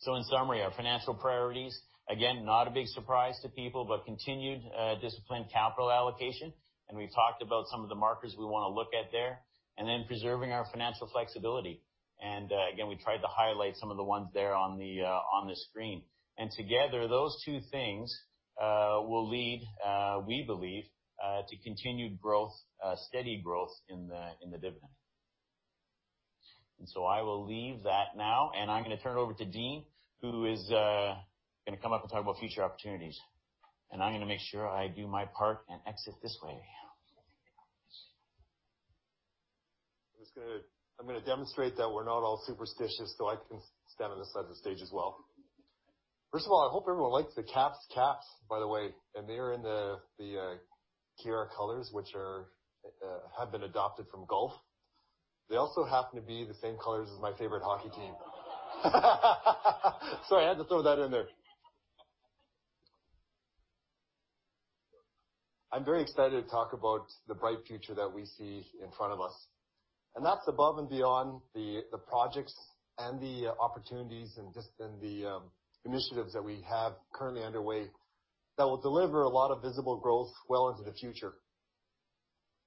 In summary, our financial priorities, again, not a big surprise to people, but continued disciplined capital allocation, and we've talked about some of the markers we want to look at there. Then preserving our financial flexibility. Again, we tried to highlight some of the ones there on the screen. Together, those two things will lead, we believe, to continued growth, steady growth in the dividend. I will leave that now, and I'm going to turn it over to Dean, who is going to come up and talk about future opportunities. I'm going to make sure I do my part and exit this way.
I'm going to demonstrate that we're not all superstitious, so I can stand on the side of the stage as well. First of all, I hope everyone likes the caps. By the way, they are in the Keyera colors, which have been adopted from golf. They also happen to be the same colors as my favorite hockey team. Sorry, I had to throw that in there. I'm very excited to talk about the bright future that we see in front of us. That's above and beyond the projects and the opportunities and the initiatives that we have currently underway that will deliver a lot of visible growth well into the future.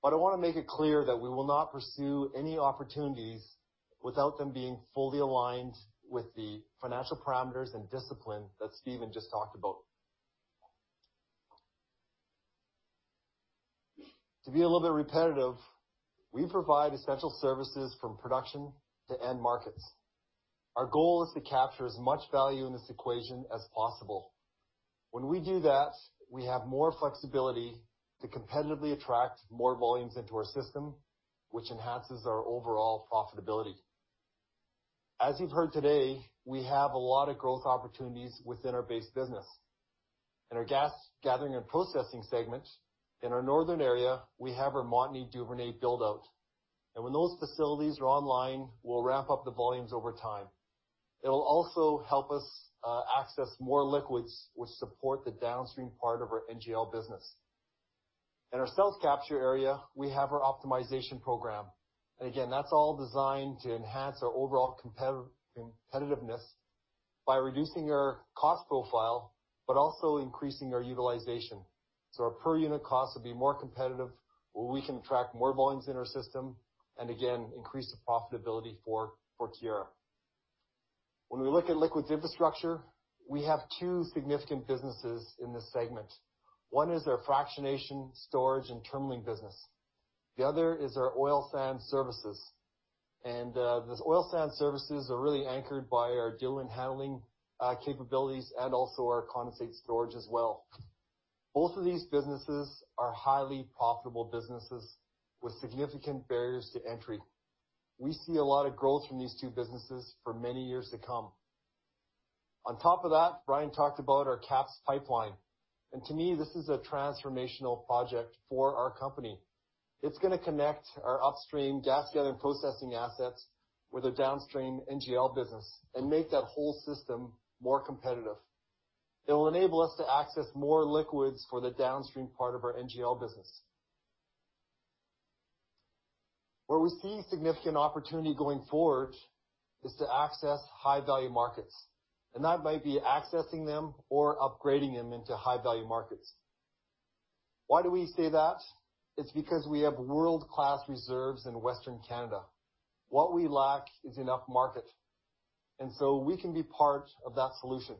I want to make it clear that we will not pursue any opportunities without them being fully aligned with the financial parameters and discipline that Steven just talked about. To be a little bit repetitive, we provide essential services from production to end markets. Our goal is to capture as much value in this equation as possible. When we do that, we have more flexibility to competitively attract more volumes into our system, which enhances our overall profitability. As you've heard today, we have a lot of growth opportunities within our base business. In our Gathering and Processing segments, in our northern area, we have our Montney/Duvernay build-out. When those facilities are online, we'll ramp up the volumes over time. It'll also help us access more liquids, which support the downstream part of our NGL business. In our South Capture Area, we have our optimization program. Again, that's all designed to enhance our overall competitiveness by reducing our cost profile, but also increasing our utilization. Our per unit cost will be more competitive, where we can attract more volumes in our system and again, increase the profitability for Keyera. We look at liquids infrastructure, we have two significant businesses in this segment. One is our fractionation, storage, and terminaling business. The other is our oil sand services. Those oil sand services are really anchored by our diluent handling capabilities and also our condensate storage as well. Both of these businesses are highly profitable businesses with significant barriers to entry. We see a lot of growth from these two businesses for many years to come. On top of that, Brian talked about our KAPS Pipeline. To me, this is a transformational project for our company. It's going to connect our upstream gas gathering processing assets with the downstream NGL business and make that whole system more competitive. It will enable us to access more liquids for the downstream part of our NGL business. Where we see significant opportunity going forward is to access high-value markets, and that might be accessing them or upgrading them into high-value markets. Why do we say that? It's because we have world-class reserves in Western Canada. What we lack is enough market. We can be part of that solution.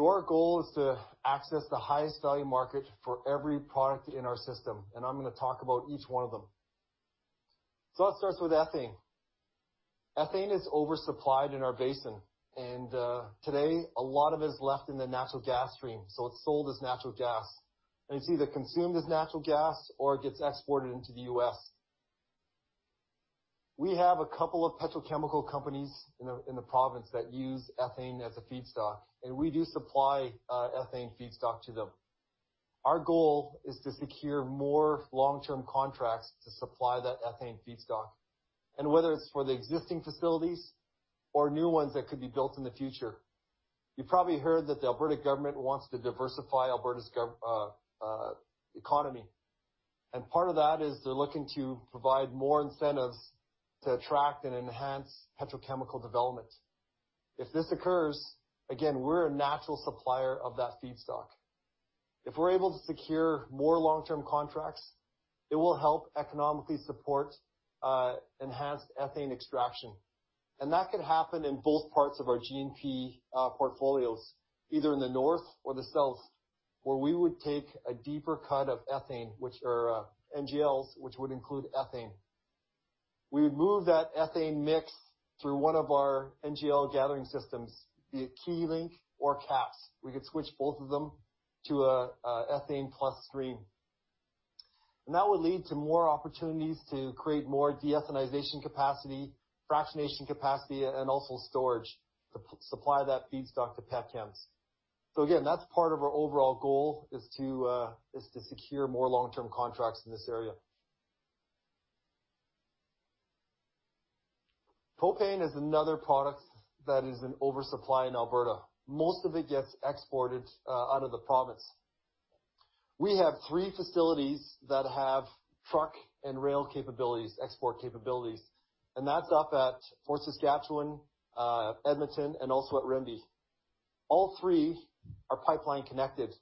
Our goal is to access the highest value market for every product in our system, and I'm going to talk about each one of them. Let's start with ethane. Ethane is oversupplied in our basin, and today a lot of it is left in the natural gas stream. It's sold as natural gas, and it's either consumed as natural gas or it gets exported into the U.S. We have a couple of petrochemical companies in the province that use ethane as a feedstock, and we do supply ethane feedstock to them. Our goal is to secure more long-term contracts to supply that ethane feedstock, whether it's for the existing facilities or new ones that could be built in the future. You probably heard that the Alberta government wants to diversify Alberta's economy. Part of that is they're looking to provide more incentives to attract and enhance petrochemical development. If this occurs, again, we're a natural supplier of that feedstock. If we're able to secure more long-term contracts, it will help economically support enhanced ethane extraction. That could happen in both parts of our G&P portfolios, either in the north or the south, where we would take a deeper cut of ethane, which are NGLs, which would include ethane. We would move that ethane mix through one of our NGL gathering systems, be it Keylink or KAPS. We could switch both of them to an ethane plus stream. That would lead to more opportunities to create more de-ethanization capacity, fractionation capacity, and also storage to supply that feedstock to petchems. Again, that's part of our overall goal is to secure more long-term contracts in this area. Propane is another product that is in oversupply in Alberta. Most of it gets exported out of the province. We have three facilities that have truck and rail capabilities, export capabilities, and that's up at Fort Saskatchewan, Edmonton, and also at Rimbey. All three are pipeline connected,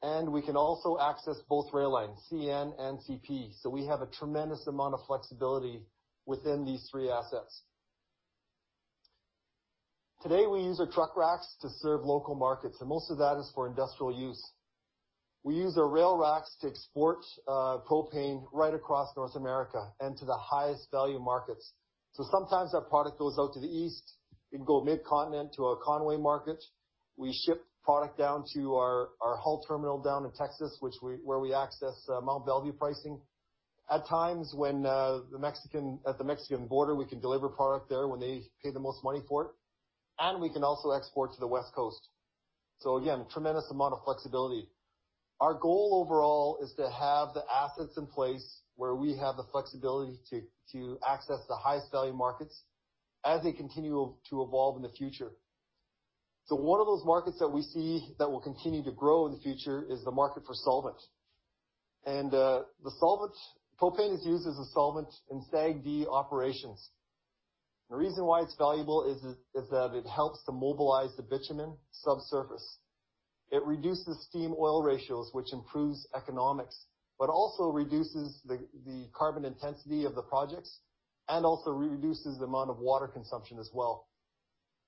and we can also access both rail lines, CN and CP. We have a tremendous amount of flexibility within these three assets. Today, we use our truck racks to serve local markets, and most of that is for industrial use. We use our rail racks to export propane right across North America and to the highest value markets. Sometimes that product goes out to the east. It can go mid-continent to a Conway market. We ship product down to our hull terminal down in Texas, where we access Mont Belvieu pricing. At times, at the Mexican border, we can deliver product there when they pay the most money for it, and we can also export to the West Coast. Again, tremendous amount of flexibility. Our goal overall is to have the assets in place where we have the flexibility to access the highest value markets as they continue to evolve in the future. One of those markets that we see that will continue to grow in the future is the market for solvent. Propane is used as a solvent in SAGD operations. The reason why it's valuable is that it helps to mobilize the bitumen subsurface. It reduces steam oil ratios, which improves economics, but also reduces the carbon intensity of the projects and also reduces the amount of water consumption as well.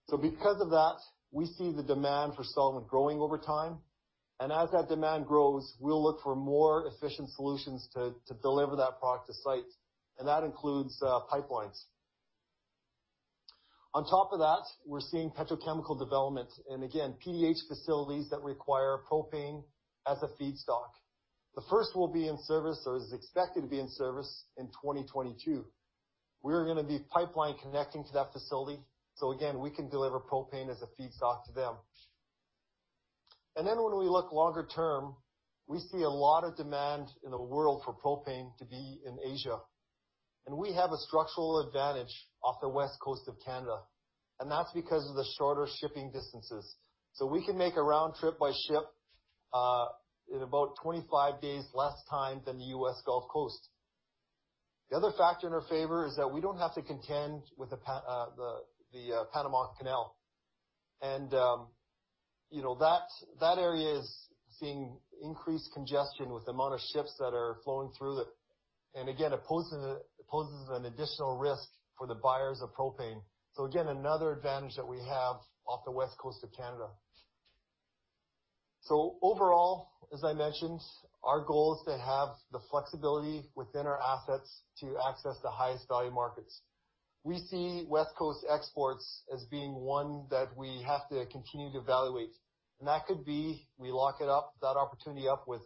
Because of that, we see the demand for solvent growing over time. As that demand grows, we'll look for more efficient solutions to deliver that product to site, and that includes pipelines. On top of that, we're seeing petrochemical development and again, PDH facilities that require propane as a feedstock. The first will be in service or is expected to be in service in 2022. We are going to be pipeline connecting to that facility. Again, we can deliver propane as a feedstock to them. When we look longer term, we see a lot of demand in the world for propane to be in Asia. We have a structural advantage off the West Coast of Canada, and that's because of the shorter shipping distances. We can make a round trip by ship in about 25 days less time than the U.S. Gulf Coast. The other factor in our favor is that we don't have to contend with the Panama Canal. That area is seeing increased congestion with the amount of ships that are flowing through there. Again, it poses an additional risk for the buyers of propane. Again, another advantage that we have off the West Coast of Canada. Overall, as I mentioned, our goal is to have the flexibility within our assets to access the highest value markets. We see West Coast exports as being one that we have to continue to evaluate. That could be we lock that opportunity up with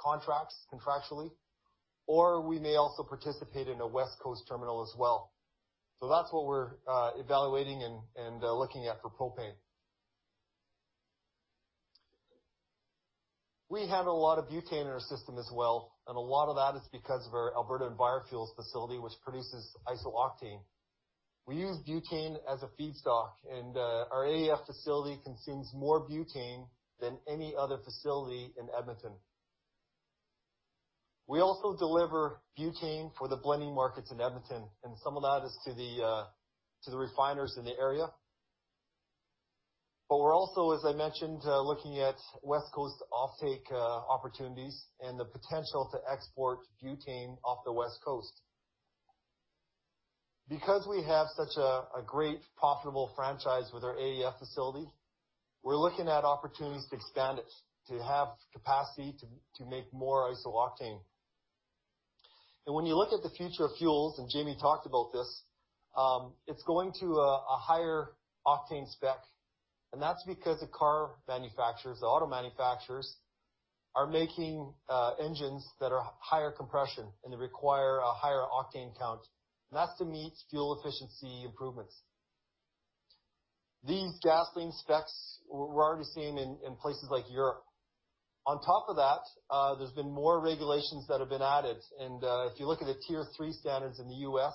contracts contractually, or we may also participate in a West Coast terminal as well. That's what we're evaluating and looking at for propane. We have a lot of butane in our system as well, and a lot of that is because of our Alberta EnviroFuels facility, which produces iso-octane. We use butane as a feedstock, and our AEF facility consumes more butane than any other facility in Edmonton. We also deliver butane for the blending markets in Edmonton, and some of that is to the refiners in the area. We're also, as I mentioned, looking at West Coast offtake opportunities and the potential to export butane off the West Coast. Because we have such a great, profitable franchise with our AEF facility, we're looking at opportunities to expand it, to have capacity to make more iso-octane. When you look at the future of fuels, and Jamie talked about this, it's going to a higher octane spec, and that's because the car manufacturers, the auto manufacturers, are making engines that are higher compression and they require a higher octane count. That's to meet fuel efficiency improvements. These gasoline specs we're already seeing in places like Europe. On top of that, there's been more regulations that have been added. If you look at the Tier 3 standards in the U.S.,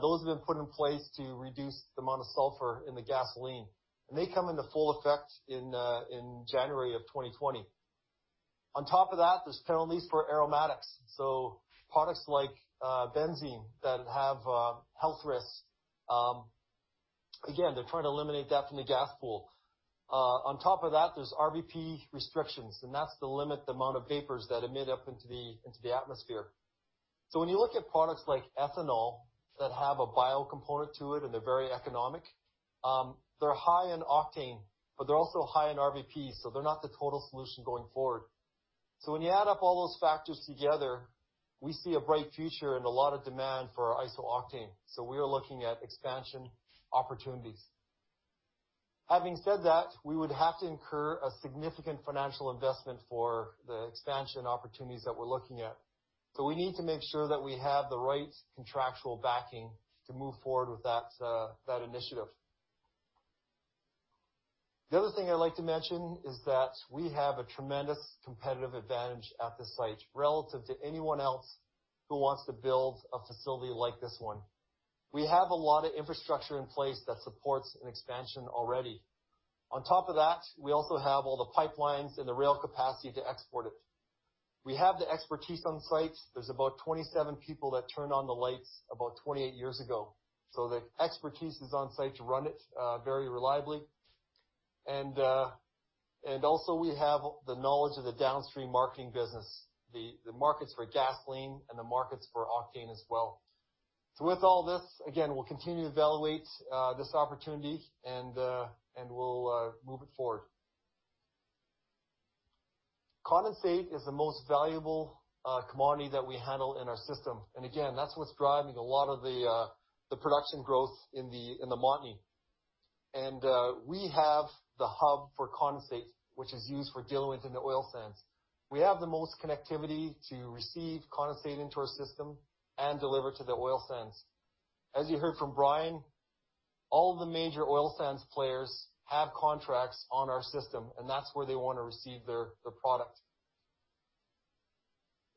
those have been put in place to reduce the amount of sulfur in the gasoline. They come into full effect in January of 2020. On top of that, there's penalties for aromatics. Products like benzene that have health risks, again, they're trying to eliminate that from the gas pool. On top of that, there's RVP restrictions, and that's to limit the amount of vapors that emit up into the atmosphere. When you look at products like ethanol that have a bio component to it and they're very economic, they're high in octane, but they're also high in RVP, so they're not the total solution going forward. When you add up all those factors together, we see a bright future and a lot of demand for our iso-octane. We are looking at expansion opportunities. Having said that, we would have to incur a significant financial investment for the expansion opportunities that we're looking at. We need to make sure that we have the right contractual backing to move forward with that initiative. The other thing I'd like to mention is that we have a tremendous competitive advantage at this site relative to anyone else who wants to build a facility like this one. We have a lot of infrastructure in place that supports an expansion already. On top of that, we also have all the pipelines and the rail capacity to export it. We have the expertise on site. There's about 27 people that turned on the lights about 28 years ago. The expertise is on site to run it very reliably. Also, we have the knowledge of the downstream marketing business, the markets for gasoline and the markets for octane as well. With all this, again, we'll continue to evaluate this opportunity and we'll move it forward. Condensate is the most valuable commodity that we handle in our system. Again, that's what's driving a lot of the production growth in the Montney. We have the hub for condensate, which is used for diluent in the oil sands. We have the most connectivity to receive condensate into our system and deliver to the oil sands. As you heard from Brian, all the major oil sands players have contracts on our system, and that's where they want to receive their product.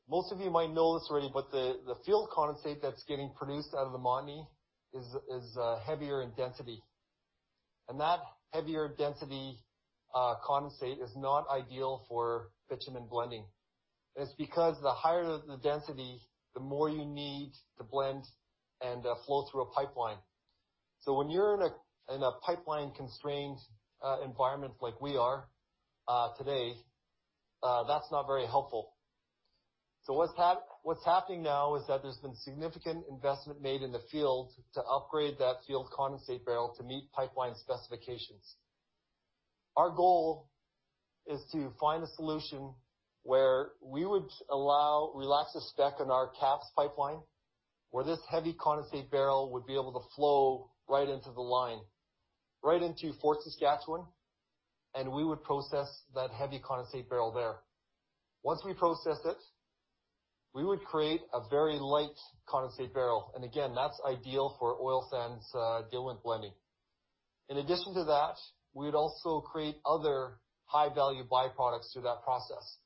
Most of you might know this already, the field condensate that's getting produced out of the Montney is heavier in density. That heavier density condensate is not ideal for bitumen blending. It's because the higher the density, the more you need to blend and flow through a pipeline. When you're in a pipeline-constrained environment like we are today, that's not very helpful. What's happening now is that there's been significant investment made in the field to upgrade that field condensate barrel to meet pipeline specifications. Our goal is to find a solution where we would relax the spec on our KAPS Pipeline, where this heavy condensate barrel would be able to flow right into the line, right into Fort Saskatchewan, and we would process that heavy condensate barrel there. Once we process it, we would create a very light condensate barrel. Again, that's ideal for oil sands dealing with blending. In addition to that, we'd also create other high-value byproducts through that process.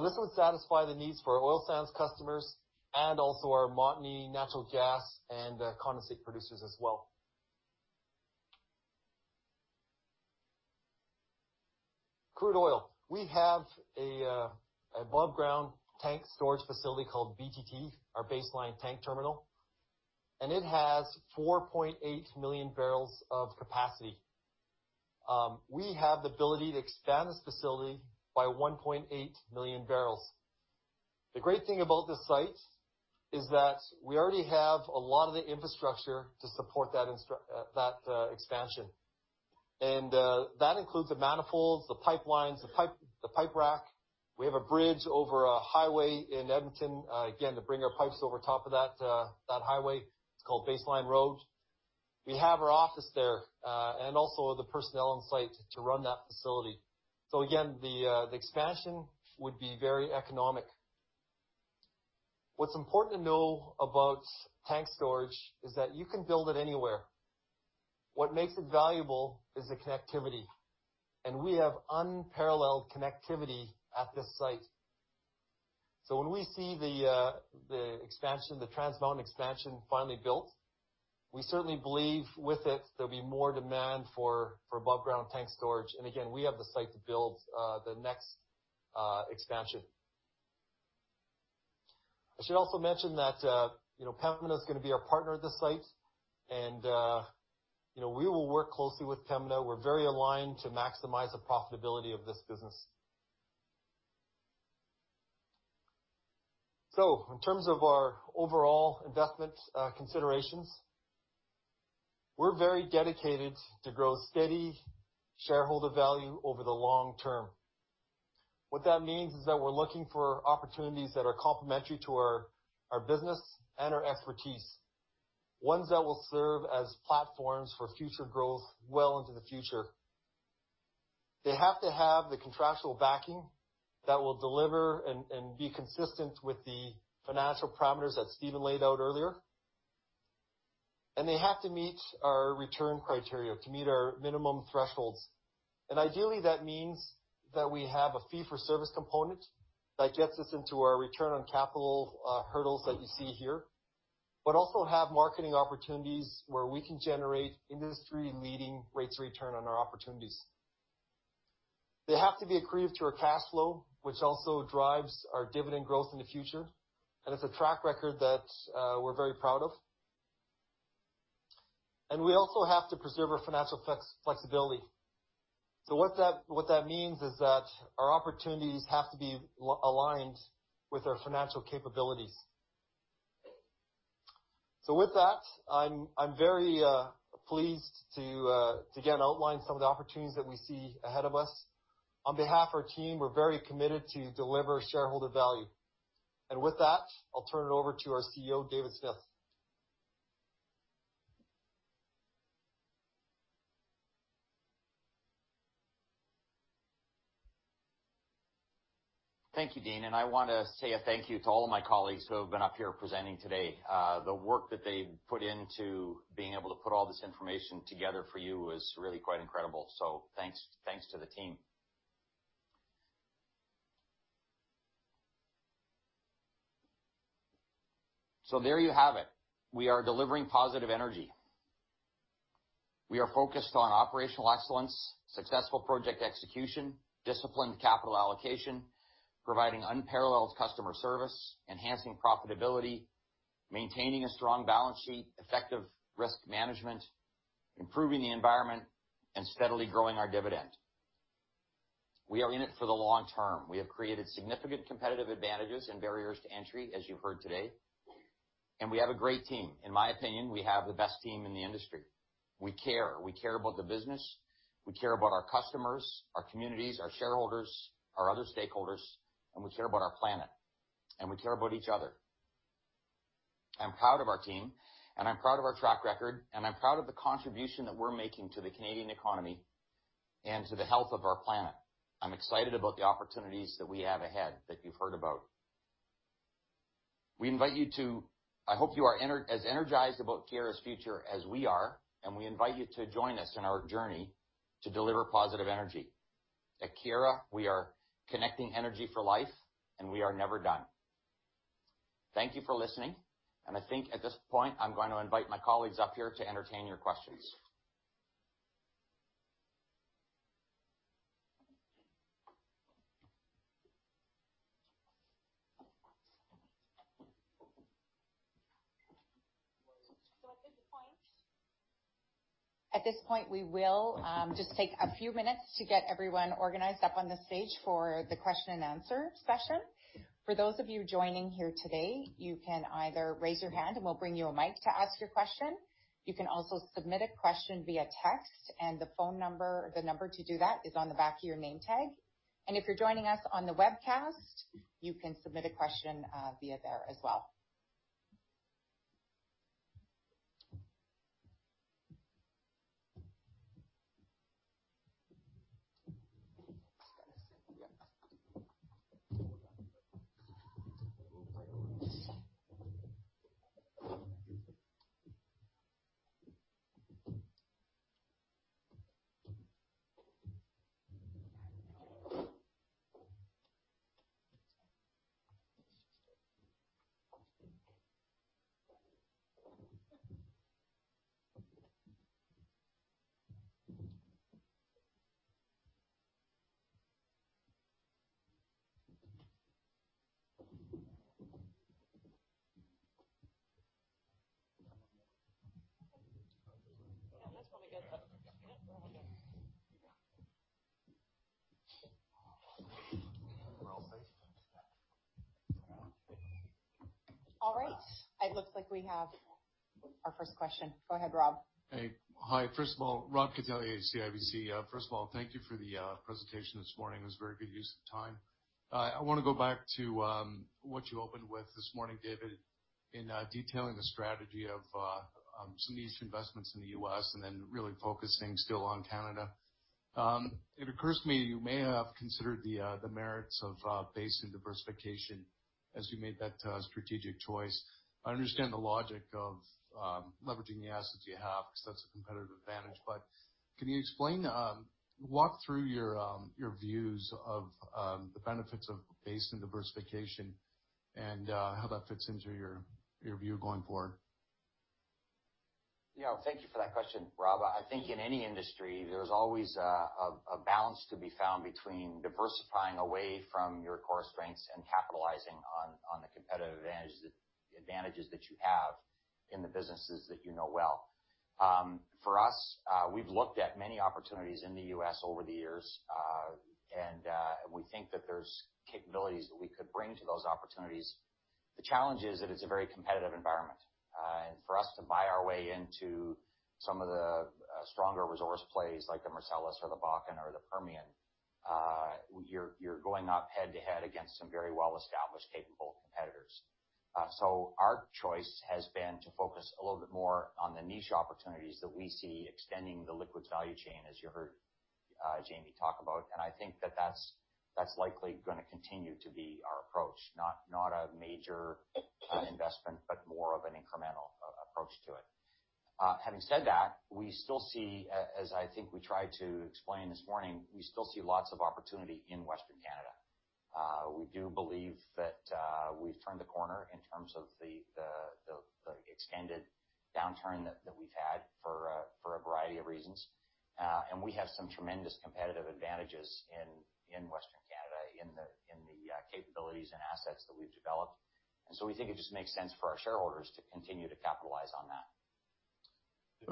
This would satisfy the needs for our oil sands customers and also our Montney natural gas and condensate producers as well. Crude oil. We have an aboveground tank storage facility called BTT, our Base Line Terminal, and it has 4.8 million barrels of capacity. We have the ability to expand this facility by 1.8 million barrels. The great thing about this site is that we already have a lot of the infrastructure to support that expansion. That includes the manifolds, the pipelines, the pipe rack. We have a bridge over a highway in Edmonton, again, to bring our pipes over top of that highway. It's called Baseline Road. We have our office there, and also the personnel on site to run that facility. Again, the expansion would be very economic. What's important to know about tank storage is that you can build it anywhere. What makes it valuable is the connectivity, and we have unparalleled connectivity at this site. When we see the Trans Mountain expansion finally built, we certainly believe with it there'll be more demand for aboveground tank storage, and again, we have the site to build the next expansion. I should also mention that Pembina is going to be our partner at this site, and we will work closely with Pembina. We're very aligned to maximize the profitability of this business. In terms of our overall investment considerations, we're very dedicated to grow steady shareholder value over the long term. What that means is that we're looking for opportunities that are complementary to our business and our expertise, ones that will serve as platforms for future growth well into the future. They have to have the contractual backing that will deliver and be consistent with the financial parameters that Steven laid out earlier. They have to meet our return criteria to meet our minimum thresholds. Ideally, that means that we have a fee-for-service component that gets us into our return on capital hurdles that you see here, but also have marketing opportunities where we can generate industry-leading rates of return on our opportunities. They have to be accretive to our cash flow, which also drives our dividend growth in the future, and it's a track record that we're very proud of. We also have to preserve our financial flexibility. What that means is that our opportunities have to be aligned with our financial capabilities. With that, I'm very pleased to, again, outline some of the opportunities that we see ahead of us. On behalf of our team, we're very committed to deliver shareholder value. With that, I'll turn it over to our CEO, David Smith.
Thank you, Dean, and I want to say a thank you to all of my colleagues who have been up here presenting today. The work that they've put into being able to put all this information together for you is really quite incredible. Thanks to the team. There you have it. We are delivering positive energy. We are focused on operational excellence, successful project execution, disciplined capital allocation, providing unparalleled customer service, enhancing profitability, maintaining a strong balance sheet, effective risk management, improving the environment, and steadily growing our dividend. We are in it for the long term. We have created significant competitive advantages and barriers to entry, as you've heard today, and we have a great team. In my opinion, we have the best team in the industry. We care. We care about the business. We care about our customers, our communities, our shareholders, our other stakeholders, and we care about our planet, and we care about each other. I'm proud of our team, and I'm proud of our track record, and I'm proud of the contribution that we're making to the Canadian economy and to the health of our planet. I'm excited about the opportunities that we have ahead that you've heard about. I hope you are as energized about Keyera's future as we are, and we invite you to join us on our journey to deliver positive energy. At Keyera, we are connecting energy for life, and we are never done. Thank you for listening, and I think at this point, I'm going to invite my colleagues up here to entertain your questions.
At this point we will just take a few minutes to get everyone organized up on the stage for the question and answer session. For those of you joining here today, you can either raise your hand and we'll bring you a mic to ask your question. You can also submit a question via text and the number to do that is on the back of your name tag. If you're joining us on the webcast, you can submit a question via there as well. All right. It looks like we have our first question. Go ahead, Rob.
Hey. Hi. First of all, Robert Catellier, CIBC. First of all, thank you for the presentation this morning. It was a very good use of time. I want to go back to what you opened with this morning, David, in detailing the strategy of some niche investments in the U.S. and then really focusing still on Canada. It occurs to me you may have considered the merits of basin diversification as you made that strategic choice. I understand the logic of leveraging the assets you have, because that's a competitive advantage, but can you walk through your views of the benefits of basin diversification and how that fits into your view going forward?
Yeah. Thank you for that question, Rob. I think in any industry, there's always a balance to be found between diversifying away from your core strengths and capitalizing on the competitive advantages that you have in the businesses that you know well. For us, we've looked at many opportunities in the U.S. over the years. We think that there's capabilities that we could bring to those opportunities. The challenge is that it's a very competitive environment. For us to buy our way into some of the stronger resource plays like the Marcellus or the Bakken or the Permian, you're going up head to head against some very well-established, capable competitors. Our choice has been to focus a little bit more on the niche opportunities that we see extending the liquids value chain, as you heard Jamie talk about. I think that that's likely going to continue to be our approach, not a major investment, but more of an incremental approach to it. Having said that, as I think we tried to explain this morning, we still see lots of opportunity in Western Canada. We do believe that we've turned the corner in terms of the extended downturn that we've had for a variety of reasons. We have some tremendous competitive advantages in Western Canada in the capabilities and assets that we've developed. We think it just makes sense for our shareholders to continue to capitalize on that.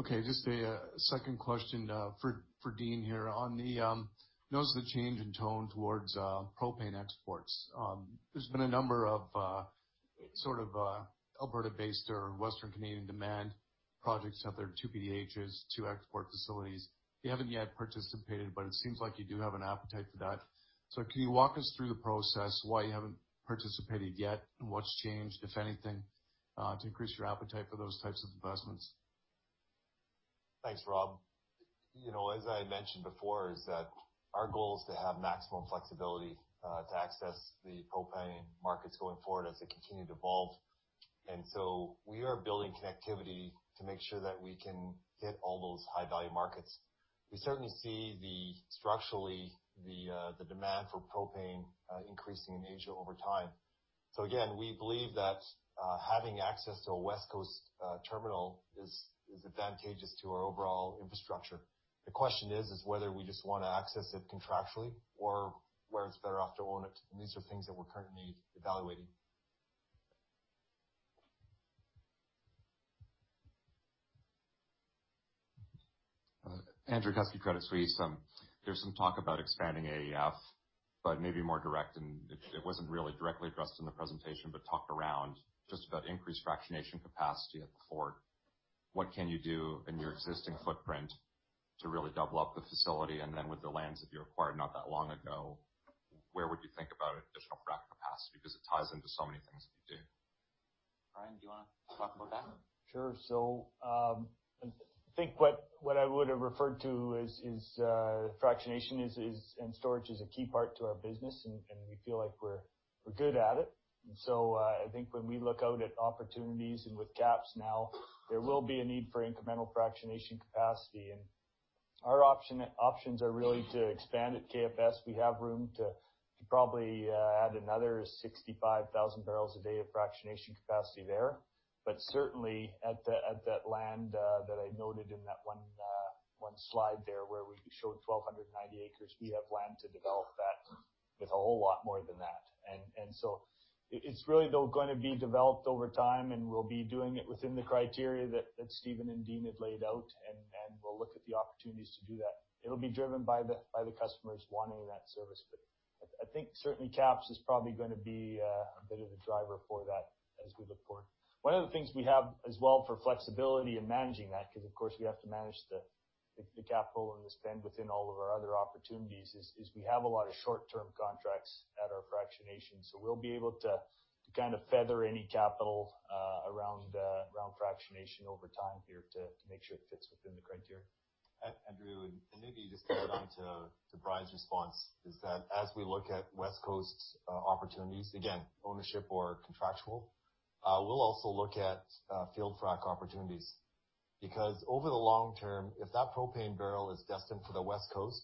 Okay, just a second question for Dean here. On the notes, the change in tone towards propane exports. There's been a number of Alberta-based or Western Canadian demand projects out there, two PDHs, two export facilities. You haven't yet participated, but it seems like you do have an appetite for that. Can you walk us through the process why you haven't participated yet, and what's changed, if anything, to increase your appetite for those types of investments?
Thanks, Rob. As I mentioned before, our goal is to have maximum flexibility to access the propane markets going forward as they continue to evolve. We are building connectivity to make sure that we can hit all those high-value markets. We certainly see structurally the demand for propane increasing in Asia over time. Again, we believe that having access to a West Coast terminal is advantageous to our overall infrastructure. The question is whether we just want to access it contractually or whether it's better off to own it. These are things that we're currently evaluating.
There's some talk about expanding AEF, but maybe more direct, and it wasn't really directly addressed in the presentation, but talked around just about increased fractionation capacity at the Fort. What can you do in your existing footprint to really double up the facility? Then with the lands that you acquired not that long ago, where would you think about additional frac capacity? It ties into so many things that you do.
Brian, do you want to talk about that?
Sure. I think what I would have referred to is fractionation and storage is a key part to our business, and we feel like we're good at it. I think when we look out at opportunities and with KAPS now, there will be a need for incremental fractionation capacity. Our options are really to expand at KFS. We have room to probably add another 65,000 barrels a day of fractionation capacity there. Certainly at that land that I noted in that one slide there where we showed 1,290 acres, we have land to develop that with a whole lot more than that. It's really, though, going to be developed over time, and we'll be doing it within the criteria that Steven and Dean had laid out. We'll look at the opportunities to do that. It'll be driven by the customers wanting that service. I think certainly KAPS is probably going to be a bit of a driver for that as we look forward. One of the things we have as well for flexibility in managing that, because of course, we have to manage the capital and the spend within all of our other opportunities, is we have a lot of short-term contracts at our fractionation. We'll be able to feather any capital around fractionation over time here to make sure it fits within the criteria. Andrew, maybe just to Brian's response is that as we look at West Coast's opportunities, again, ownership or contractual, we'll also look at field frac opportunities.
Over the long term, if that propane barrel is destined for the West Coast,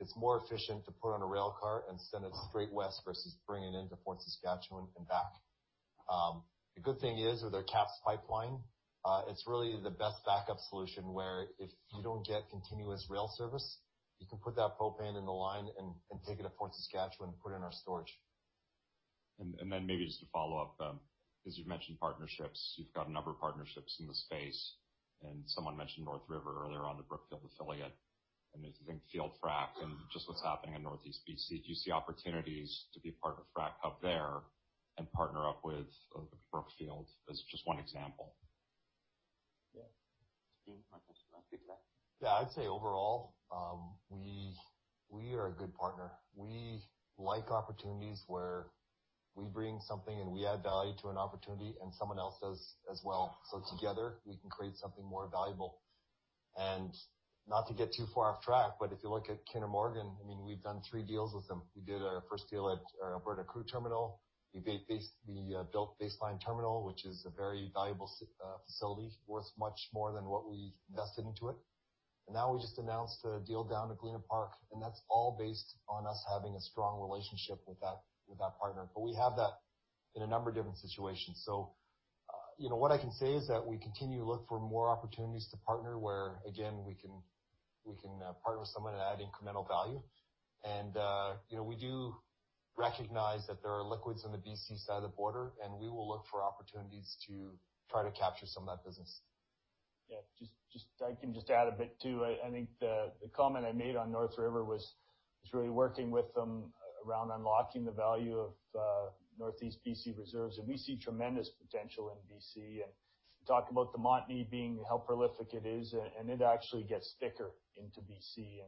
it's more efficient to put on a rail car and send it straight west versus bringing it into Fort Saskatchewan and back. The good thing is, with their KAPS Pipeline, it's really the best backup solution where if you don't get continuous rail service, you can put that propane in the line and take it to Fort Saskatchewan and put it in our storage.
Maybe just to follow up, because you've mentioned partnerships, you've got a number of partnerships in the space, and someone mentioned NorthRiver Midstream earlier on the Brookfield affiliate, and if you think field fracs and just what's happening in Northeast B.C., do you see opportunities to be a part of a frac hub there and partner up with Brookfield as just one example?
Yeah. Dean, why don't you speak to that?
Yeah, I'd say overall, we are a good partner. We like opportunities where we bring something and we add value to an opportunity and someone else does as well. Together, we can create something more valuable. Not to get too far off track, but if you look at Kinder Morgan, we've done three deals with them. We did our first deal at our Alberta Crude Terminal. We built Base Line Terminal, which is a very valuable facility, worth much more than what we invested into it. Now we just announced a deal down at Galena Park, and that's all based on us having a strong relationship with that partner. We have that in a number of different situations. What I can say is that we continue to look for more opportunities to partner where, again, we can partner with someone and add incremental value. We do recognize that there are liquids on the BC side of the border, and we will look for opportunities to try to capture some of that business.
Yeah, I can just add a bit too. I think the comment I made on NorthRiver Midstream was really working with them around unlocking the value of Northeast BC reserves. We see tremendous potential in BC. You talk about the Montney being how prolific it is, and it actually gets thicker into BC,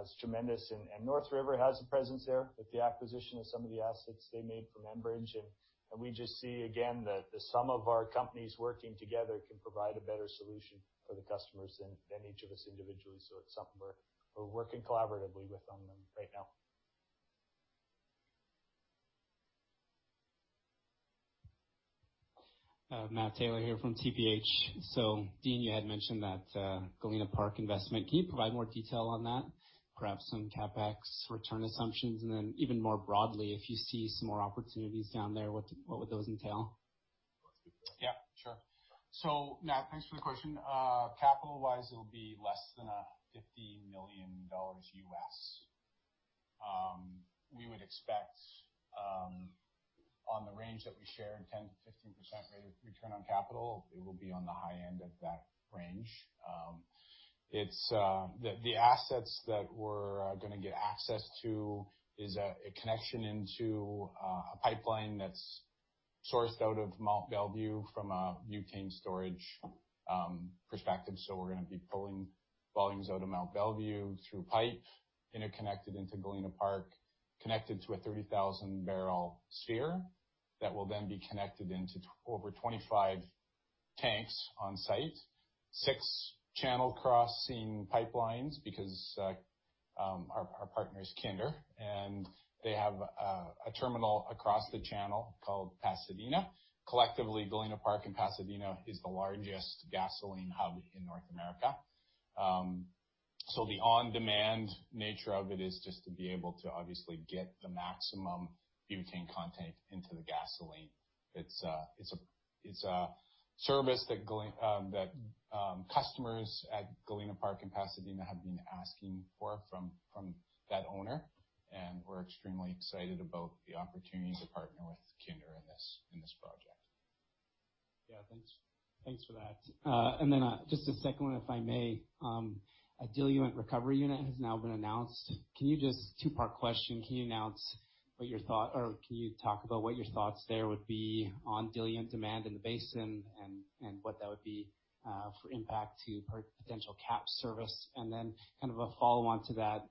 it's tremendous. NorthRiver Midstream has a presence there with the acquisition of some of the assets they made from Enbridge. We just see, again, that the sum of our companies working together can provide a better solution for the customers than each of us individually. It's something we're working collaboratively with on them right now.
Matt Taylor here from TPH. Dean, you had mentioned that Galena Park investment. Can you provide more detail on that, perhaps some CapEx return assumptions? Even more broadly, if you see some more opportunities down there, what would those entail?
Matt, thanks for the question. Capital-wise, it'll be less than $50 million U.S. We would expect, on the range that we share in 10%-15% rate of return on capital, it will be on the high end of that range. The assets that we're going to get access to is a connection into a pipeline that's sourced out of Mont Belvieu from a butane storage perspective. We're going to be pulling volumes out of Mont Belvieu through pipe, interconnected into Galena Park, connected to a 30,000-barrel sphere that will then be connected into over 25 tanks on site. Six channel crossing pipelines because our partner is Kinder, and they have a terminal across the channel called Pasadena. Collectively, Galena Park and Pasadena is the largest gasoline hub in North America. The on-demand nature of it is just to be able to obviously get the maximum butane content into the gasoline. It's a service that customers at Galena Park and Pasadena have been asking for from that owner. We're extremely excited about the opportunity to partner with Kinder in this project.
Yeah, thanks for that. Just a second one, if I may. A diluent recovery unit has now been announced. Two-part question: can you talk about what your thoughts there would be on diluent demand in the basin and what that would be for impact to potential KAPS service? A follow-on to that,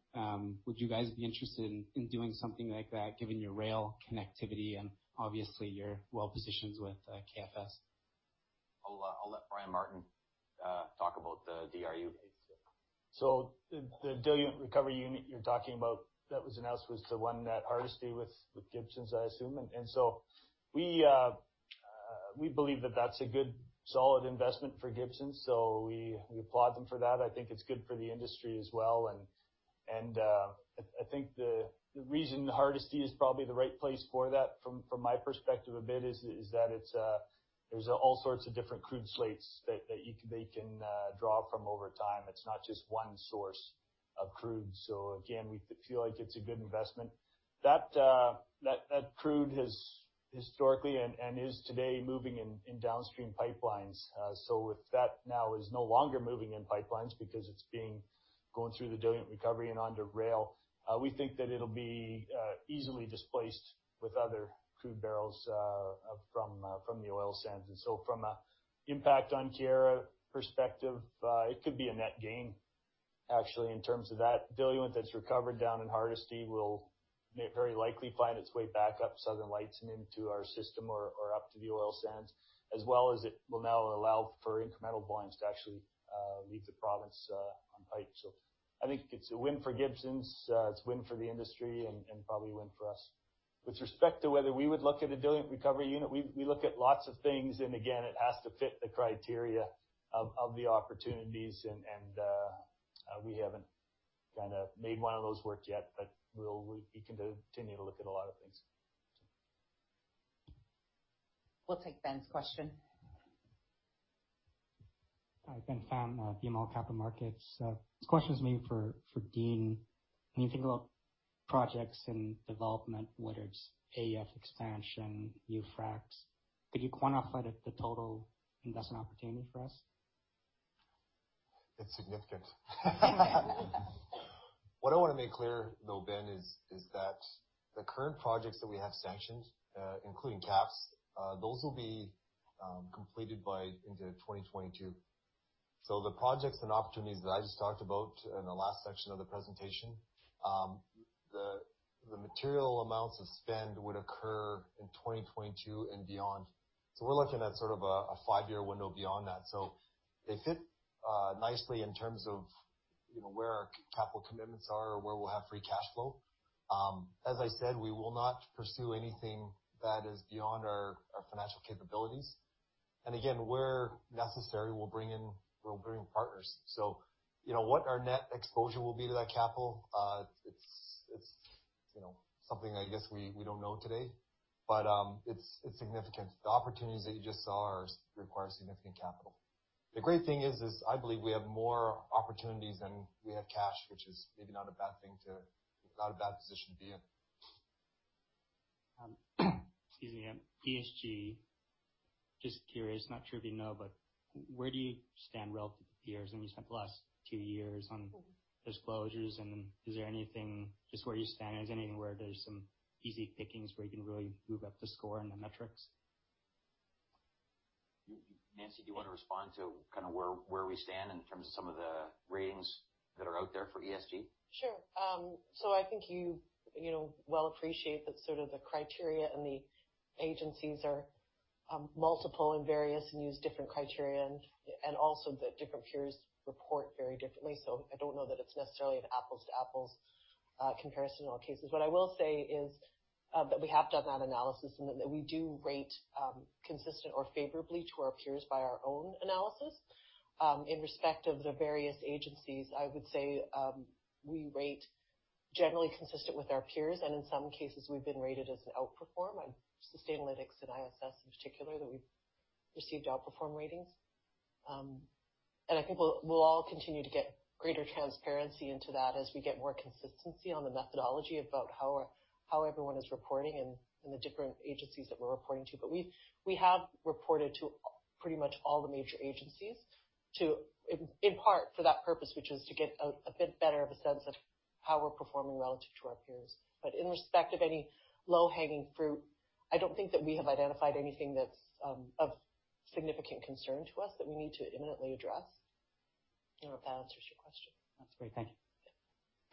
would you guys be interested in doing something like that, given your rail connectivity and obviously your well positions with KAPS?
I'll let Brian Martin talk about the DRU.
The diluent recovery unit you're talking about that was announced was the one at Hardisty with Gibson's, I assume. We believe that that's a good, solid investment for Gibson's, so we applaud them for that. I think it's good for the industry as well. I think the reason Hardisty is probably the right place for that, from my perspective a bit, is that there's all sorts of different crude slates that they can draw from over time. It's not just one source of crude. Again, we feel like it's a good investment. That crude has historically, and is today, moving in downstream pipelines. If that now is no longer moving in pipelines because it's going through the diluent recovery and onto rail, we think that it'll be easily displaced with other crude barrels from the oil sands. From an impact on Keyera perspective, it could be a net gain. Actually, in terms of that diluent that's recovered down in Hardisty will very likely find its way back up Southern Lights and into our system or up to the oil sands, as well as it will now allow for incremental volumes to actually leave the province on pipe. I think it's a win for Gibson, it's a win for the industry, and probably a win for us. With respect to whether we would look at a diluent recovery unit, we look at lots of things, and again, it has to fit the criteria of the opportunities and we haven't made one of those work yet, but we'll continue to look at a lot of things.
We'll take Ben's question.
Hi, Ben Pham, BMO Capital Markets. This question is maybe for Dean. When you think about projects and development, whether it's AEF expansion, new fracs, could you quantify the total investment opportunity for us?
It's significant. What I want to make clear though, Ben, is that the current projects that we have sanctioned, including KAPS, those will be completed by into 2022. The projects and opportunities that I just talked about in the last section of the presentation, the material amounts of spend would occur in 2022 and beyond. We're looking at sort of a five-year window beyond that. They fit nicely in terms of where our capital commitments are or where we'll have free cash flow. As I said, we will not pursue anything that is beyond our financial capabilities. Again, where necessary, we'll bring in partners. What our net exposure will be to that capital, it's something I guess we don't know today, but it's significant. The opportunities that you just saw require significant capital. The great thing is, I believe we have more opportunities than we have cash, which is maybe not a bad position to be in.
Excuse me. ESG, just curious, not sure if you know, where do you stand relative to peers? I mean, you spent the last two years on disclosures, is there anything, just where you stand, is there anywhere there's some easy pickings where you can really move up the score in the metrics?
Nancy, do you want to respond to where we stand in terms of some of the ratings that are out there for ESG?
Sure. I think you well appreciate that sort of the criteria and the agencies are multiple and various and use different criteria, and also that different peers report very differently. I don't know that it's necessarily an apples to apples comparison in all cases. What I will say is that we have done that analysis and that we do rate consistent or favorably to our peers by our own analysis. In respect of the various agencies, I would say, we rate generally consistent with our peers, and in some cases, we've been rated as an outperform on Sustainalytics and ISS in particular, that we've received outperform ratings. I think we'll all continue to get greater transparency into that as we get more consistency on the methodology about how everyone is reporting and the different agencies that we're reporting to. We have reported to pretty much all the major agencies, in part for that purpose, which is to get a bit better of a sense of how we're performing relative to our peers. In respect of any low-hanging fruit, I don't think that we have identified anything that's of significant concern to us that we need to imminently address. I don't know if that answers your question.
That's great. Thank you.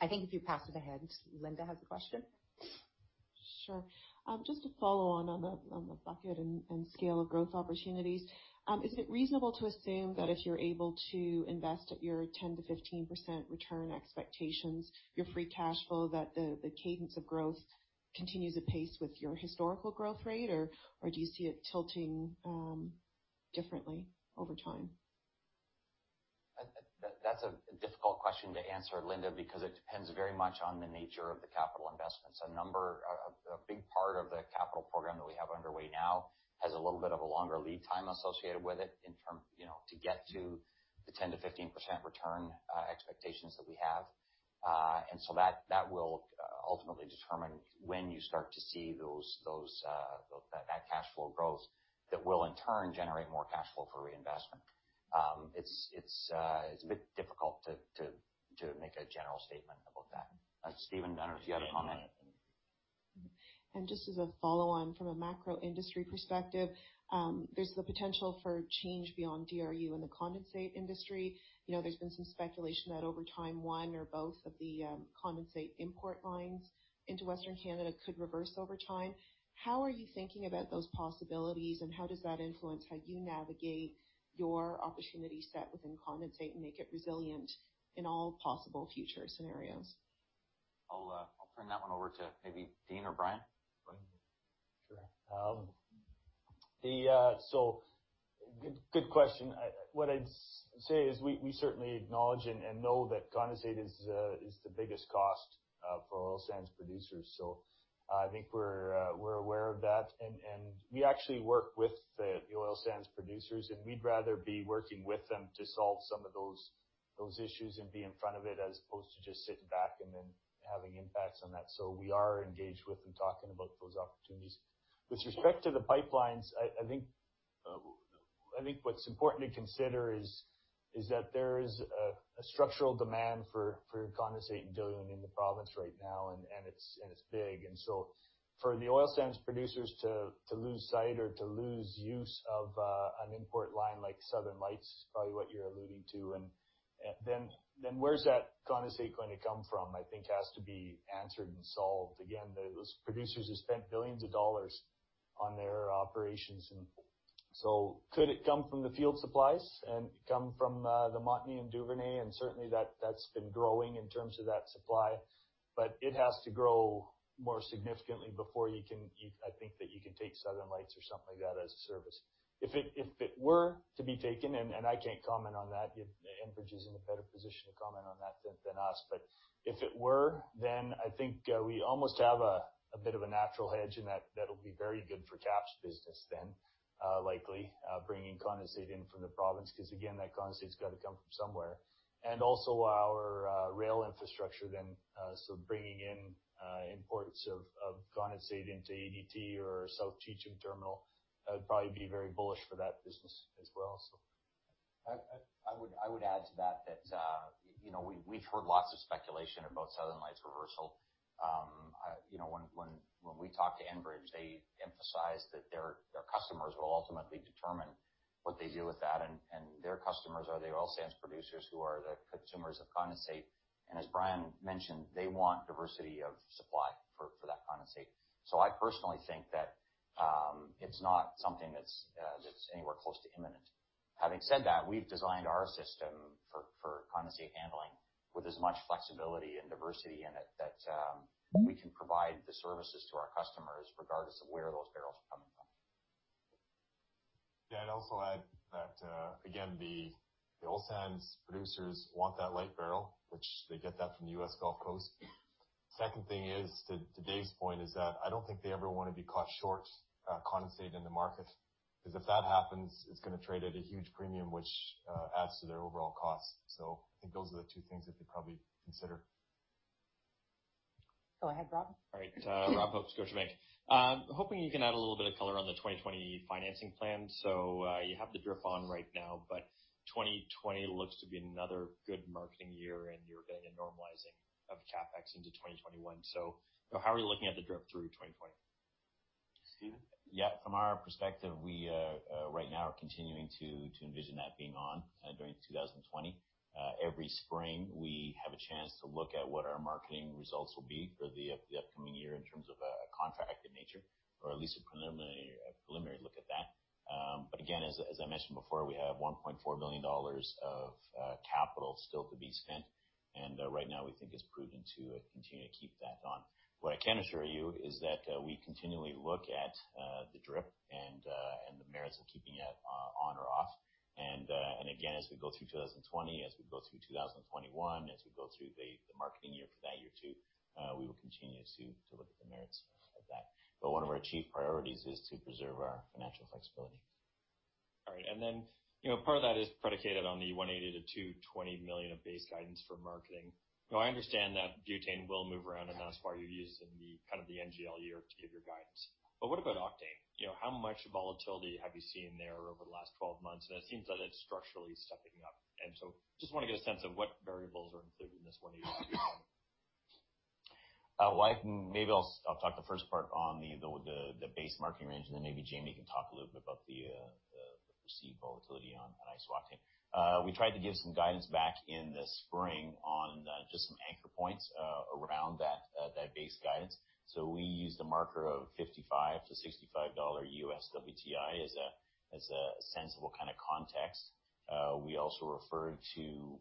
I think if you pass it ahead, Linda has a question.
Sure. Just to follow on the bucket and scale of growth opportunities. Is it reasonable to assume that if you're able to invest at your 10%-15% return expectations, your free cash flow, that the cadence of growth continues apace with your historical growth rate, or do you see it tilting differently over time?
That's a difficult question to answer, Linda, because it depends very much on the nature of the capital investments. A big part of the capital program that we have underway now has a little bit of a longer lead time associated with it to get to the 10%-15% return expectations that we have. That will ultimately determine when you start to see that cash flow growth that will in turn generate more cash flow for reinvestment. It's a bit difficult to make a general statement about that. Steven, I don't know if you had a comment.
Just as a follow-on from a macro industry perspective, there's the potential for change beyond DRU and the condensate industry. There's been some speculation that over time, one or both of the condensate import lines into Western Canada could reverse over time. How are you thinking about those possibilities, and how does that influence how you navigate your opportunity set within condensate and make it resilient in all possible future scenarios?
I'll turn that one over to maybe Dean or Brian.
Sure. Good question. What I'd say is we certainly acknowledge and know that condensate is the biggest cost for oil sands producers. I think we're aware of that, and we actually work with the oil sands producers, and we'd rather be working with them to solve some of those issues and be in front of it, as opposed to just sitting back and then having impacts on that. We are engaged with them, talking about those opportunities. With respect to the pipelines, I think what's important to consider is that there is a structural demand for condensate and diluent in the province right now. It's big. For the oil sands producers to lose sight or to lose use of an import line like Southern Lights, probably what you're alluding to, where's that condensate going to come from, I think has to be answered and solved. Those producers have spent billions of CAD on their operations. Could it come from the field supplies and come from the Montney and Duvernay? Certainly that's been growing in terms of that supply, but it has to grow more significantly before I think that you can take Southern Lights or something like that as a service. If it were to be taken, I can't comment on that. Enbridge is in a better position to comment on that than us. If it were, then I think we almost have a bit of a natural hedge and that'll be very good for KAPS business then, likely, bringing condensate in from the province, because, again, that condensate's got to come from somewhere. Also our rail infrastructure then, so bringing in imports of condensate into ADT or South Cheecham Terminal, that would probably be very bullish for that business as well.
I would add to that, we've heard lots of speculation about Southern Lights reversal. When we talk to Enbridge, they emphasize that their customers will ultimately determine what they do with that, and their customers are the oil sands producers who are the consumers of condensate. As Brian mentioned, they want diversity of supply for that condensate. I personally think that it's not something that's anywhere close to imminent. Having said that, we've designed our system for condensate handling with as much flexibility and diversity in it that we can provide the services to our customers regardless of where those barrels are coming from.
Yeah, I'd also add that, again, the oil sands producers want that light barrel, which they get that from the U.S. Gulf Coast. Second thing is, to Dave's point, is that I don't think they ever want to be caught short condensate in the market. If that happens, it's going to trade at a huge premium, which adds to their overall cost. I think those are the two things that they probably consider.
Go ahead, Rob.
All right. Rob Hope, Scotiabank. Hoping you can add a little bit of color on the 2020 financing plan. You have the DRIP on right now, but 2020 looks to be another good marketing year and you're getting a normalizing of CapEx into 2021. How are you looking at the DRIP through 2020?
Stephen? Yeah. From our perspective, we right now are continuing to envision that being on during 2020. Every spring, we have a chance to look at what our marketing results will be for the upcoming year in terms of a contracted nature, or at least a preliminary look at that. Again, as I mentioned before, we have 1.4 billion dollars of capital still to be spent, and right now we think it's prudent to continue to keep that on. What I can assure you is that we continually look at the DRIP and the merits of keeping it on or off. Again, as we go through 2020, as we go through 2021, as we go through the marketing year for that year too, we will continue to look at the merits of that. One of our chief priorities is to preserve our financial flexibility.
All right. Part of that is predicated on the 180 million-220 million of base guidance for marketing. I understand that butane will move around, and that's why you're using the NGL year to give your guidance. What about octane? How much volatility have you seen there over the last 12 months? It seems that it's structurally stepping up. Just want to get a sense of what variables are included in this 180-220.
Well, maybe I'll talk the first part on the base marketing range, and then maybe Jamie can talk a little bit about the perceived volatility on iso-octane. We tried to give some guidance back in the spring on just some anchor points around that base guidance. We used a marker of $55-$65 U.S. WTI as a sensible kind of context. We also referred to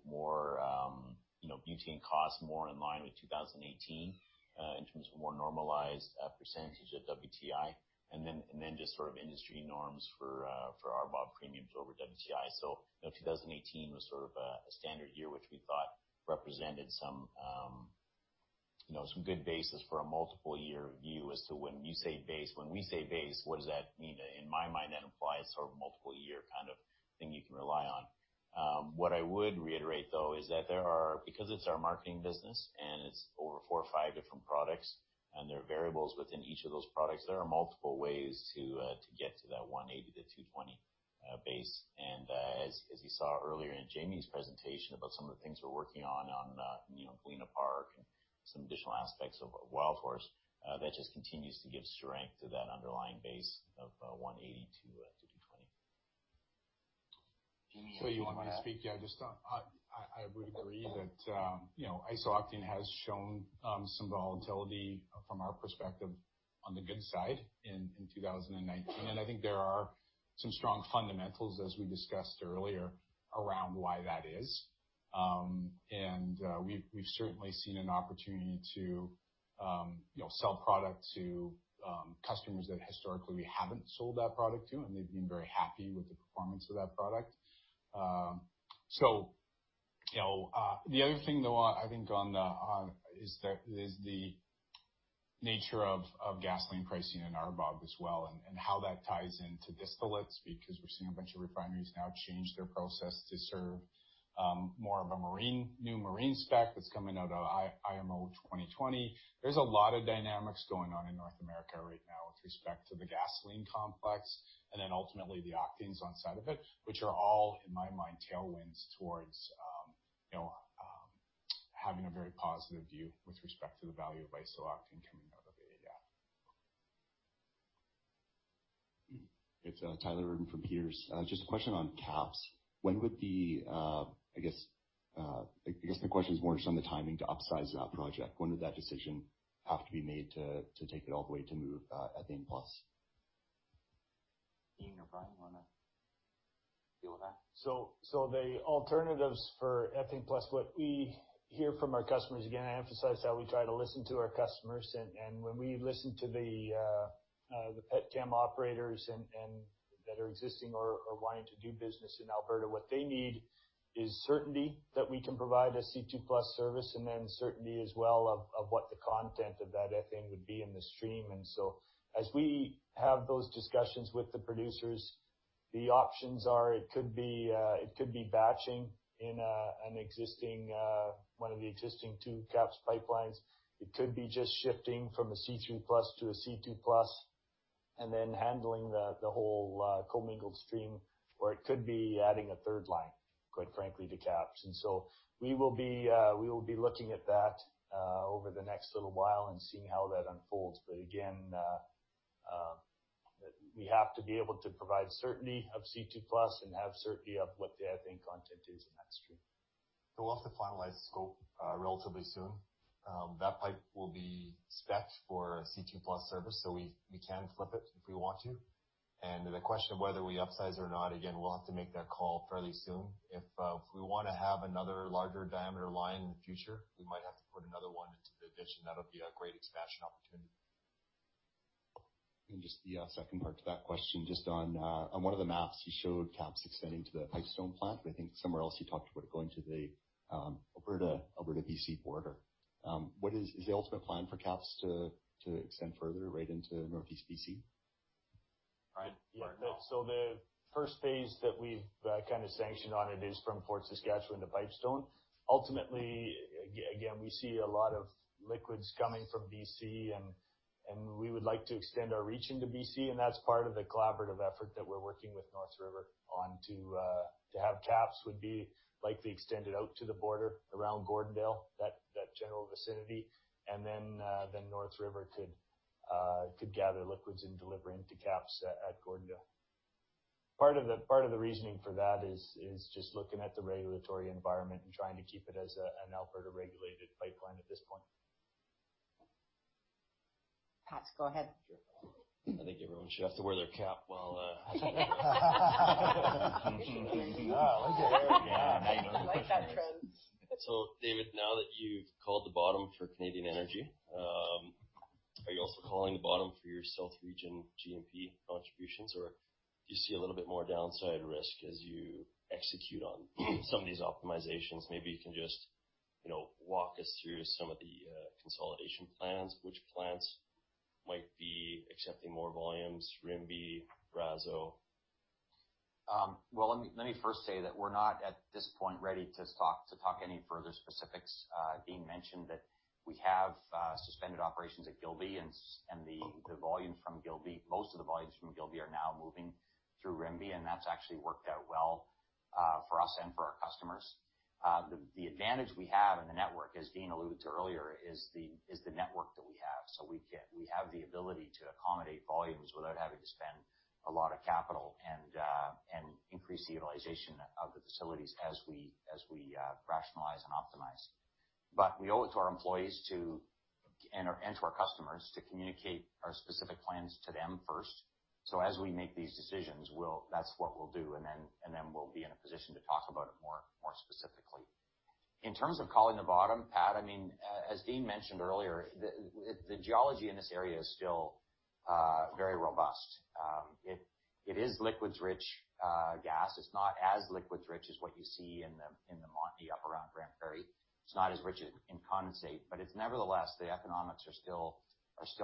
butane costs more in line with 2018, in terms of more normalized percentage of WTI, and then just sort of industry norms for RBOB premiums over WTI. 2018 was sort of a standard year, which we thought represented some good basis for a multiple year view as to when you say base, when we say base, what does that mean? In my mind, that implies sort of multiple year kind of thing you can rely on. What I would reiterate, though, is that there are, because it's our marketing business, and it's over four or five different products, and there are variables within each of those products, there are multiple ways to get to that 180-220 base. As you saw earlier in Jamie's presentation about some of the things we're working on Galena Park and some additional aspects of Wildhorse, that just continues to give strength to that underlying base of 180-220.
Jamie, you want to.
You want to speak? Yeah, I would agree that iso-octane has shown some volatility from our perspective on the good side in 2019. I think there are some strong fundamentals, as we discussed earlier, around why that is. We've certainly seen an opportunity to sell product to customers that historically we haven't sold that product to, and they've been very happy with the performance of that product. The other thing, though, I think, is the nature of gasoline pricing in RBOB as well, and how that ties into distillates, because we're seeing a bunch of refineries now change their process to serve more of a new marine spec that's coming out of IMO 2020. There's a lot of dynamics going on in North America right now with respect to the gasoline complex, and then ultimately the octanes on side of it, which are all, in my mind, tailwinds towards having a very positive view with respect to the value of iso-octane coming out of Wildhorse.
It's Tyler Urban from Peters & Co. Just a question on KAPS. I guess the question is more just on the timing to upsize that project. When would that decision have to be made to take it all the way to move ethane plus?
Dean or Brian, you want to deal with that?
The alternatives for ethane plus, what we hear from our customers, again, I emphasize how we try to listen to our customers, and when we listen to the petchem operators that are existing or wanting to do business in Alberta, what they need is certainty that we can provide a C2+ service, and then certainty as well of what the content of that ethane would be in the stream. As we have those discussions with the producers, the options are it could be batching in one of the existing 2 KAPS pipelines. It could be just shifting from a C3+ to a C2+, and then handling the whole commingled stream, or it could be adding a 3rd line, quite frankly, to KAPS. We will be looking at that over the next little while and seeing how that unfolds. Again, we have to be able to provide certainty of C2+ and have certainty of what the ethane content is in that stream.
We'll have to finalize the scope relatively soon. That pipe will be specced for a C2+ service, we can flip it if we want to. The question of whether we upsize or not, again, we'll have to make that call fairly soon. If we want to have another larger diameter line in the future, we might have to put another one into the ditch, and that'll be a great expansion opportunity.
Just the second part to that question, just on one of the maps you showed KAPS extending to the Pipestone plant, but I think somewhere else you talked about it going to the Alberta-B.C. border. Is the ultimate plan for KAPS to extend further right into northeast B.C.?
Brian?
The first phase that we've kind of sanctioned on it is from Fort Saskatchewan to Pipestone. Ultimately, again, we see a lot of liquids coming from BC, and we would like to extend our reach into BC, and that's part of the collaborative effort that we're working with NorthRiver Midstream on to have KAPS would be likely extended out to the border around Gordondale, that general vicinity. Then, NorthRiver Midstream could gather liquids and deliver into KAPS at Gordondale. Part of the reasoning for that is just looking at the regulatory environment and trying to keep it as an Alberta-regulated pipeline at this point.
Pat, go ahead.
Sure. I think everyone should have to wear their cap while,
Oh, look at that.
Yeah, nice.
I like that trend.
David, now that you've called the bottom for Canadian energy, are you also calling the bottom for your south region G&P contributions, or do you see a little bit more downside risk as you execute on some of these optimizations? Maybe you can just walk us through some of the consolidation plans, which plants might be accepting more volumes, Rimbey, Brazeau.
Let me first say that we're not, at this point, ready to talk any further specifics. Dean mentioned that we have suspended operations at Gilby and the volume from Gilby, most of the volumes from Gilby are now moving through Rimbey, and that's actually worked out well for us and for our customers. The advantage we have in the network, as Dean alluded to earlier, is the network that we have. We have the ability to accommodate volumes without having to spend a lot of capital and increase the utilization of the facilities as we rationalize and optimize. We owe it to our employees and to our customers to communicate our specific plans to them first. As we make these decisions, that's what we'll do, and then we'll be in a position to talk about it more specifically. In terms of calling the bottom, Pat, as Dean mentioned earlier, the geology in this area is still very robust. It is liquids-rich gas. It's not as liquids rich as what you see in the Montney up around Grande Prairie. It's not as rich in condensate. Nevertheless, the economics are still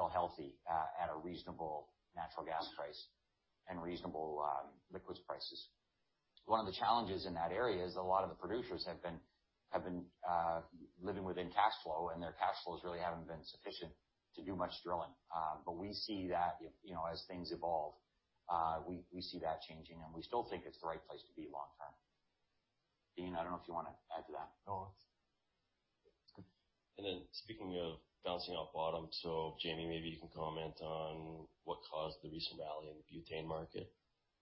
healthy at a reasonable natural gas price and reasonable liquids prices. One of the challenges in that area is a lot of the producers have been living within cash flow, and their cash flows really haven't been sufficient to do much drilling. We see that as things evolve, we see that changing, and we still think it's the right place to be long term. Dean, I don't know if you want to add to that.
No.
Speaking of bouncing off bottom, Jamie, maybe you can comment on what caused the recent rally in the butane market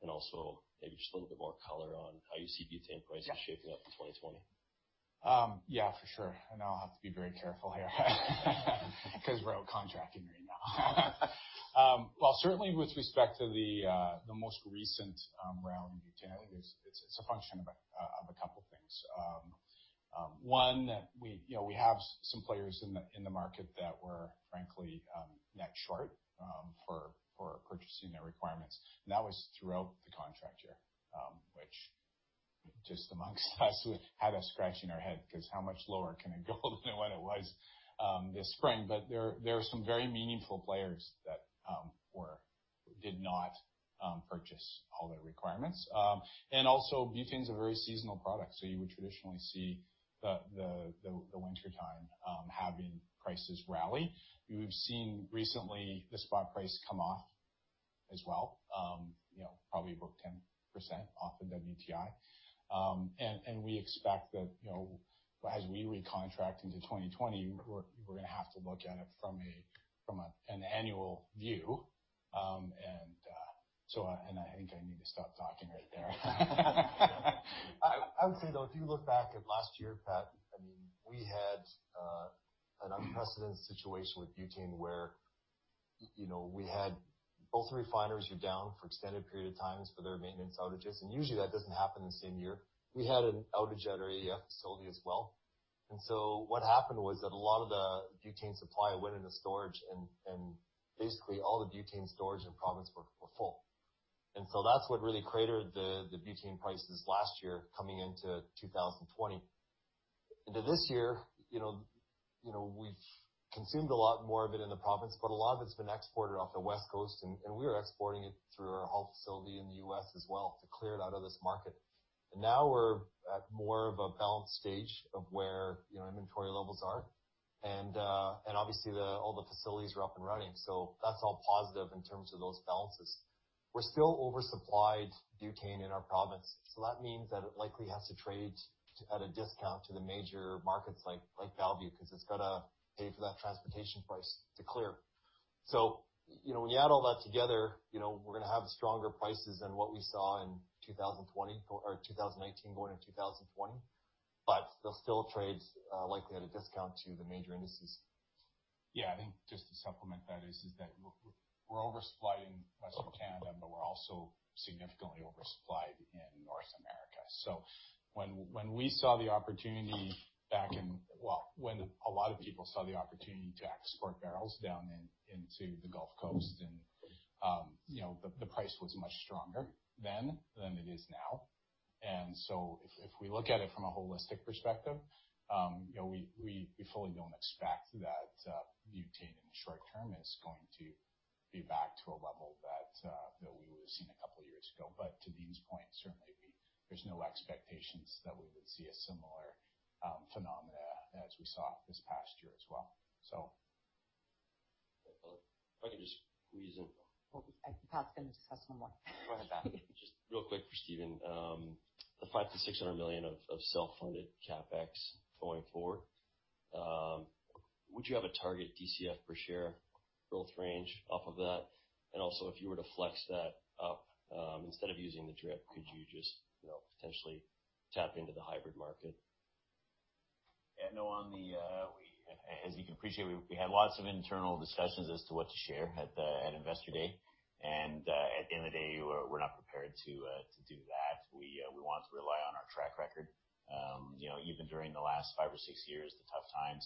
and also maybe just a little bit more color on how you see butane prices shaping up for 2020?
Yeah, for sure. I know I'll have to be very careful here because we're out contracting right now. Well, certainly with respect to the most recent rally in butane, it's a function of two things. One, we have some players in the market that were, frankly, net short for purchasing their requirements. That was throughout the contract year, which just amongst us, had us scratching our head because how much lower can it go than what it was this spring? There are some very meaningful players that did not purchase all their requirements. Also, butane's a very seasonal product, so you would traditionally see the wintertime having prices rally. We've seen recently the spot price come off As well, probably book 10% off of WTI. We expect that as we recontract into 2020, we're going to have to look at it from an annual view. I think I need to stop talking right there.
I would say, though, if you look back at last year, Pat, we had an unprecedented situation with butane where both refiners were down for extended period of times for their maintenance outages. Usually that doesn't happen in the same year. We had an outage at our AEF facility as well. What happened was that a lot of the butane supply went into storage and basically all the butane storage in province were full. That's what really cratered the butane prices last year coming into 2020. Into this year, we've consumed a lot more of it in the province, but a lot of it's been exported off the West Coast, and we are exporting it through our Hull facility in the U.S. as well to clear it out of this market. Now we're at more of a balanced stage of where inventory levels are. Obviously all the facilities are up and running, so that's all positive in terms of those balances. We're still oversupplied butane in our province, so that means that it likely has to trade at a discount to the major markets like Mont Belvieu because it's got to pay for that transportation price to clear. When you add all that together, we're going to have stronger prices than what we saw in 2019 going into 2020, but they'll still trade likely at a discount to the major indices.
Yeah, I think just to supplement that is that we're oversupplied in Western Canada, but we're also significantly oversupplied in North America. When we saw the opportunity back in Well, when a lot of people saw the opportunity to export barrels down into the Gulf Coast and the price was much stronger then than it is now. If we look at it from a holistic perspective, we fully don't expect that butane in the short term is going to be back to a level that we would have seen a couple of years ago. To Dean's point, certainly there's no expectations that we would see a similar phenomena as we saw this past year as well.
If I could just squeeze in.
Well, Pat's going to ask one more.
Go ahead, Pat.
Just real quick for Steven, the 5 million-600 million of self-funded CapEx going forward. Would you have a target DCF per share growth range off of that? Also, if you were to flex that up, instead of using the DRIP, could you just potentially tap into the hybrid market?
As you can appreciate, we had lots of internal discussions as to what to share at Investor Day. At the end of the day, we're not prepared to do that. We want to rely on our track record. Even during the last five or six years, the tough times,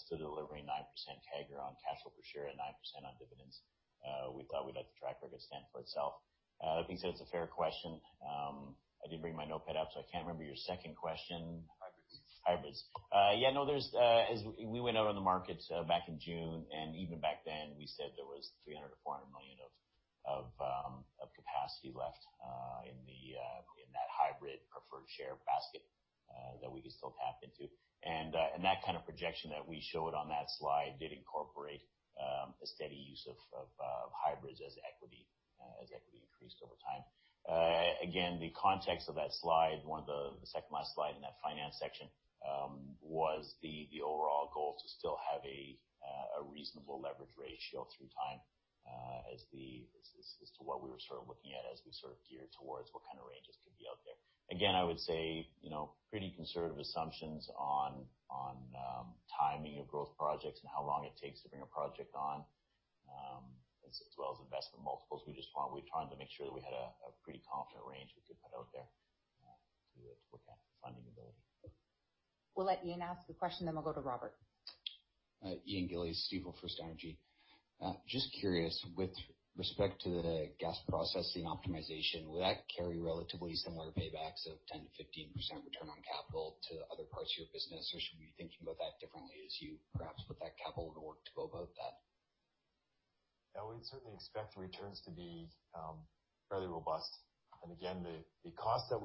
still delivering 9% CAGR on cash flow per share and 9% on dividends. We thought we'd let the track record stand for itself. I think that's a fair question. I did bring my notepad up, I can't remember your second question.
Hybrids.
Hybrids. Yeah, no, as we went out on the market back in June, even back then, we said there was 300 million-400 million of capacity left in that hybrid preferred share basket that we could still tap into. That kind of projection that we showed on that slide did incorporate a steady use of hybrids as equity increased over time. The context of that slide, the second to last slide in that finance section, was the overall goal to still have a reasonable leverage ratio through time as to what we were sort of looking at as we sort of geared towards what kind of ranges could be out there. I would say, pretty conservative assumptions on timing of growth projects and how long it takes to bring a project on, as well as investment multiples. We were trying to make sure that we had a pretty confident range we could put out there to look at funding ability.
We'll let Ian ask the question, then we'll go to Robert.
Ian Gillies, Stifel First Energy. Just curious, with respect to the gas processing optimization, will that carry relatively similar paybacks of 10%-15% return on capital to other parts of your business, or should we be thinking about that differently as you perhaps put that capital in the work to go about that?
Yeah, we'd certainly expect the returns to be fairly robust. Again, the redundant costs that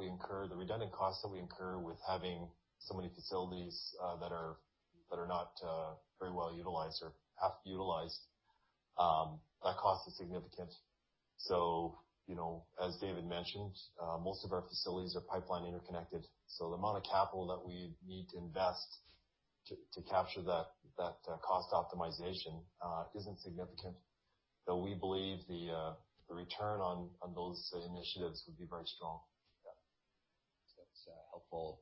we incur with having so many facilities that are not very well utilized or half utilized, that cost is significant. As David mentioned, most of our facilities are pipeline interconnected, so the amount of capital that we need to invest to capture that cost optimization isn't significant, though we believe the return on those initiatives would be very strong.
Yeah. That's helpful.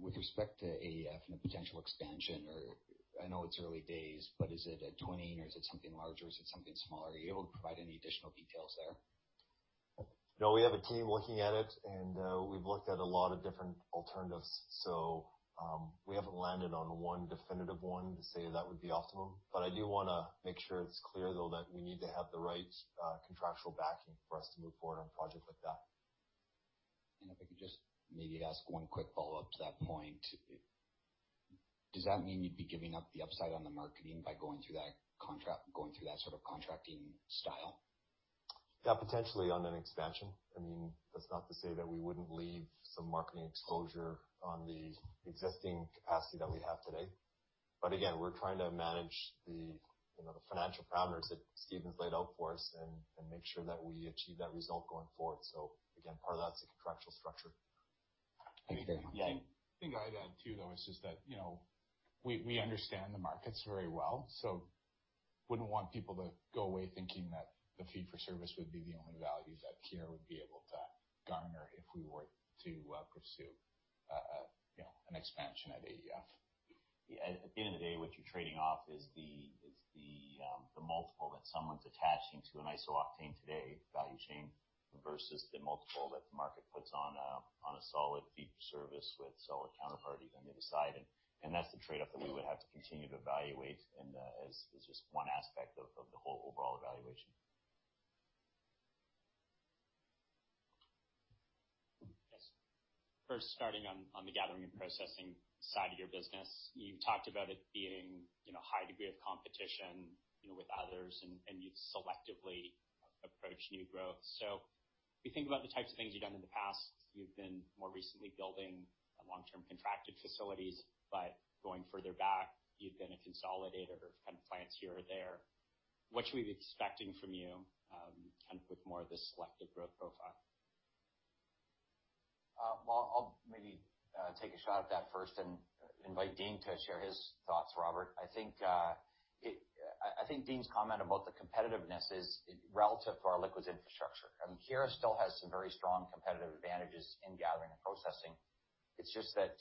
With respect to AEF and a potential expansion or, I know it's early days, but is it at 20 or is it something larger or is it something smaller? Are you able to provide any additional details there?
No, we have a team looking at it, and we've looked at a lot of different alternatives. We haven't landed on one definitive one to say that would be optimum. I do want to make sure it's clear, though, that we need to have the right contractual backing for us to move forward on a project like that.
If I could just maybe ask one quick follow-up to that point. Does that mean you'd be giving up the upside on the marketing by going through that sort of contracting style?
Yeah, potentially on an expansion. That's not to say that we wouldn't leave some marketing exposure on the existing capacity that we have today. Again, we're trying to manage the financial parameters that Steven's laid out for us and make sure that we achieve that result going forward. Again, part of that's the contractual structure.
Thank you.
Yeah.
The thing I'd add, too, though, is just that we understand the markets very well, so wouldn't want people to go away thinking that the fee for service would be the only value that Keyera would be able to garner if we were to pursue an expansion at AEF.
Yeah. At the end of the day, what you're trading off is the multiple that someone's attaching to an iso-octane today, value chain, versus the multiple that the market puts on a solid fee for service with solid counterparty on the other side. That's the trade-off that we would have to continue to evaluate and as just one aspect of the whole overall evaluation.
Yes. First, starting on the Gathering and Processing side of your business. You talked about it being a high degree of competition with others, and you'd selectively approach new growth. We think about the types of things you've done in the past. You've been more recently building long-term contracted facilities, but going further back, you've been a consolidator of plants here or there. What should we be expecting from you, with more of this selective growth profile?
Well, I'll maybe take a shot at that first and invite Dean to share his thoughts, Robert. I think Dean's comment about the competitiveness is relative to our liquids infrastructure. Keyera still has some very strong competitive advantages in gathering and processing. It's just that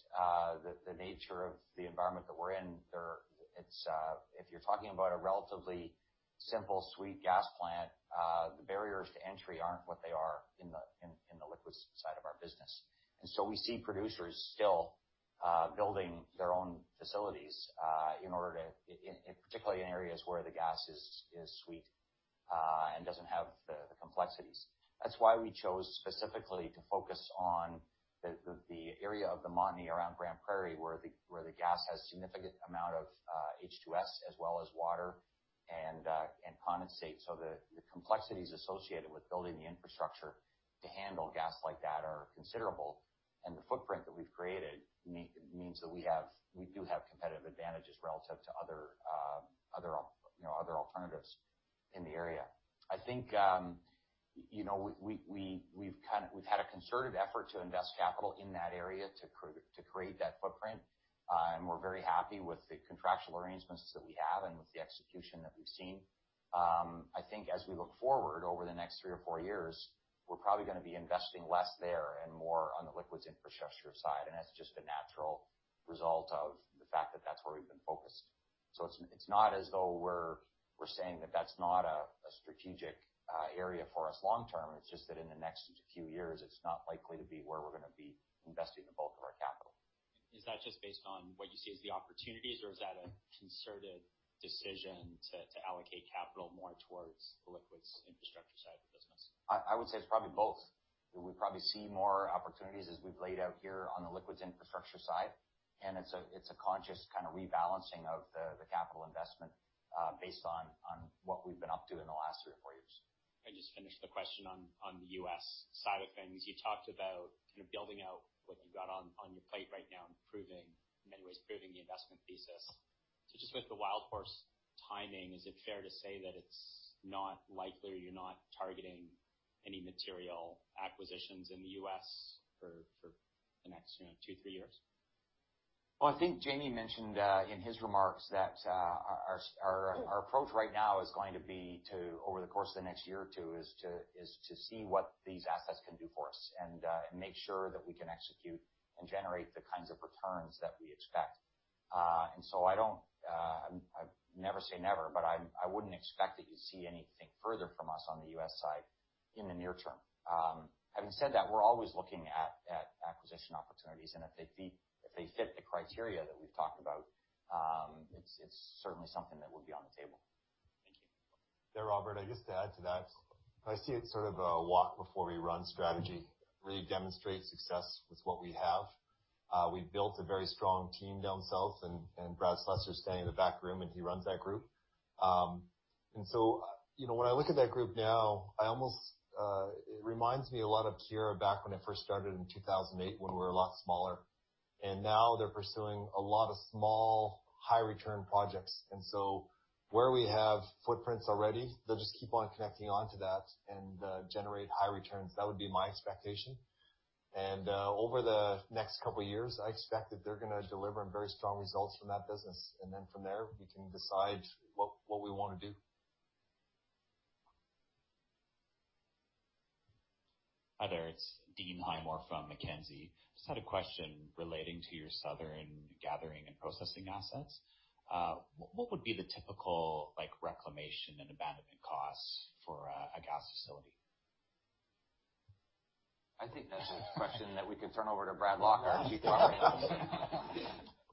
the nature of the environment that we're in, if you're talking about a relatively simple sweet gas plant, the barriers to entry aren't what they are in the liquids side of our business. We see producers still building their own facilities, particularly in areas where the gas is sweet, and doesn't have the complexities. That's why we chose specifically to focus on the area of the Montney around Grande Prairie, where the gas has significant amount of H2S as well as water and condensate. The complexities associated with building the infrastructure to handle gas like that are considerable. The footprint that we've created means that we do have competitive advantages relative to other alternatives in the area. I think we've had a concerted effort to invest capital in that area to create that footprint. We're very happy with the contractual arrangements that we have and with the execution that we've seen. I think as we look forward over the next three or four years, we're probably going to be investing less there and more on the liquids infrastructure side. That's just a natural result of the fact that's where we've been focused. It's not as though we're saying that that's not a strategic area for us long term. It's just that in the next few years, it's not likely to be where we're going to be investing the bulk of our capital.
Is that just based on what you see as the opportunities, or is that a concerted decision to allocate capital more towards the liquids infrastructure side of the business?
I would say it's probably both. We probably see more opportunities as we've laid out here on the liquids infrastructure side, and it's a conscious rebalancing of the capital investment, based on what we've been up to in the last three or four years.
Can I just finish the question on the U.S. side of things? You talked about building out what you've got on your plate right now and in many ways proving the investment thesis. Just with the Wildhorse timing, is it fair to say that it's not likely, or you're not targeting any material acquisitions in the U.S. for the next two, three years?
I think Jamie mentioned in his remarks that our approach right now is going to be to, over the course of the next year or two, is to see what these assets can do for us and make sure that we can execute and generate the kinds of returns that we expect. Never say never, but I wouldn't expect that you'd see anything further from us on the U.S. side in the near term. Having said that, we're always looking at acquisition opportunities, and if they fit the criteria that we've talked about, it's certainly something that would be on the table.
Thank you.
Yeah, Robert, just to add to that. I see it sort of a walk before we run strategy, really demonstrate success with what we have. We've built a very strong team down south, and Brad Slessor is standing in the back room, and he runs that group. When I look at that group now, it reminds me a lot of Keyera back when it first started in 2008, when we were a lot smaller. Now they're pursuing a lot of small, high-return projects. Where we have footprints already, they'll just keep on connecting onto that and generate high returns. That would be my expectation. Over the next couple of years, I expect that they're going to deliver very strong results from that business. From there, we can decide what we want to do.
Hi there, it's Dean Highmoor from Mackenzie Investments. Just had a question relating to your southern gathering and processing assets. What would be the typical reclamation and abandonment costs for a gas facility?
I think that's a question that we could turn over to Bradley Lock, our Chief Operating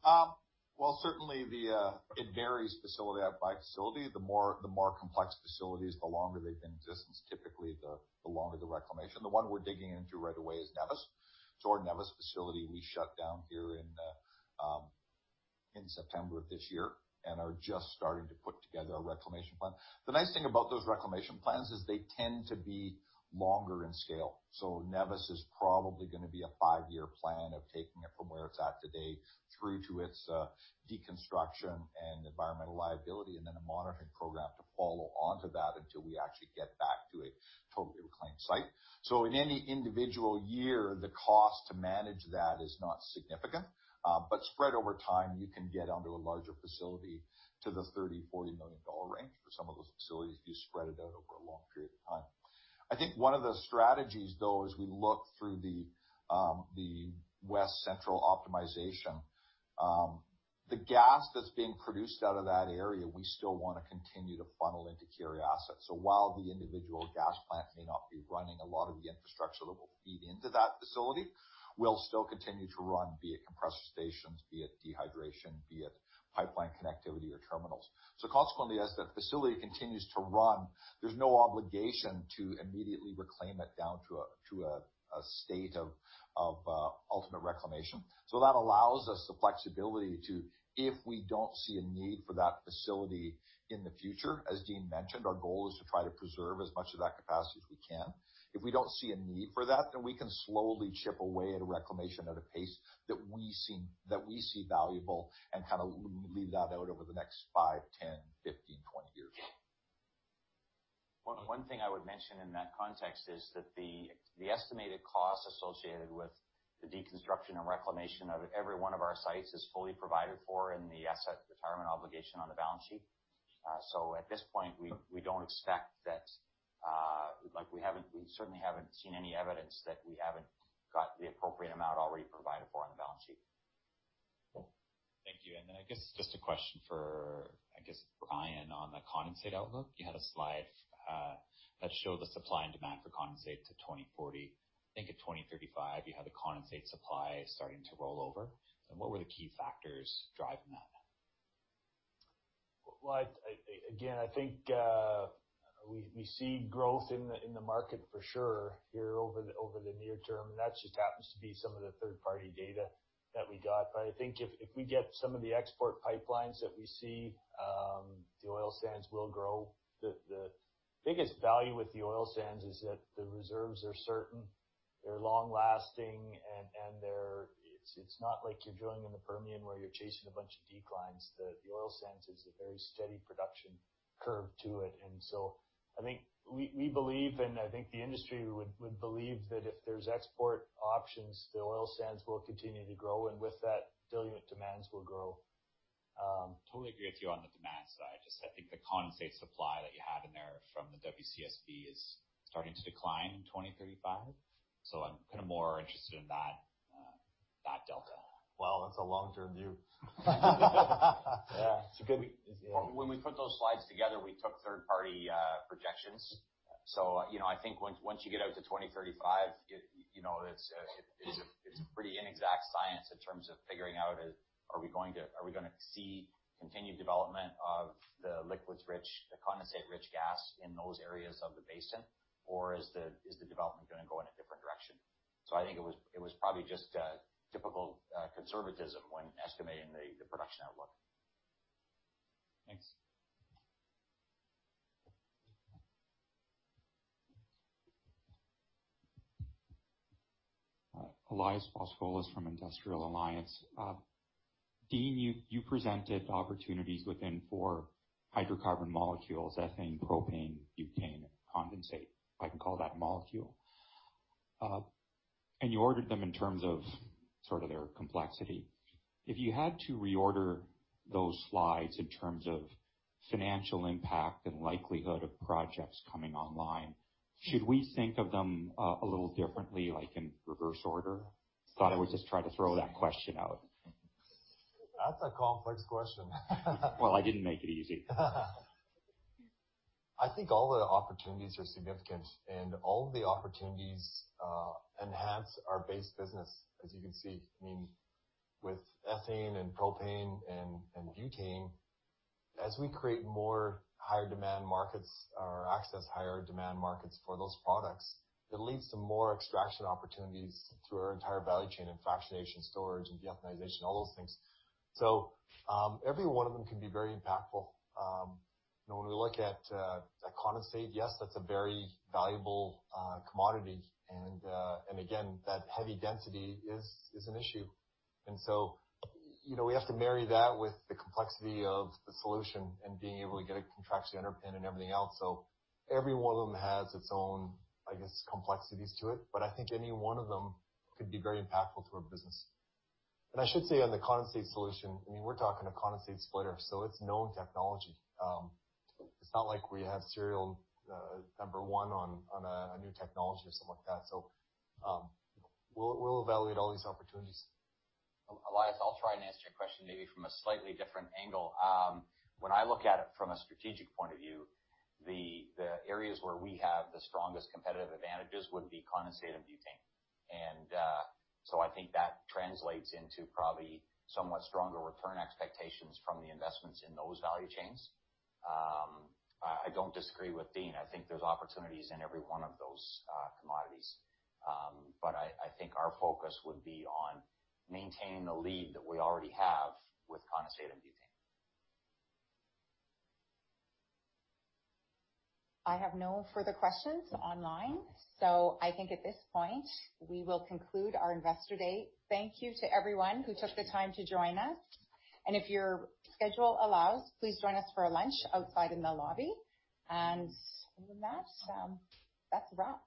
Officer.
Well, certainly it varies facility by facility. The more complex facilities, the longer they've been in existence, typically the longer the reclamation. The one we're digging into right away is Nevis. Our Nevis facility we shut down here in September of this year and are just starting to put together a reclamation plan. The nice thing about those reclamation plans is they tend to be longer in scale. Nevis is probably going to be a five-year plan of taking it from where it's at today through to its deconstruction and environmental liability, and then a monitoring program to follow onto that until we actually get back to a totally reclaimed site. In any individual year, the cost to manage that is not significant. Spread over time, you can get onto a larger facility to the 30 million-40 million dollar range for some of those facilities if you spread it out over a long period of time. I think one of the strategies, though, as we look through the West Central optimization, the gas that's being produced out of that area, we still want to continue to funnel into key assets. While the individual gas plant may not be running, a lot of the infrastructure that will feed into that facility will still continue to run, be it compressor stations, be it dehydration, be it pipeline connectivity or terminals. Consequently, as the facility continues to run, there's no obligation to immediately reclaim it down to a state of ultimate reclamation. That allows us the flexibility to, if we don't see a need for that facility in the future, as Dean mentioned, our goal is to try to preserve as much of that capacity as we can. If we don't see a need for that, then we can slowly chip away at a reclamation at a pace that we see valuable and leave that out over the next five, 10, 15, 20 years.
One thing I would mention in that context is that the estimated cost associated with the deconstruction and reclamation of every one of our sites is fully provided for in the asset retirement obligation on the balance sheet. At this point, we certainly haven't seen any evidence that we haven't got the appropriate amount already provided for on the balance sheet.
Thank you. Just a question for Brian, on the condensate outlook. You had a slide that showed the supply and demand for condensate to 2040. I think at 2035, you had the condensate supply starting to roll over. What were the key factors driving that?
Well, again, I think we see growth in the market for sure here over the near term, and that just happens to be some of the third-party data that we got. I think if we get some of the export pipelines that we see, the oil sands will grow. The biggest value with the oil sands is that the reserves are certain. They're long-lasting, and it's not like you're drilling in the Permian where you're chasing a bunch of declines. The oil sands has a very steady production curve to it. I think we believe, and I think the industry would believe that if there's export options, the oil sands will continue to grow, and with that, diluent demands will grow.
Totally agree with you on the demand side. Just I think the condensate supply that you had in there from the WCSB is starting to decline in 2035. I'm more interested in that delta.
Well, that's a long-term view.
Yeah. When we put those slides together, we took third-party projections. I think once you get out to 2035, it's a pretty inexact science in terms of figuring out, are we going to see continued development of the liquids rich, the condensate rich gas in those areas of the basin, or is the development going to go in a different direction? I think it was probably just a typical conservatism when estimating the production outlook.
Thanks.
Elias Foscolos from Industrial Alliance. Dean, you presented opportunities within four hydrocarbon molecules, ethane, propane, butane, condensate. If I can call that molecule. You ordered them in terms of sort of their complexity. If you had to reorder those slides in terms of financial impact and likelihood of projects coming online, should we think of them a little differently, like in reverse order? Thought I would just try to throw that question out.
That's a complex question.
Well, I didn't make it easy.
I think all the opportunities are significant, and all of the opportunities enhance our base business, as you can see. With ethane and propane and butane, as we create more higher demand markets or access higher demand markets for those products, it leads to more extraction opportunities through our entire value chain in fractionation, storage, and decarbonization, all those things. Every one of them can be very impactful. When we look at condensate, yes, that's a very valuable commodity. Again, that heavy density is an issue. We have to marry that with the complexity of the solution and being able to get a contractually underpin and everything else. Every one of them has its own, I guess, complexities to it. I think any one of them could be very impactful to our business.
I should say on the condensate solution, we're talking a condensate splitter. It's known technology. It's not like we have serial number one on a new technology or something like that. We'll evaluate all these opportunities.
Elias, I'll try and answer your question maybe from a slightly different angle. When I look at it from a strategic point of view, the areas where we have the strongest competitive advantages would be condensate and butane. I think that translates into probably somewhat stronger return expectations from the investments in those value chains. I don't disagree with Dean. I think there's opportunities in every one of those commodities. I think our focus would be on maintaining the lead that we already have with condensate and butane.
I have no further questions online. I think at this point, we will conclude our investor day. Thank you to everyone who took the time to join us. If your schedule allows, please join us for a lunch outside in the lobby. Other than that's a wrap.